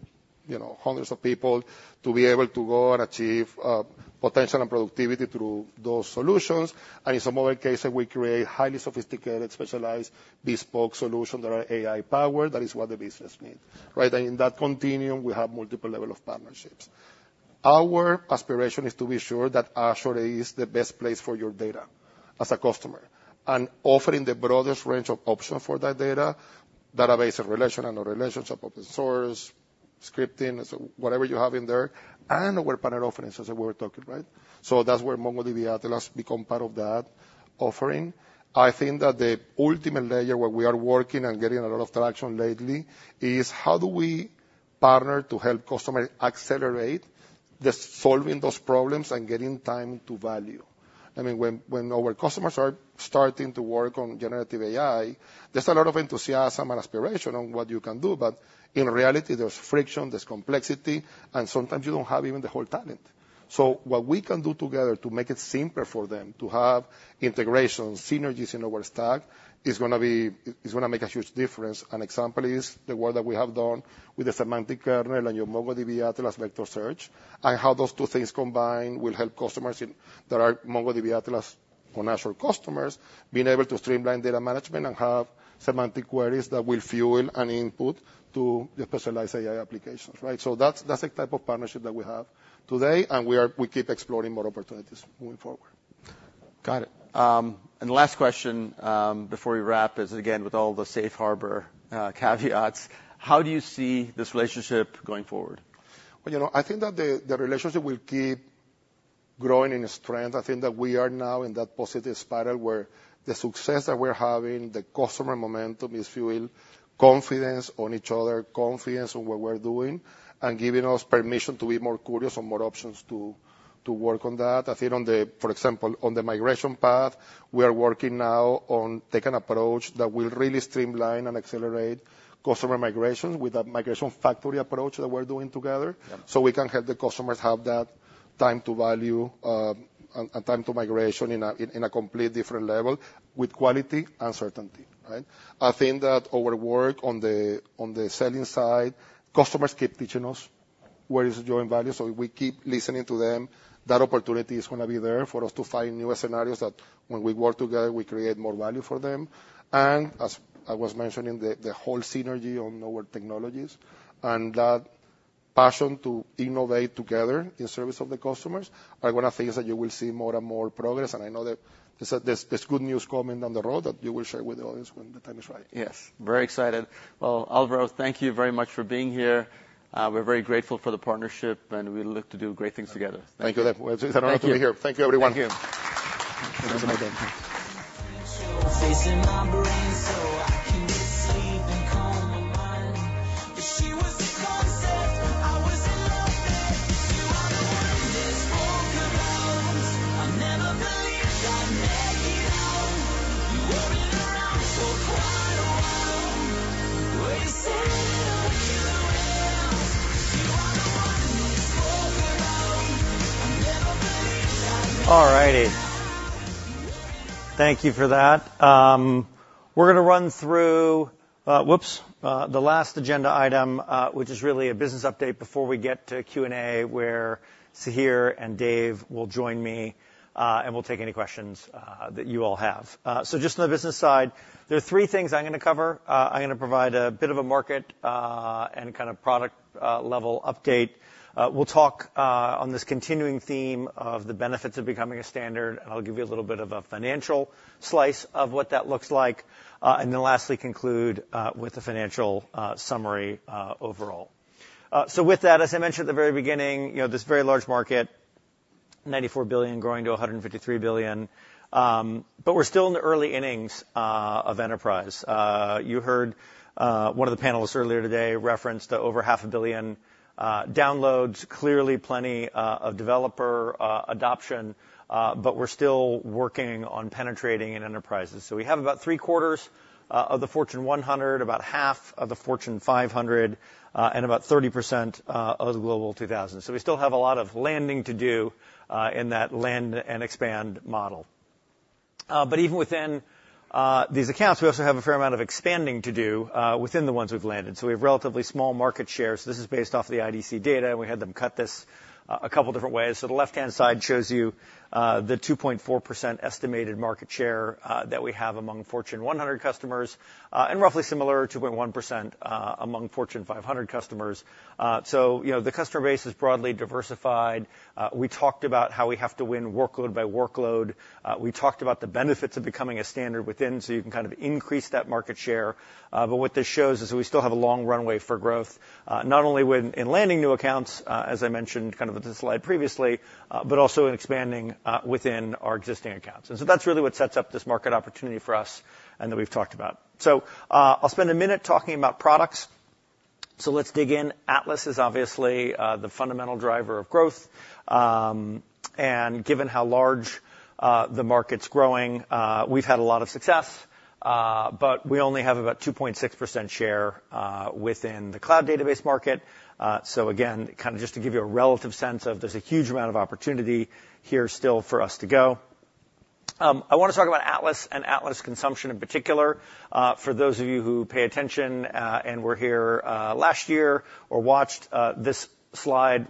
you know, hundreds of people, to be able to go and achieve potential and productivity through those solutions. In some other cases, we create highly sophisticated, specialized bespoke solutions that are AI-powered. That is what the business needs, right? And in that continuum, we have multiple levels of partnerships. Our aspiration is to be sure that Azure is the best place for your data as a customer, and offering the broadest range of options for that data, database and relational and non-relational, open source, scripting, so whatever you have in there, and our partner offerings, as we were talking, right? So that's where MongoDB Atlas becomes part of that offering. I think that the ultimate layer where we are working and getting a lot of traction lately is how do we partner to help customers accelerate the solving those problems and getting time to value? I mean, when, when our customers are starting to work on generative AI, there's a lot of enthusiasm and aspiration on what you can do, but in reality, there's friction, there's complexity, and sometimes you don't have even the whole talent. So what we can do together to make it simpler for them, to have integration, synergies in our stack, is gonna be, is gonna make a huge difference. An example is the work that we have done with the Semantic Kernel and your MongoDB Atlas Vector Search, and how those two things combined will help customers in, that are MongoDB Atlas or natural customers, being able to streamline data management and have semantic queries that will fuel an input to the specialized AI applications, right? So that's, that's the type of partnership that we have today, and we are, we keep exploring more opportunities moving forward. Got it. And last question, before we wrap is, again, with all the safe harbor caveats, how do you see this relationship going forward? Well, you know, I think that the, the relationship will keep growing in strength. I think that we are now in that positive spiral where the success that we're having, the customer momentum, is fueling confidence on each other, confidence on what we're doing, and giving us permission to be more curious on more options to, to work on that. I think on the... For example, on the migration path, we are working now on take an approach that will really streamline and accelerate customer migrations with a migration factory approach that we're doing together- Yeah. So we can help the customers have that time to value, and time to migration in a complete different level, with quality and certainty, right? I think that our work on the selling side, customers keep teaching us what is the joint value, so we keep listening to them. That opportunity is gonna be there for us to find newer scenarios that when we work together, we create more value for them. And as I was mentioning, the whole synergy on our technologies and that passion to innovate together in service of the customers, are one of the things that you will see more and more progress. And I know that there's good news coming down the road that you will share with the audience when the time is right. Yes, very excited. Well, Alvaro, thank you very much for being here. We're very grateful for the partnership, and we look to do great things together. Thank you. It's an honor to be here. Thank you. Thank you, everyone. Thank you. Chasing my brain so I can get sleep and calm my mind. But she was a concept. I was a love bet. You are the one that spoke around. I never believed I'd make it out. You wasn't around for quite a while. When you said, "I'm here," well, you are the one that spoke around. I never believed I'd make it out. All righty. Thank you for that. We're gonna run through... Whoops! The last agenda item, which is really a business update before we get to Q&A, where Sahir and Dev will join me, and we'll take any questions that you all have. So just on the business side, there are three things I'm gonna cover. I'm gonna provide a bit of a market and kind of product level update. We'll talk on this continuing theme of the benefits of becoming a standard, and I'll give you a little bit of a financial slice of what that looks like. And then lastly, conclude with the financial summary overall. So with that, as I mentioned at the very beginning, you know, this is a very large market, $94 billion growing to $153 billion, but we're still in the early innings of enterprise. You heard one of the panelists earlier today reference to over 500 million downloads. Clearly, plenty of developer adoption, but we're still working on penetrating in enterprises. So we have about three-quarters of the Fortune 100, about half of the Fortune 500, and about 30% of the Global 2000. So we still have a lot of landing to do in that land and expand model. But even within these accounts, we also have a fair amount of expanding to do within the ones we've landed. So we have relatively small market shares. This is based off the IDC data, and we had them cut this a couple different ways. So the left-hand side shows you the 2.4% estimated market share that we have among Fortune 100 customers, and roughly similar 0.1% among Fortune 500 customers. So you know, the customer base is broadly diversified. We talked about how we have to win workload by workload. We talked about the benefits of becoming a standard within, so you can kind of increase that market share. But what this shows is we still have a long runway for growth, not only winning and landing new accounts, as I mentioned kind of at this slide previously, but also in expanding within our existing accounts. So that's really what sets up this market opportunity for us, and that we've talked about. So, I'll spend a minute talking about products. So let's dig in. Atlas is obviously the fundamental driver of growth. And given how large the market's growing, we've had a lot of success, but we only have about 2.6% share within the cloud database market. So again, kinda just to give you a relative sense of there's a huge amount of opportunity here still for us to go. I wanna talk about Atlas and Atlas consumption, in particular. For those of you who pay attention, and were here last year or watched, this slide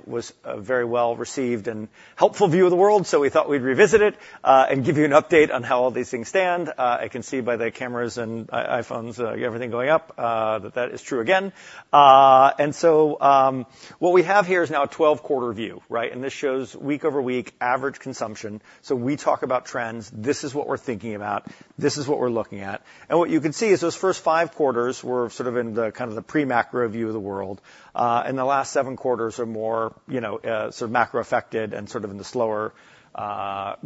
was very well-received and helpful view of the world, so we thought we'd revisit it, and give you an update on how all these things stand. I can see by the cameras and iPhones, you everything going up, that that is true again. And so, what we have here is now a 12-quarter view, right? And this shows week over week, average consumption. So when we talk about trends, this is what we're thinking about, this is what we're looking at. What you can see is those first five quarters were sort of in the kind of the pre-macro view of the world, and the last seven quarters are more, you know, sort of macro affected and sort of in the slower,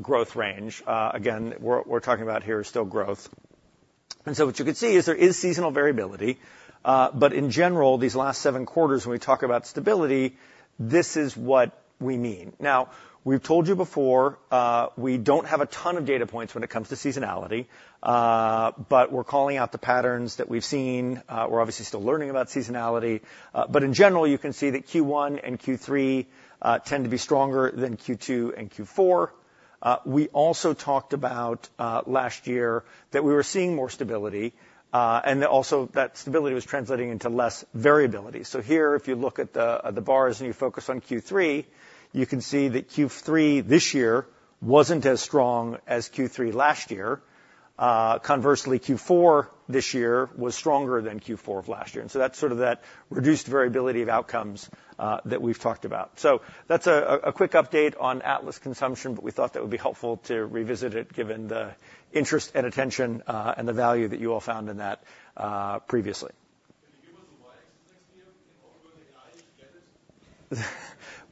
growth range. Again, what we're talking about here is still growth. And so what you can see is there is seasonal variability, but in general, these last seven quarters, when we talk about stability, this is what we mean. Now, we've told you before, we don't have a ton of data points when it comes to seasonality, but we're calling out the patterns that we've seen. We're obviously still learning about seasonality, but in general, you can see that Q1 and Q3 tend to be stronger than Q2 and Q4. We also talked about, last year, that we were seeing more stability, and also that stability was translating into less variability. So here, if you look at the bars and you focus on Q3, you can see that Q3 this year wasn't as strong as Q3 last year. Conversely, Q4 this year was stronger than Q4 of last year, and so that's sort of that reduced variability of outcomes, that we've talked about. So that's a quick update on Atlas consumption, but we thought that would be helpful to revisit it, given the interest and attention, and the value that you all found in that, previously.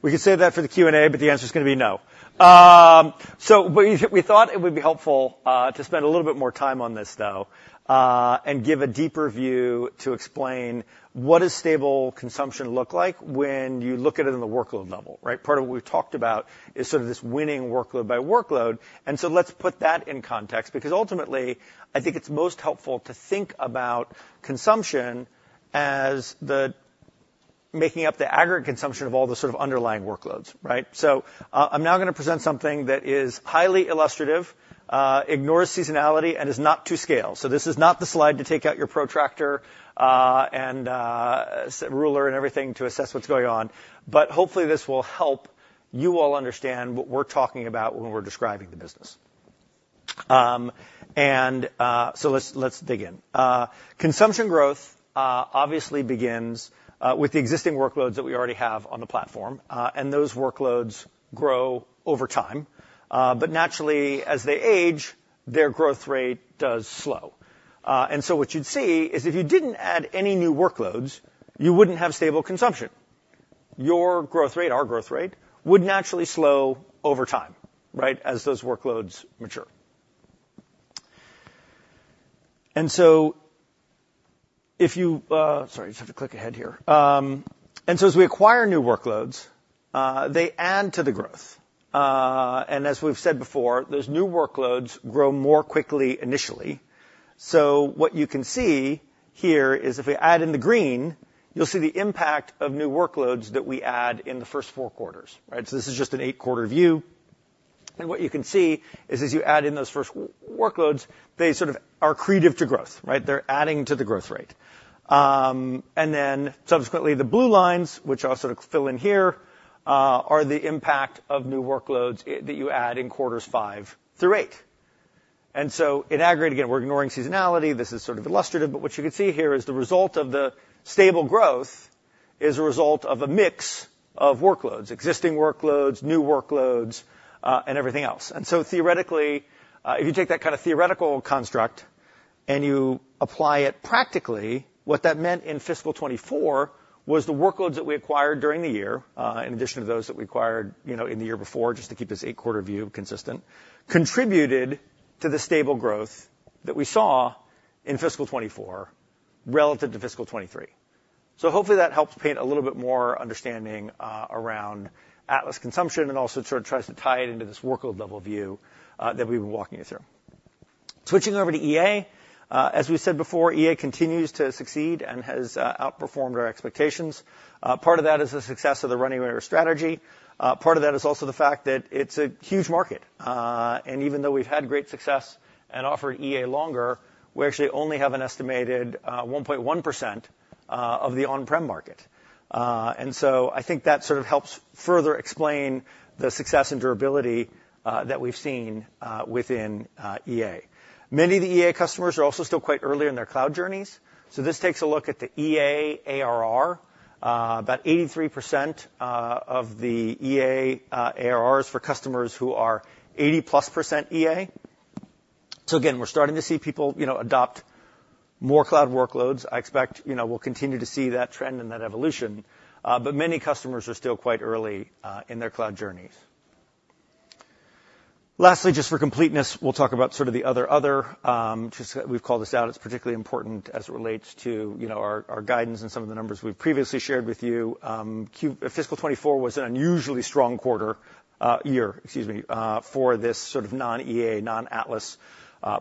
Can you give us the YX next year over the AI to get it? We could save that for the Q&A, but the answer is gonna be no. So we thought it would be helpful to spend a little bit more time on this, though, and give a deeper view to explain what does stable consumption look like when you look at it in the workload level, right? Part of what we've talked about is sort of this winning workload by workload, and so let's put that in context, because ultimately, I think it's most helpful to think about consumption as the making up the aggregate consumption of all the sort of underlying workloads, right? So, I'm now gonna present something that is highly illustrative, ignores seasonality, and is not to scale. So this is not the slide to take out your protractor and ruler and everything to assess what's going on, but hopefully, this will help you all understand what we're talking about when we're describing the business. So let's dig in. Consumption growth obviously begins with the existing workloads that we already have on the platform, and those workloads grow over time. But naturally, as they age, their growth rate does slow. And so what you'd see is if you didn't add any new workloads, you wouldn't have stable consumption. Your growth rate, our growth rate, would naturally slow over time, right? As those workloads mature. And so if you... Sorry, just have to click ahead here. And so as we acquire new workloads, they add to the growth. And as we've said before, those new workloads grow more quickly initially. So what you can see here is if we add in the green, you'll see the impact of new workloads that we add in the first four quarters, right? So this is just an eight-quarter view. And what you can see is as you add in those first workloads, they sort of are accretive to growth, right? They're adding to the growth rate. And then subsequently, the blue lines, which I'll sort of fill in here, are the impact of new workloads that you add in quarters five through eight. And so in aggregate, again, we're ignoring seasonality, this is sort of illustrative, but what you can see here is the result of the stable growth is a result of a mix of workloads, existing workloads, new workloads, and everything else. And so theoretically, if you take that kind of theoretical construct and you apply it practically, what that meant in fiscal 2024 was the workloads that we acquired during the year, in addition to those that we acquired, you know, in the year before, just to keep this 8-quarter view consistent, contributed to the stable growth that we saw in fiscal 2024 relative to fiscal 2023. So hopefully that helps paint a little bit more understanding, around Atlas consumption and also sort of tries to tie it into this workload level view, that we've been walking you through. Switching over to EA. As we said before, EA continues to succeed and has, outperformed our expectations. Part of that is the success of the run anywhere strategy. Part of that is also the fact that it's a huge market. And even though we've had great success and offered EA longer, we actually only have an estimated 1.1% of the on-prem market. And so I think that sort of helps further explain the success and durability that we've seen within EA. Many of the EA customers are also still quite early in their cloud journeys. So this takes a look at the EA ARR. About 83% of the EA ARRs for customers who are 80%+ EA. So again, we're starting to see people, you know, adopt more cloud workloads. I expect, you know, we'll continue to see that trend and that evolution, but many customers are still quite early in their cloud journeys. Lastly, just for completeness, we'll talk about sort of the other, just we've called this out. It's particularly important as it relates to, you know, our guidance and some of the numbers we've previously shared with you. Q4 fiscal 2024 was an unusually strong quarter, year, excuse me, for this sort of non-EA, non-Atlas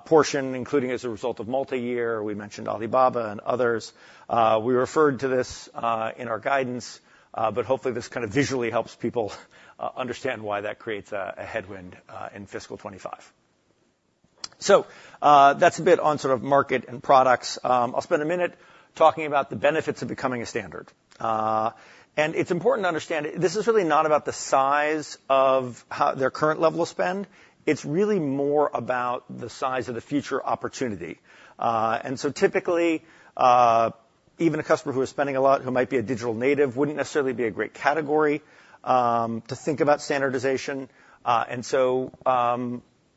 portion, including as a result of multi-year. We mentioned Alibaba and others. We referred to this in our guidance, but hopefully, this kind of visually helps people understand why that creates a headwind in fiscal 2025. So, that's a bit on sort of market and products. I'll spend a minute talking about the benefits of becoming a standard. And it's important to understand, this is really not about the size of how their current level of spend. It's really more about the size of the future opportunity. And so typically, even a customer who is spending a lot, who might be a digital native, wouldn't necessarily be a great category to think about standardization. And so,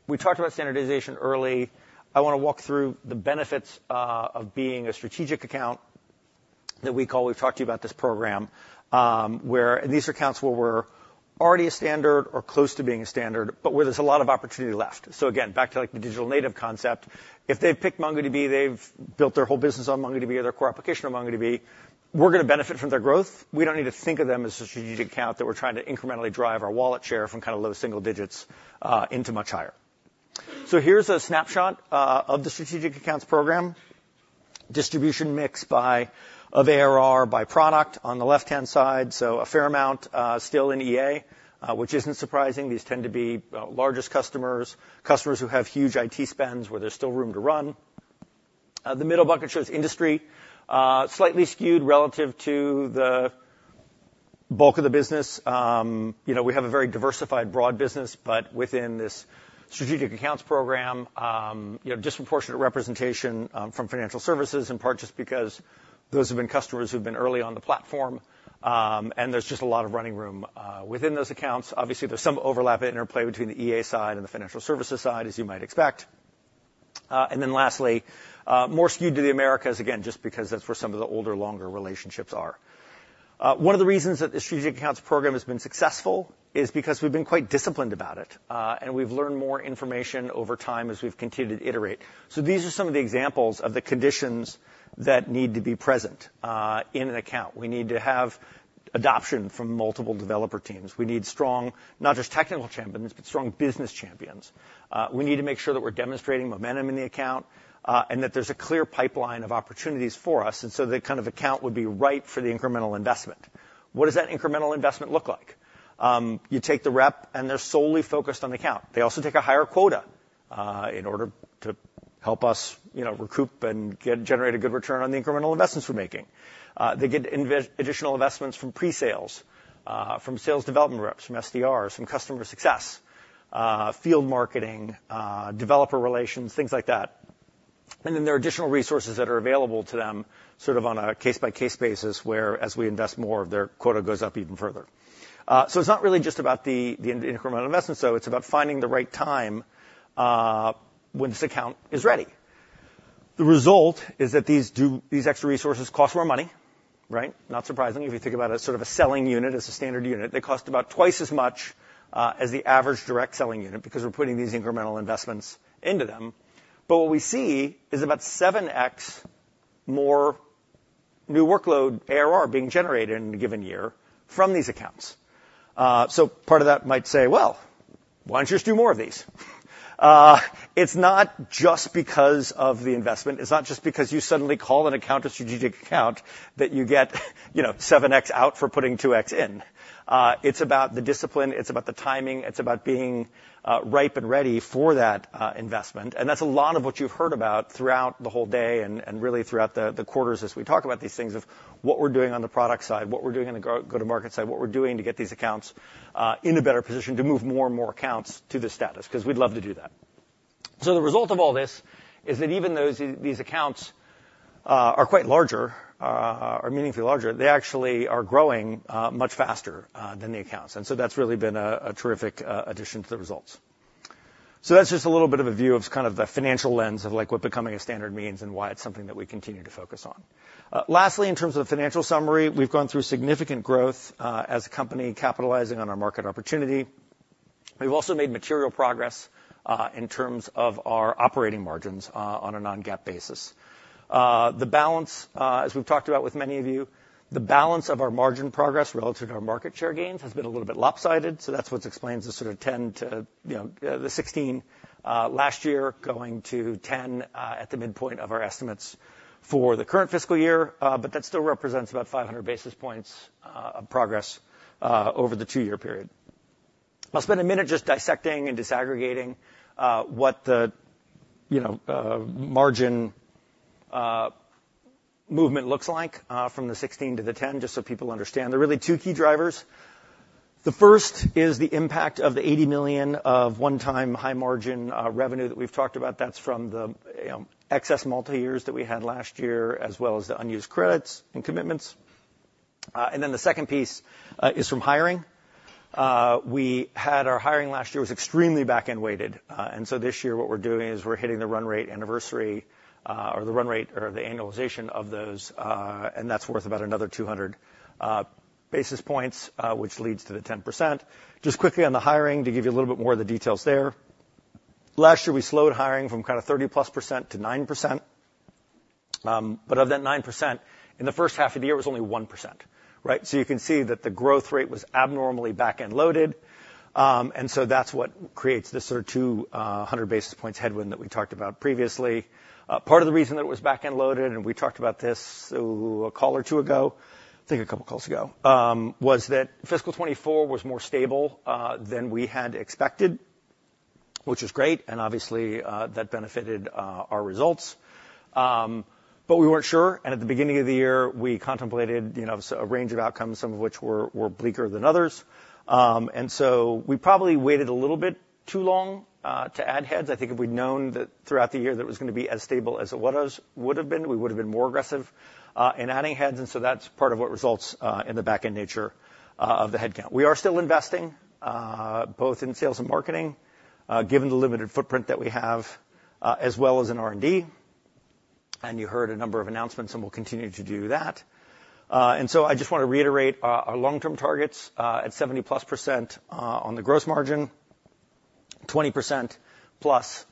we talked about standardization early. I wanna walk through the benefits of being a strategic account that we call... We've talked to you about this program, where these accounts were already a standard or close to being a standard, but where there's a lot of opportunity left. So again, back to, like, the digital native concept. If they've picked MongoDB, they've built their whole business on MongoDB, or their core application on MongoDB, we're gonna benefit from their growth. We don't need to think of them as a strategic account that we're trying to incrementally drive our wallet share from kinda low single digits into much higher. So here's a snapshot of the strategic accounts program. Distribution mix of ARR by product on the left-hand side. A fair amount still in EA, which isn't surprising. These tend to be largest customers, customers who have huge IT spends, where there's still room to run. The middle bucket shows industry, slightly skewed relative to the bulk of the business. You know, we have a very diversified, broad business, but within this strategic accounts program, you have disproportionate representation from financial services, in part just because those have been customers who've been early on the platform. There's just a lot of running room within those accounts. Obviously, there's some overlap and interplay between the EA side and the financial services side, as you might expect. And then lastly, more skewed to the Americas, again, just because that's where some of the older, longer relationships are. One of the reasons that the strategic accounts program has been successful is because we've been quite disciplined about it, and we've learned more information over time as we've continued to iterate. So these are some of the examples of the conditions that need to be present, in an account. We need to have adoption from multiple developer teams. We need strong, not just technical champions, but strong business champions. We need to make sure that we're demonstrating momentum in the account, and that there's a clear pipeline of opportunities for us, and so the kind of account would be ripe for the incremental investment. What does that incremental investment look like? You take the rep, and they're solely focused on the account. They also take a higher quota, in order to help us, you know, recoup and generate a good return on the incremental investments we're making. They get additional investments from pre-sales, from sales development reps, from SDRs, from customer success, field marketing, developer relations, things like that. And then there are additional resources that are available to them, sort of on a case-by-case basis, whereas we invest more, their quota goes up even further. So it's not really just about the incremental investment, though, it's about finding the right time, when this account is ready. The result is that these extra resources cost more money, right? Not surprising. If you think about it as sort of a selling unit, as a standard unit, they cost about twice as much as the average direct selling unit, because we're putting these incremental investments into them. But what we see is about 7x more new workload ARR being generated in a given year from these accounts. So part of that might say, "Well, why don't you just do more of these?" It's not just because of the investment. It's not just because you suddenly call an account a strategic account, that you get, you know, 7x out for putting 2x in. It's about the discipline, it's about the timing, it's about being ripe and ready for that investment. That's a lot of what you've heard about throughout the whole day and really throughout the quarters as we talk about these things of what we're doing on the product side, what we're doing on the go-to-market side, what we're doing to get these accounts in a better position to move more and more accounts to this status, 'cause we'd love to do that. So the result of all this is that even these accounts are quite larger or meaningfully larger, they actually are growing much faster than the accounts. And so that's really been a terrific addition to the results. So that's just a little bit of a view of kind of the financial lens of, like, what becoming a standard means and why it's something that we continue to focus on. Lastly, in terms of financial summary, we've gone through significant growth as a company, capitalizing on our market opportunity. We've also made material progress in terms of our operating margins on a non-GAAP basis. The balance, as we've talked about with many of you, the balance of our margin progress relative to our market share gains has been a little bit lopsided, so that's what explains the sort of 10 to, you know, the 16 last year, going to 10 at the midpoint of our estimates for the current fiscal year. But that still represents about 500 basis points of progress over the two-year period. I'll spend a minute just dissecting and disaggregating what the, you know, margin movement looks like from the 16 to the 10, just so people understand. There are really two key drivers. The first is the impact of the $80 million of one-time, high-margin, revenue that we've talked about. That's from the, you know, excess multi-years that we had last year, as well as the unused credits and commitments. And then the second piece is from hiring. We had our hiring last year was extremely back-end weighted, and so this year, what we're doing is we're hitting the run rate anniversary, or the run rate or the annualization of those, and that's worth about another 200 basis points, which leads to the 10%. Just quickly on the hiring, to give you a little bit more of the details there. Last year, we slowed hiring from kinda 30+% to 9%.... But of that 9%, in the first half of the year, it was only 1%, right? So you can see that the growth rate was abnormally back-end loaded. And so that's what creates this sort of 200 basis points headwind that we talked about previously. Part of the reason that it was back-end loaded, and we talked about this, oh, a call or two ago, I think a couple of calls ago, was that fiscal 2024 was more stable than we had expected, which was great, and obviously, that benefited our results. But we weren't sure, and at the beginning of the year, we contemplated, you know, a range of outcomes, some of which were bleaker than others. And so we probably waited a little bit too long to add heads. I think if we'd known that throughout the year that it was gonna be as stable as it was, would have been, we would have been more aggressive in adding heads, and so that's part of what results in the back-end nature of the headcount. We are still investing both in sales and marketing, given the limited footprint that we have, as well as in R&D, and you heard a number of announcements, and we'll continue to do that. And so I just want to reiterate our long-term targets at 70%+ on the gross margin, 20%+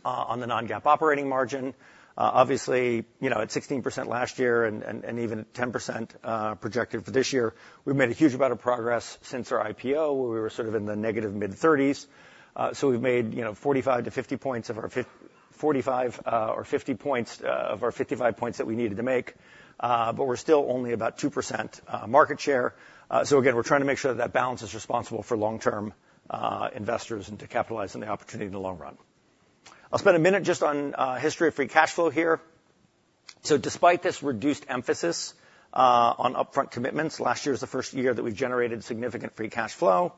on the non-GAAP operating margin. Obviously, you know, at 16% last year and even at 10%, projected for this year, we've made a huge amount of progress since our IPO, where we were sort of in the negative mid-30s. So we've made, you know, 45-50 points of our 45 or 50 points of our 55 points that we needed to make, but we're still only about 2% market share. So again, we're trying to make sure that balance is responsible for long-term investors and to capitalize on the opportunity in the long run. I'll spend a minute just on history of free cash flow here. So despite this reduced emphasis on upfront commitments, last year was the first year that we've generated significant free cash flow.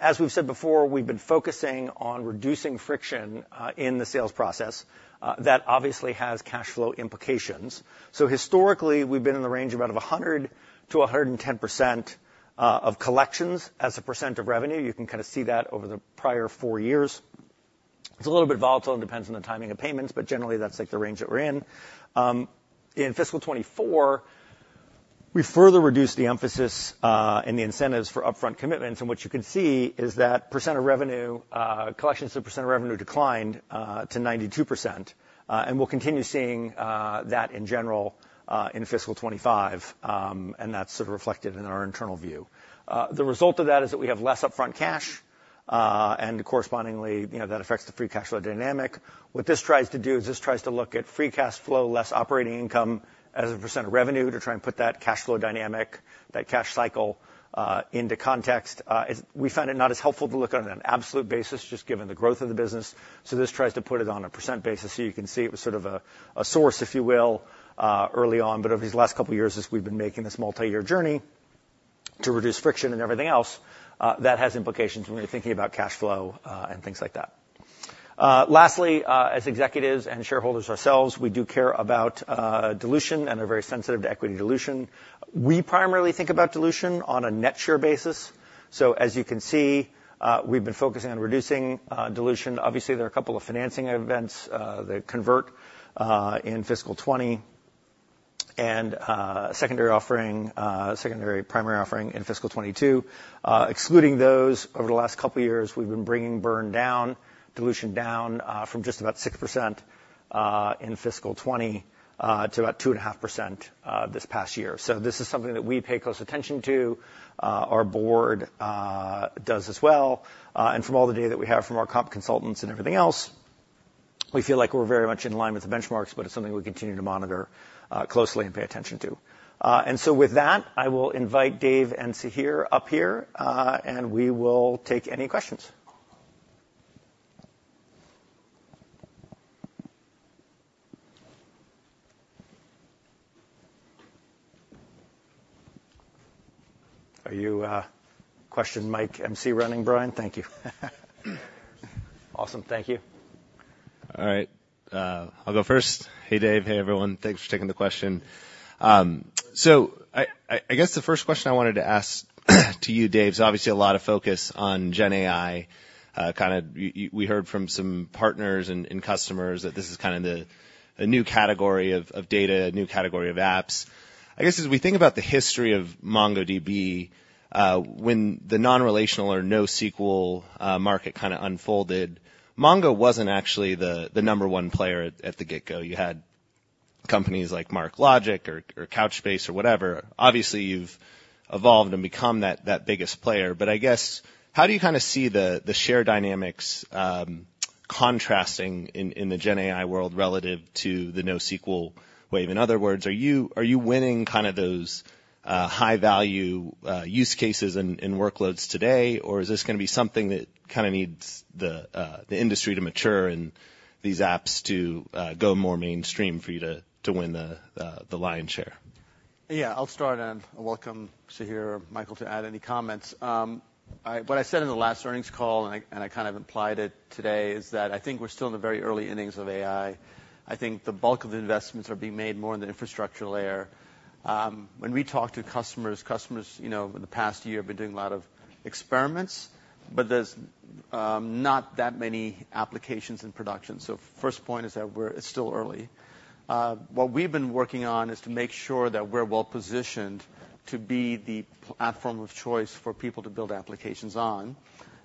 As we've said before, we've been focusing on reducing friction in the sales process. That obviously has cash flow implications. So historically, we've been in the range of about 100%-110% of collections as a percent of revenue. You can kinda see that over the prior four years. It's a little bit volatile and depends on the timing of payments, but generally, that's, like, the range that we're in. In fiscal 2024, we further reduced the emphasis and the incentives for upfront commitments, and what you can see is that percent of revenue, collections to percent of revenue declined to 92%. And we'll continue seeing that in general in fiscal 2025, and that's sort of reflected in our internal view. The result of that is that we have less upfront cash, and correspondingly, you know, that affects the free cash flow dynamic. What this tries to do is this tries to look at free cash flow, less operating income as a percent of revenue to try and put that cash flow dynamic, that cash cycle, into context. It's. We found it not as helpful to look on an absolute basis, just given the growth of the business, so this tries to put it on a percent basis. So you can see it was sort of a, a source, if you will, early on. But over these last couple of years, as we've been making this multi-year journey to reduce friction and everything else, that has implications when you're thinking about cash flow, and things like that. Lastly, as executives and shareholders ourselves, we do care about dilution, and we're very sensitive to equity dilution. We primarily think about dilution on a net share basis. So as you can see, we've been focusing on reducing dilution. Obviously, there are a couple of financing events that convert in fiscal 2020 and secondary offering, secondary, primary offering in fiscal 2022. Excluding those, over the last couple of years, we've been bringing burn down, dilution down from just about 6% in fiscal 2020 to about 2.5% this past year. So this is something that we pay close attention to. Our board does as well. From all the data that we have from our comp consultants and everything else, we feel like we're very much in line with the benchmarks, but it's something we continue to monitor closely and pay attention to. So with that, I will invite Dev and Sahir up here, and we will take any questions. Are you question mic running, Brian? Thank you. Awesome. Thank you. All right, I'll go first. Hey, Dev. Hey, everyone. Thanks for taking the question. So I guess the first question I wanted to ask to you, Dev, is obviously a lot of focus on GenAI. Kinda we heard from some partners and customers that this is kind of the, a new category of data, a new category of apps. I guess, as we think about the history of MongoDB, when the non-relational or NoSQL market kinda unfolded, Mongo wasn't actually the number one player at the get-go. You had companies like MarkLogic or Couchbase or whatever. Obviously, you've evolved and become that biggest player. But I guess, how do you kinda see the share dynamics contrasting in the GenAI world relative to the NoSQL wave? In other words, are you winning kind of those high-value use cases and workloads today, or is this gonna be something that kinda needs the industry to mature and these apps to go more mainstream for you to win the lion's share? Yeah, I'll start, and welcome Sahir, Michael, to add any comments. What I said in the last earnings call, and I, and I kind of implied it today, is that I think we're still in the very early innings of AI. I think the bulk of the investments are being made more in the infrastructure layer. When we talk to customers, customers, you know, in the past year, have been doing a lot of experiments, but there's-... not that many applications in production. So first point is that it's still early. What we've been working on is to make sure that we're well-positioned to be the platform of choice for people to build applications on,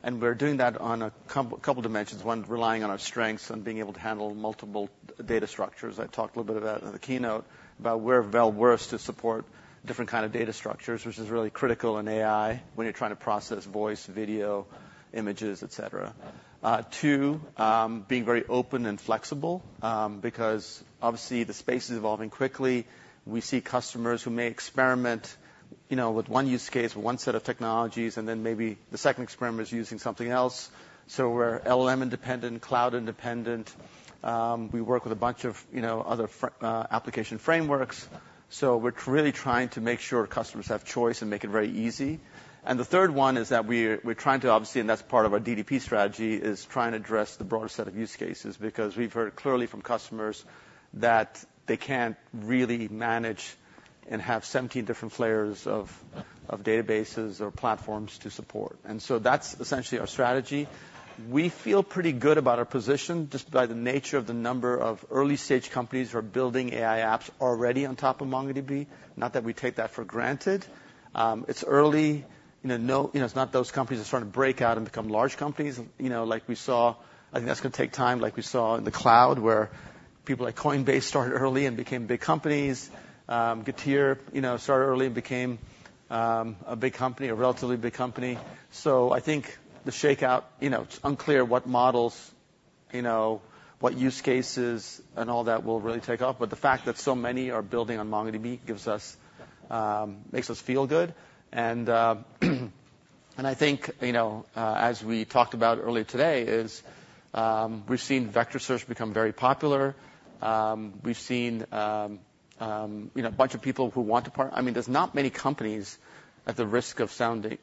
and we're doing that on a couple dimensions. One, relying on our strengths and being able to handle multiple data structures. I talked a little bit about in the keynote, about where Vector Search to support different kinds of data structures, which is really critical in AI when you're trying to process voice, video, images, et cetera. Two, being very open and flexible, because obviously the space is evolving quickly. We see customers who may experiment, you know, with one use case, with one set of technologies, and then maybe the second experiment is using something else. So we're LM independent, cloud independent, we work with a bunch of, you know, other application frameworks. So we're really trying to make sure customers have choice and make it very easy. And the third one is that we're, we're trying to, obviously, and that's part of our DDP strategy, is trying to address the broader set of use cases because we've heard clearly from customers that they can't really manage and have 17 different layers of, of databases or platforms to support. And so that's essentially our strategy. We feel pretty good about our position, just by the nature of the number of early-stage companies who are building AI apps already on top of MongoDB. Not that we take that for granted. It's early, you know, it's not those companies that start to break out and become large companies, you know, like we saw... I think that's gonna take time, like we saw in the cloud, where people like Coinbase started early and became big companies. Getir, you know, started early and became a big company, a relatively big company. So I think the shakeout, you know, it's unclear what models, you know, what use cases and all that will really take off, but the fact that so many are building on MongoDB gives us makes us feel good. And I think, you know, as we talked about earlier today, we've seen vector search become very popular. We've seen, you know, a bunch of people who want to—I mean, there's not many companies at the risk of sounding,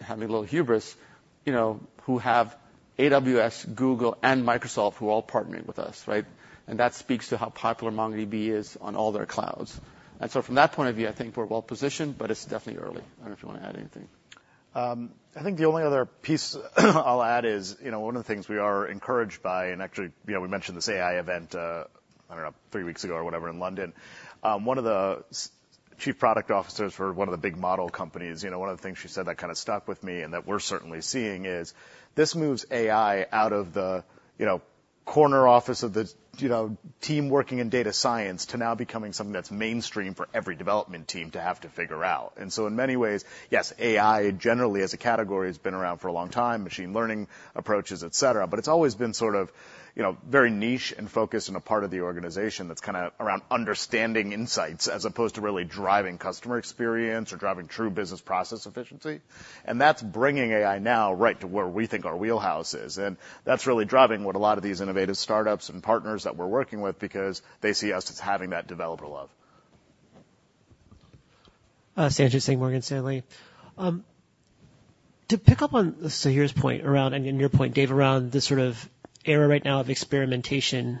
having a little hubris, you know, who have AWS, Google, and Microsoft, who all partnering with us, right? And that speaks to how popular MongoDB is on all their clouds. And so from that point of view, I think we're well positioned, but it's definitely early. I don't know if you want to add anything. I think the only other piece I'll add is, you know, one of the things we are encouraged by, and actually, you know, we mentioned this AI event, I don't know, three weeks ago or whatever, in London. One of the Chief Product Officers for one of the big model companies, you know, one of the things she said that kind of stuck with me and that we're certainly seeing is, this moves AI out of the, you know, corner office of the, you know, team working in data science, to now becoming something that's mainstream for every development team to have to figure out. And so in many ways, yes, AI, generally as a category, has been around for a long time, machine learning approaches, et cetera, but it's always been sort of, you know, very niche and focused on a part of the organization that's kind of around understanding insights, as opposed to really driving customer experience or driving true business process efficiency. And that's bringing AI now right to where we think our wheelhouse is. And that's really driving what a lot of these innovative startups and partners that we're working with, because they see us as having that developer love. Sanjit Singh, Morgan Stanley. To pick up on Sahir's point around, and your point, Dev, around this sort of era right now of experimentation,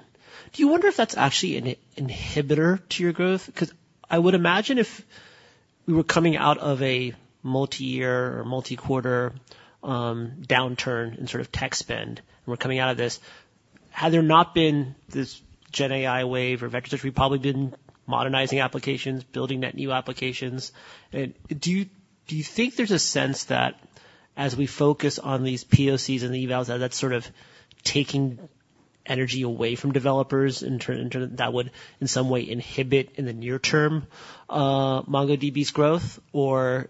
do you wonder if that's actually an inhibitor to your growth? Because I would imagine if we were coming out of a multi-year or multi-quarter, downturn in sort of tech spend, and we're coming out of this, had there not been this Gen AI wave or vector, we probably been modernizing applications, building net new applications. And do you, do you think there's a sense that as we focus on these POCs and the evals, that's sort of taking energy away from developers, and turn- and that would in some way inhibit, in the near term, MongoDB's growth? Or,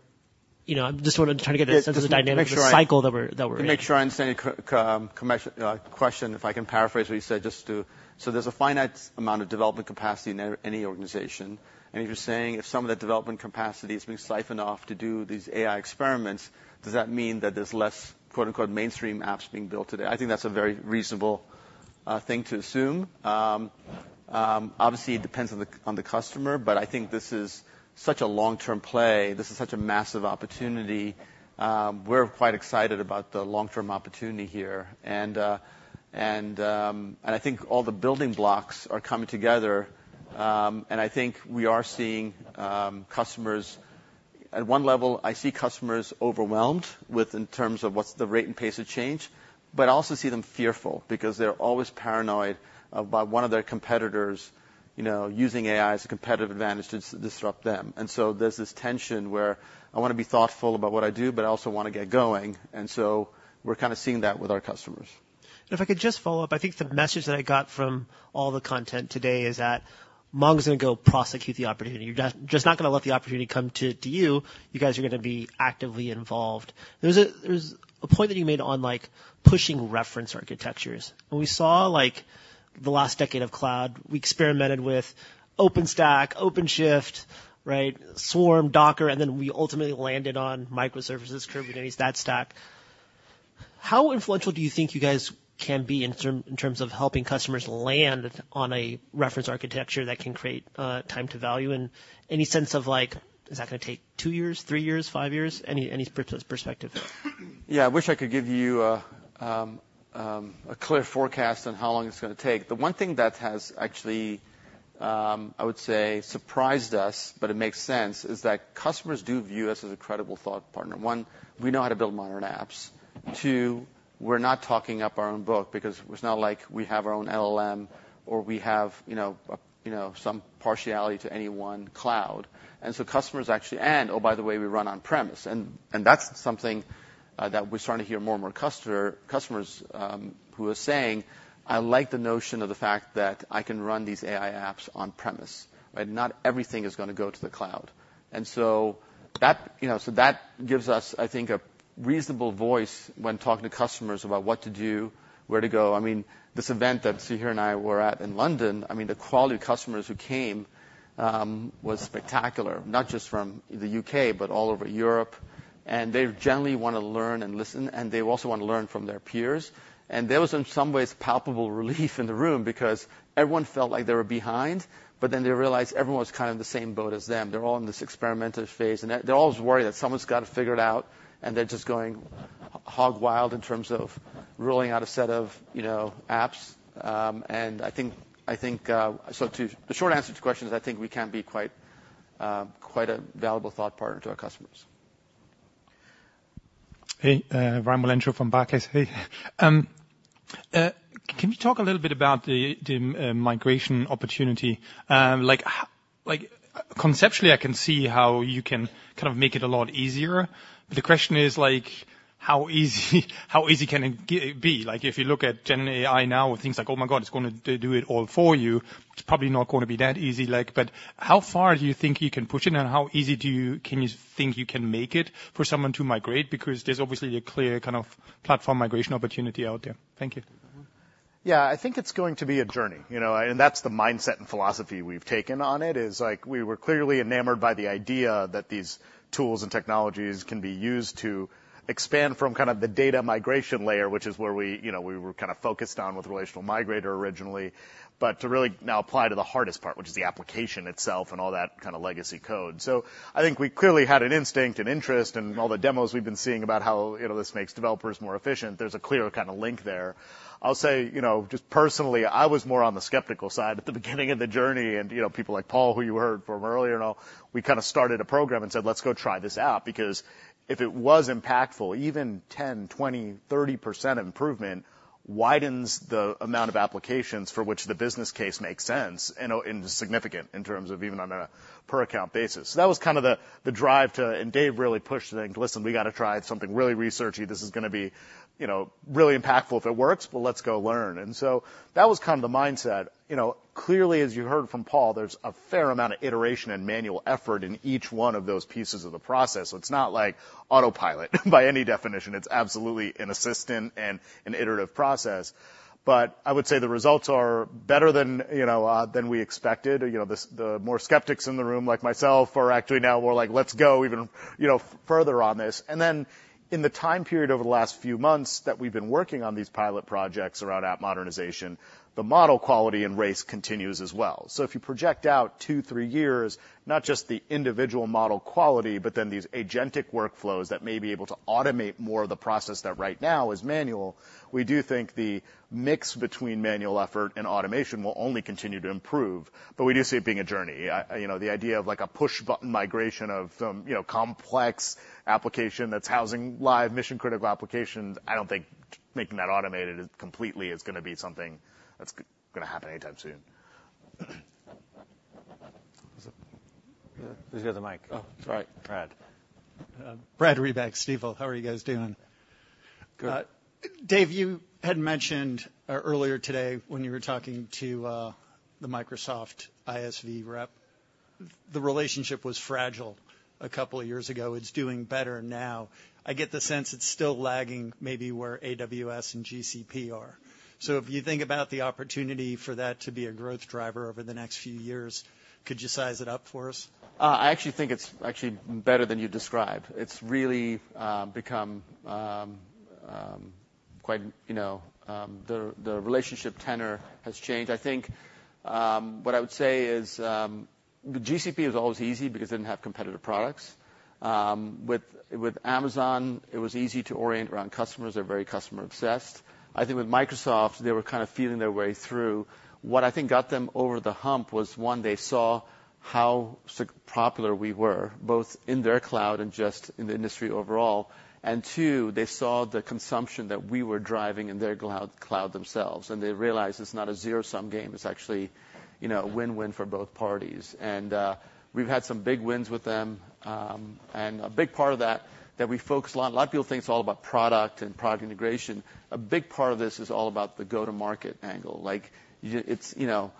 you know, I'm just wanting to try to get a sense of the dynamic of the cycle that we're, that we're in. To make sure I understand your question, if I can paraphrase what you said, just to... So there's a finite amount of development capacity in any organization, and you're saying if some of that development capacity is being siphoned off to do these AI experiments, does that mean that there's less, quote unquote, "mainstream apps" being built today? I think that's a very reasonable thing to assume. Obviously, it depends on the customer, but I think this is such a long-term play. This is such a massive opportunity. We're quite excited about the long-term opportunity here. And I think all the building blocks are coming together, and I think we are seeing customers... At one level, I see customers overwhelmed with in terms of what's the rate and pace of change, but I also see them fearful because they're always paranoid about one of their competitors, you know, using AI as a competitive advantage to disrupt them. And so there's this tension where I wanna be thoughtful about what I do, but I also wanna get going, and so we're kind of seeing that with our customers. If I could just follow up, I think the message that I got from all the content today is that Mongo is gonna go prosecute the opportunity. You're just, just not gonna let the opportunity come to, to you, you guys are gonna be actively involved. There's a, there's a point that you made on, like, pushing reference architectures. And we saw, like, the last decade of cloud, we experimented with OpenStack, OpenShift, right, Swarm, Docker, and then we ultimately landed on microservices, Kubernetes, that stack. How influential do you think you guys can be in terms of helping customers land on a reference architecture that can create time to value? And any sense of, like, is that gonna take two years, three years, five years? Any perspective? Yeah, I wish I could give you a clear forecast on how long it's gonna take. The one thing that has actually surprised us, but it makes sense, is that customers do view us as a credible thought partner. One, we know how to build modern apps. Two, we're not talking up our own book because it's not like we have our own LLM or we have, you know, some partiality to any one cloud. And so customers actually, and, oh, by the way, we run on premise, and that's something that we're starting to hear more and more from customers who are saying, "I like the notion of the fact that I can run these AI apps on premise." Right? Not everything is gonna go to the cloud. And so that, you know, so that gives us, I think, a reasonable voice when talking to customers about what to do, where to go. I mean, this event that Sahir and I were at in London, I mean, the quality of customers who came, was spectacular, not just from the U.K., but all over Europe, and they generally wanna learn and listen, and they also wanna learn from their peers. And there was, in some ways, palpable relief in the room because everyone felt like they were behind, but then they realized everyone was kind of in the same boat as them. They're all in this experimental phase, and they're always worried that someone's got it figured out, and they're just going hog wild in terms of rolling out a set of, you know, apps. And I think, I think... So, the short answer to your question is, I think we can be quite, quite a valuable thought partner to our customers. Hey, Ryan Muldoon from Barclays. Can you talk a little bit about the migration opportunity? Like, conceptually, I can see how you can kind of make it a lot easier, but the question is, like, how easy can it get? Like, if you look at GenAI now with things like, "Oh, my God, it's gonna do it all for you," it's probably not gonna be that easy. Like, but how far do you think you can push it, and how easy do you think you can make it for someone to migrate? Because there's obviously a clear kind of platform migration opportunity out there. Thank you. Mm-hmm. Yeah, I think it's going to be a journey, you know. And that's the mindset and philosophy we've taken on it, is, like, we were clearly enamored by the idea that these tools and technologies can be used to expand from kind of the data migration layer, which is where we, you know, we were kind of focused on with Relational Migrator originally, but to really now apply to the hardest part, which is the application itself and all that kind of legacy code. So I think we clearly had an instinct and interest, and all the demos we've been seeing about how, you know, this makes developers more efficient, there's a clear kind of link there. I'll say, you know, just personally, I was more on the skeptical side at the beginning of the journey, and, you know, people like Paul, who you heard from earlier, and all, we kind of started a program and said, "Let's go try this out." Because if it was impactful, even 10%, 20%, 30% improvement widens the amount of applications for which the business case makes sense and, oh, and is significant in terms of even on a per account basis. So that was kind of the drive to... And Dev really pushed, saying, "Listen, we gotta try something, really researchy. This is gonna be, you know, really impactful if it works, but let's go learn." And so that was kind of the mindset. You know, clearly, as you heard from Paul, there's a fair amount of iteration and manual effort in each one of those pieces of the process, so it's not like autopilot, by any definition. It's absolutely an assistant and an iterative process. But I would say the results are better than, you know, than we expected. You know, the more skeptics in the room, like myself, are actually now more like, "Let's go even, you know, further on this." And then in the time period over the last few months that we've been working on these pilot projects around app modernization, the model quality and race continues as well. So if you project out two, three years, not just the individual model quality, but then these agentic workflows that may be able to automate more of the process that right now is manual, we do think the mix between manual effort and automation will only continue to improve, but we do see it being a journey. You know, the idea of, like, a push-button migration of some, you know, complex application that's housing live mission-critical applications, I don't think making that automated completely is gonna be something that's gonna happen anytime soon. Who's got the mic? Oh, sorry. Brad. Brad Reback, Stifel. How are you guys doing? Good. Dev, you had mentioned, earlier today when you were talking to, the Microsoft ISV rep, the relationship was fragile a couple of years ago. It's doing better now. I get the sense it's still lagging maybe where AWS and GCP are. So if you think about the opportunity for that to be a growth driver over the next few years, could you size it up for us? I actually think it's actually better than you described. It's really become quite, you know, the relationship tenor has changed. I think what I would say is, GCP was always easy because they didn't have competitive products. With Amazon, it was easy to orient around customers. They're very customer-obsessed. I think with Microsoft, they were kind of feeling their way through. What I think got them over the hump was, one, they saw how so popular we were, both in their cloud and just in the industry overall, and two, they saw the consumption that we were driving in their cloud themselves, and they realized it's not a zero-sum game. It's actually, you know, a win-win for both parties. We've had some big wins with them, and a big part of that, that we focus a lot, a lot of people think it's all about product and product integration. A big part of this is all about the go-to-market angle. Like, it's, you know,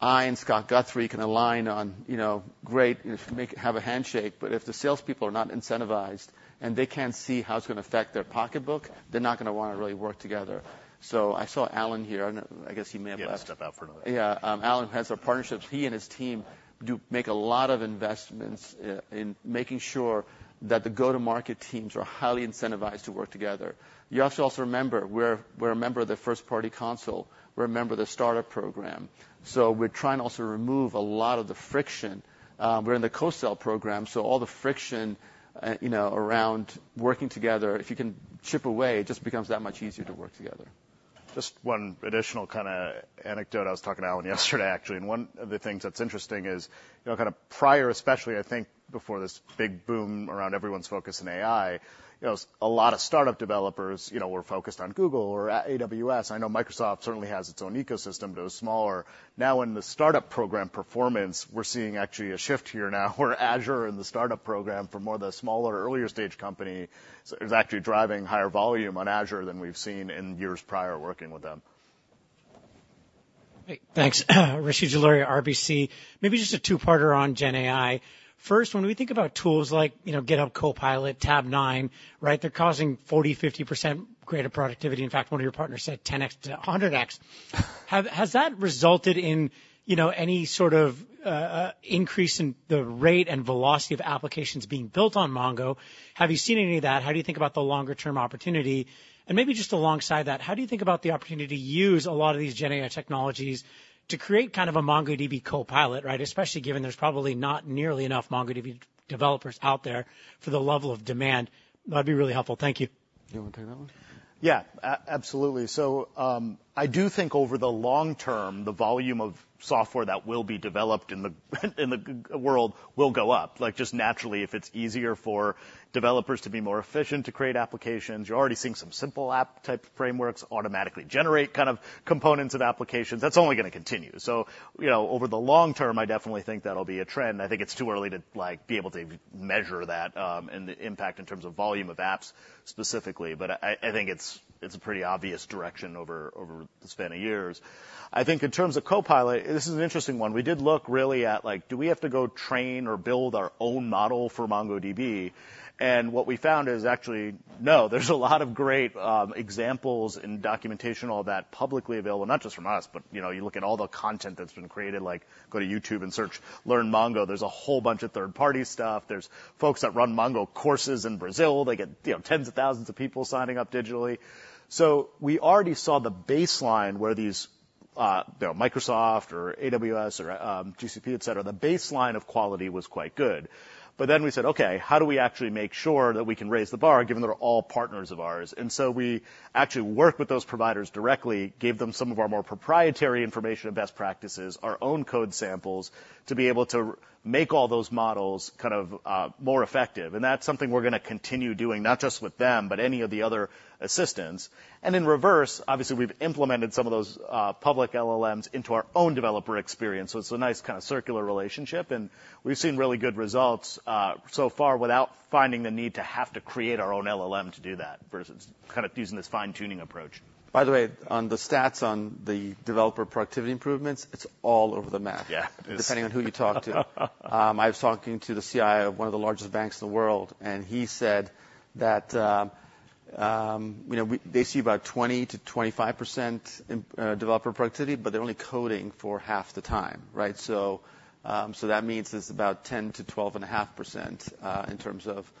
I and Scott Guthrie can align on, you know, great, you know, have a handshake, but if the salespeople are not incentivized, and they can't see how it's gonna affect their pocketbook, they're not gonna wanna really work together. So I saw Alan here, and I guess he may have left. He had to step out for a minute. Yeah, Alan, who heads our partnerships, he and his team do make a lot of investments in making sure that the go-to-market teams are highly incentivized to work together. You also remember, we're a member of the first party console. We're a member of the startup program. So we're trying to also remove a lot of the friction. We're in the co-sell program, so all the friction, you know, around working together, if you can chip away, it just becomes that much easier to work together.... Just one additional kind of anecdote. I was talking to Alan yesterday, actually, and one of the things that's interesting is, you know, kind of prior, especially, I think, before this big boom around everyone's focus in AI, you know, a lot of startup developers, you know, were focused on Google or AWS. I know Microsoft certainly has its own ecosystem, though smaller. Now, in the startup program performance, we're seeing actually a shift here now, where Azure and the startup program, for more of the smaller, earlier stage company, is actually driving higher volume on Azure than we've seen in years prior working with them. Great. Thanks. Rishi Jaluria, RBC, maybe just a two-parter on GenAI. First, when we think about tools like, you know, GitHub Copilot, Tabnine, right, they're causing 40%-50% greater productivity. In fact, one of your partners said 10x to 100x. Has that resulted in, you know, any sort of increase in the rate and velocity of applications being built on Mongo? Have you seen any of that? How do you think about the longer term opportunity? And maybe just alongside that, how do you think about the opportunity to use a lot of these GenAI technologies to create kind of a MongoDB Copilot, right? Especially given there's probably not nearly enough MongoDB developers out there for the level of demand. That'd be really helpful. Thank you. Do you wanna take that one? Yeah, absolutely. So, I do think over the long term, the volume of software that will be developed in the, in the GenAI world will go up. Like, just naturally, if it's easier for developers to be more efficient, to create applications, you're already seeing some simple app-type frameworks automatically generate kind of components of applications. That's only gonna continue. So, you know, over the long term, I definitely think that'll be a trend, and I think it's too early to, like, be able to measure that, and the impact in terms of volume of apps specifically. But I think it's a pretty obvious direction over the span of years. I think in terms of Copilot, this is an interesting one. We did look really at, like, do we have to go train or build our own model for MongoDB? What we found is actually, no, there's a lot of great examples and documentation, all that, publicly available, not just from us, but, you know, you look at all the content that's been created, like go to YouTube and search, learn Mongo, there's a whole bunch of third-party stuff. There's folks that run Mongo courses in Brazil. They get, you know, tens of thousands of people signing up digitally. So we already saw the baseline where these, you know, Microsoft or AWS or GCP, et cetera, the baseline of quality was quite good. But then we said, "Okay, how do we actually make sure that we can raise the bar, given they're all partners of ours?" And so we actually worked with those providers directly, gave them some of our more proprietary information and best practices, our own code samples, to be able to make all those models kind of more effective. And that's something we're gonna continue doing, not just with them, but any of the other assistants. And in reverse, obviously, we've implemented some of those public LLMs into our own developer experience, so it's a nice kind of circular relationship, and we've seen really good results so far, without finding the need to have to create our own LLM to do that, versus kind of using this fine-tuning approach. By the way, on the stats on the developer productivity improvements, it's all over the map- Yeah, it's Depending on who you talk to. I was talking to the CIO of one of the largest banks in the world, and he said that, you know, they see about 20%-25% in developer productivity, but they're only coding for half the time, right? So that means it's about 10%-12.5% in terms of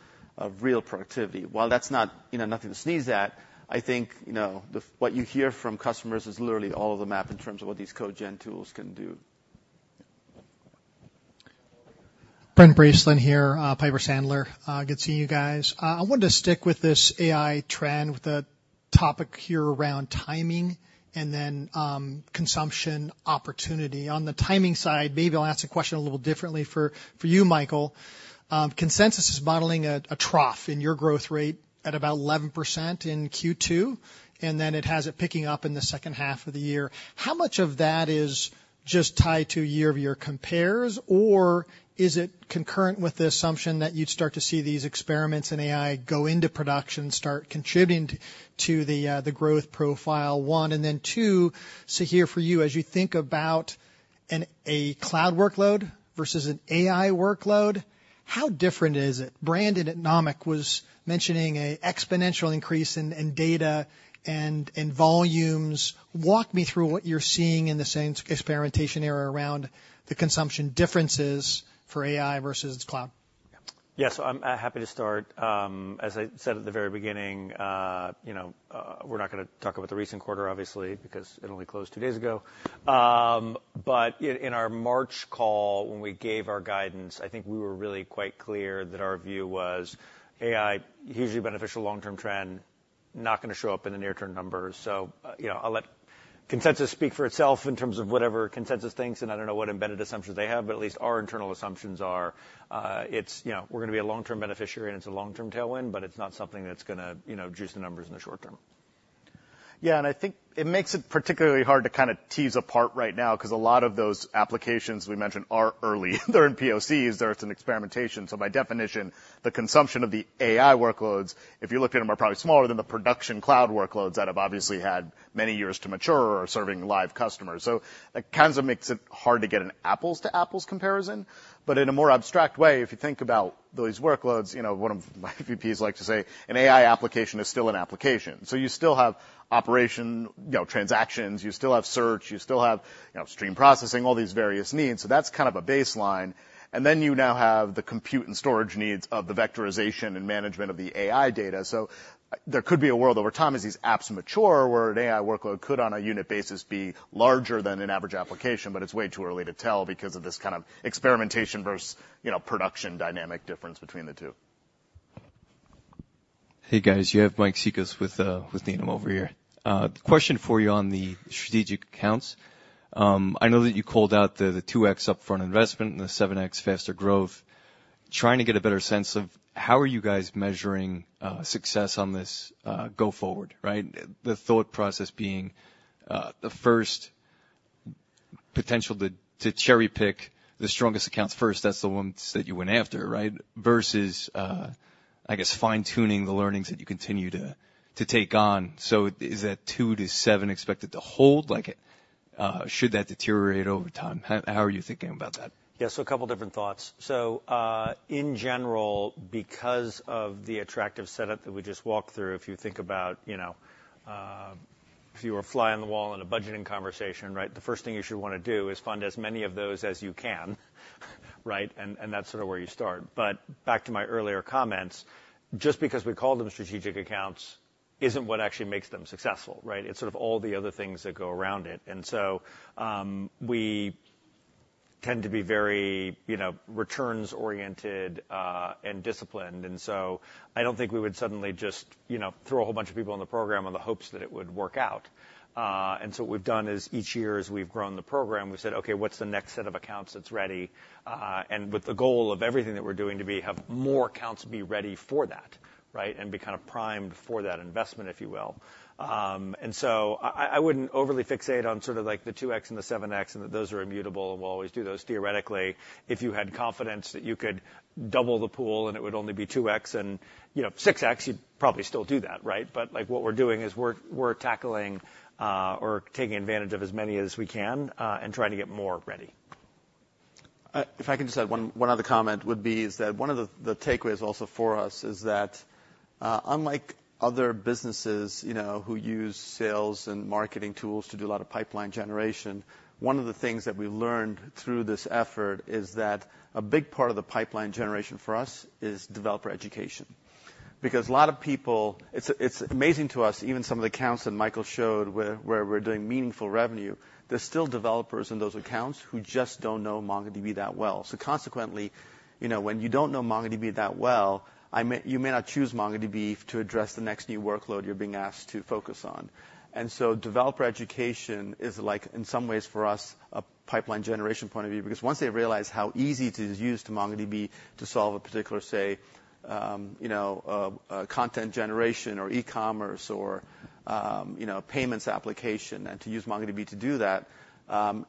real productivity. While that's not, you know, nothing to sneeze at, I think, you know, what you hear from customers is literally all over the map in terms of what these code gen tools can do. Brent Bracelin here, Piper Sandler. Good seeing you guys. I wanted to stick with this AI trend, with the topic here around timing and then, consumption opportunity. On the timing side, maybe I'll ask a question a little differently for you, Michael. Consensus is modeling a trough in your growth rate at about 11% in Q2, and then it has it picking up in the second half of the year. How much of that is just tied to year-over-year compares, or is it concurrent with the assumption that you'd start to see these experiments in AI go into production, start contributing to the growth profile, one? And then two, Sahir, for you, as you think about a cloud workload versus an AI workload, how different is it? Brandon at Nomic was mentioning an exponential increase in data and volumes. Walk me through what you're seeing in the same experimentation area around the consumption differences for AI versus cloud. Yeah. So I'm happy to start. As I said at the very beginning, you know, we're not gonna talk about the recent quarter, obviously, because it only closed two days ago. But in our March call, when we gave our guidance, I think we were really quite clear that our view was AI, hugely beneficial long-term trend, not gonna show up in the near-term numbers. So, you know, I'll let consensus speak for itself in terms of whatever consensus thinks, and I don't know what embedded assumptions they have, but at least our internal assumptions are, it's... You know, we're gonna be a long-term beneficiary, and it's a long-term tailwind, but it's not something that's gonna, you know, juice the numbers in the short term. Yeah, and I think it makes it particularly hard to kinda tease apart right now, 'cause a lot of those applications we mentioned are early. They're in POCs, they're in experimentation. So by definition, the consumption of the AI workloads, if you looked at them, are probably smaller than the production cloud workloads that have obviously had many years to mature or are serving live customers. So that kinda makes it hard to get an apples to apples comparison. But in a more abstract way, if you think about those workloads, you know, one of my VPs like to say, "An AI application is still an application." So you still have operation, you know, transactions, you still have search, you still have, you know, stream processing, all these various needs. So that's kind of a baseline. Then you now have the compute and storage needs of the vectorization and management of the AI data. There could be a world over time, as these apps mature, where an AI workload could, on a unit basis, be larger than an average application, but it's way too early to tell because of this kind of experimentation versus, you know, production dynamic difference between the two. Hey, guys, you have Mike Cikos with Needham over here. The question for you on the strategic accounts, I know that you called out the 2x upfront investment and the 7x faster growth. Trying to get a better sense of how are you guys measuring success on this go forward, right? The thought process being the first potential to cherry-pick the strongest accounts first, that's the ones that you went after, right? Versus, I guess, fine-tuning the learnings that you continue to take on. So is that 2 to 7 expected to hold, like, should that deteriorate over time? How are you thinking about that? Yeah, so a couple different thoughts. So, in general, because of the attractive setup that we just walked through, if you think about, you know, if you were a fly on the wall in a budgeting conversation, right, the first thing you should want to do is fund as many of those as you can, right? And, and that's sort of where you start. But back to my earlier comments, just because we called them strategic accounts isn't what actually makes them successful, right? It's sort of all the other things that go around it. And so, we tend to be very, you know, returns-oriented, and disciplined. And so I don't think we would suddenly just, you know, throw a whole bunch of people on the program on the hopes that it would work out. And so what we've done is each year, as we've grown the program, we've said, "Okay, what's the next set of accounts that's ready?" And with the goal of everything that we're doing to have more accounts be ready for that, right, and be kinda primed for that investment, if you will. And so I wouldn't overly fixate on sort of like the 2x and the 7x, and that those are immutable, and we'll always do those. Theoretically, if you had confidence that you could double the pool, and it would only be 2x and, you know, 6x, you'd probably still do that, right? But, like, what we're doing is we're tackling, or taking advantage of as many as we can, and trying to get more ready. If I can just add one other comment, it would be that one of the takeaways also for us is that, unlike other businesses, you know, who use sales and marketing tools to do a lot of pipeline generation, one of the things that we learned through this effort is that a big part of the pipeline generation for us is developer education. Because a lot of people... It's amazing to us, even some of the accounts that Michael showed, where we're doing meaningful revenue, there's still developers in those accounts who just don't know MongoDB that well. So consequently, you know, when you don't know MongoDB that well, you may not choose MongoDB to address the next new workload you're being asked to focus on. And so developer education is like, in some ways, for us, a pipeline generation point of view, because once they realize how easy it is to use MongoDB to solve a particular, say, you know, a content generation or e-commerce or, you know, payments application, and to use MongoDB to do that,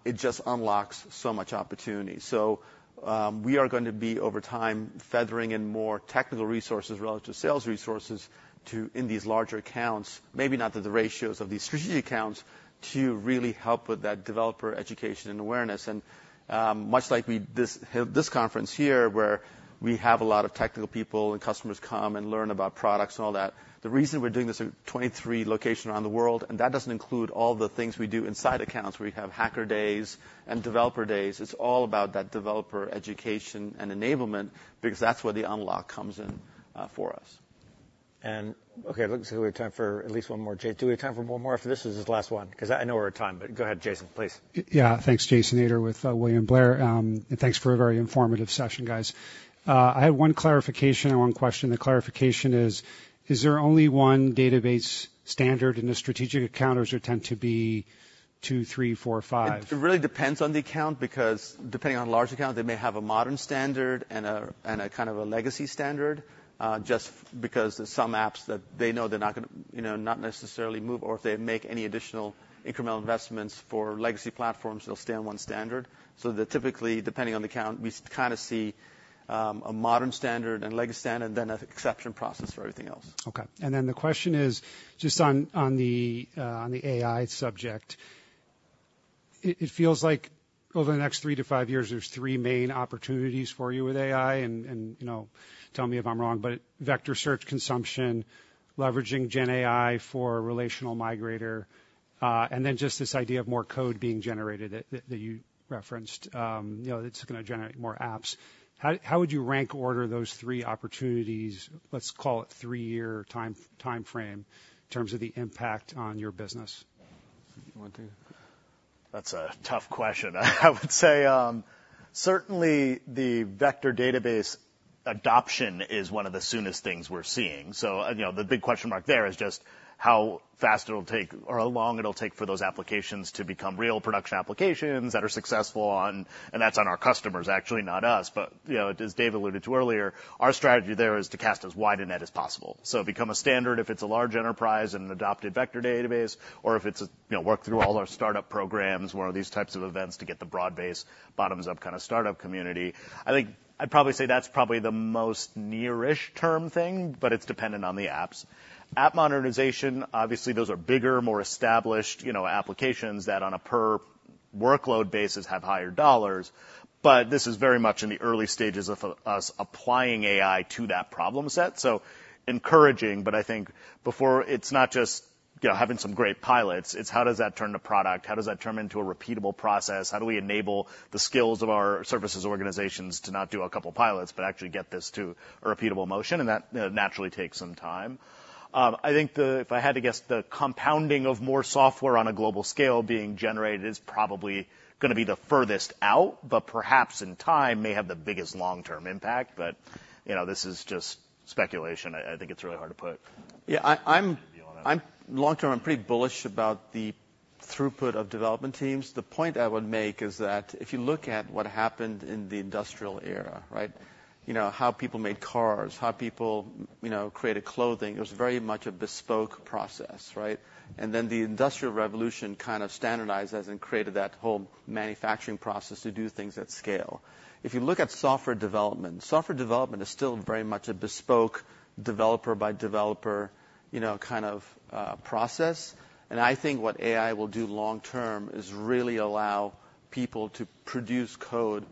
it just unlocks so much opportunity. So, we are gonna be, over time, feathering in more technical resources relative to sales resources to, in these larger accounts, maybe not to the ratios of these strategic accounts, to really help with that developer education and awareness. Much like we have this conference here, where we have a lot of technical people and customers come and learn about products and all that, the reason we're doing this in 23 locations around the world, and that doesn't include all the things we do inside accounts, where we have hacker days and developer days, it's all about that developer education and enablement, because that's where the unlock comes in, for us. Okay, it looks like we have time for at least one more. Jake, do we have time for one more, or if this is his last one? 'Cause I know we're at time, but go ahead, Jason, please. Yeah. Thanks, Jason Ader with, William Blair. Thanks for a very informative session, guys. I have one clarification and one question. The clarification is, is there only one database standard in a strategic account, or does there tend to be two, three, four, five? It really depends on the account, because depending on the large account, they may have a modern standard and a kind of legacy standard, just because there's some apps that they know they're not gonna, you know, not necessarily move, or if they make any additional incremental investments for legacy platforms, they'll stay on one standard. So they're typically, depending on the account, we kind of see a modern standard and legacy standard, then an exception process for everything else. Okay. And then the question is, just on the AI subject, it feels like over the next three to five years, there's three main opportunities for you with AI, and you know, tell me if I'm wrong, but vector search consumption, leveraging GenAI for Relational Migrator, and then just this idea of more code being generated that you referenced, you know, it's gonna generate more apps. How would you rank order those three opportunities, let's call it three-year timeframe, in terms of the impact on your business? You want to? That's a tough question. I would say, certainly, the vector database adoption is one of the soonest things we're seeing. So, you know, the big question mark there is just how fast it'll take or how long it'll take for those applications to become real production applications that are successful on- and that's on our customers, actually, not us. But, you know, as Dev alluded to earlier, our strategy there is to cast as wide a net as possible. So become a standard if it's a large enterprise and an adopted vector database, or if it's a, you know, work through all our startup programs, one of these types of events to get the broad-based, bottoms-up kind of startup community. I think I'd probably say that's probably the most near-ish term thing, but it's dependent on the apps. App modernization, obviously, those are bigger, more established, you know, applications that on a per workload basis, have higher dollars, but this is very much in the early stages of us applying AI to that problem set. So encouraging, but I think before... It's not just, you know, having some great pilots, it's how does that turn to product? How does that turn into a repeatable process? How do we enable the skills of our services organizations to not do a couple pilots, but actually get this to a repeatable motion? And that naturally takes some time. I think the, if I had to guess, the compounding of more software on a global scale being generated is probably gonna be the furthest out, but perhaps in time, may have the biggest long-term impact. But, you know, this is just speculation. I think it's really hard to put. Yeah, I'm long term, I'm pretty bullish about the throughput of development teams. The point I would make is that if you look at what happened in the industrial era, right, you know, how people made cars, how people, you know, created clothing, it was very much a bespoke process, right? And then, the Industrial Revolution kind of standardized as it created that whole manufacturing process to do things at scale. If you look at software development, software development is still very much a bespoke, developer-by-developer, you know, kind of, process. And I think what AI will do long term is really allow people to produce code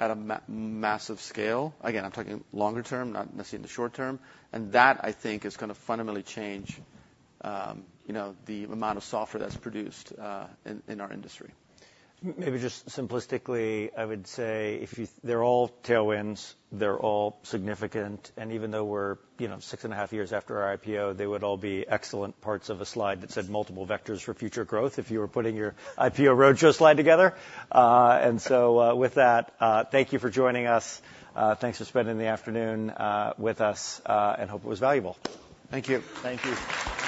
at a massive scale. Again, I'm talking longer term, not necessarily in the short term. And that, I think, is gonna fundamentally change, you know, the amount of software that's produced, in, in our industry. Maybe just simplistically, I would say, if they're all tailwinds, they're all significant, and even though we're, you know, 6.5 years after our IPO, they would all be excellent parts of a slide that said, "Multiple vectors for future growth," if you were putting your IPO roadshow slide together. And so, with that, thank you for joining us. Thanks for spending the afternoon with us, and hope it was valuable. Thank you. Thank you.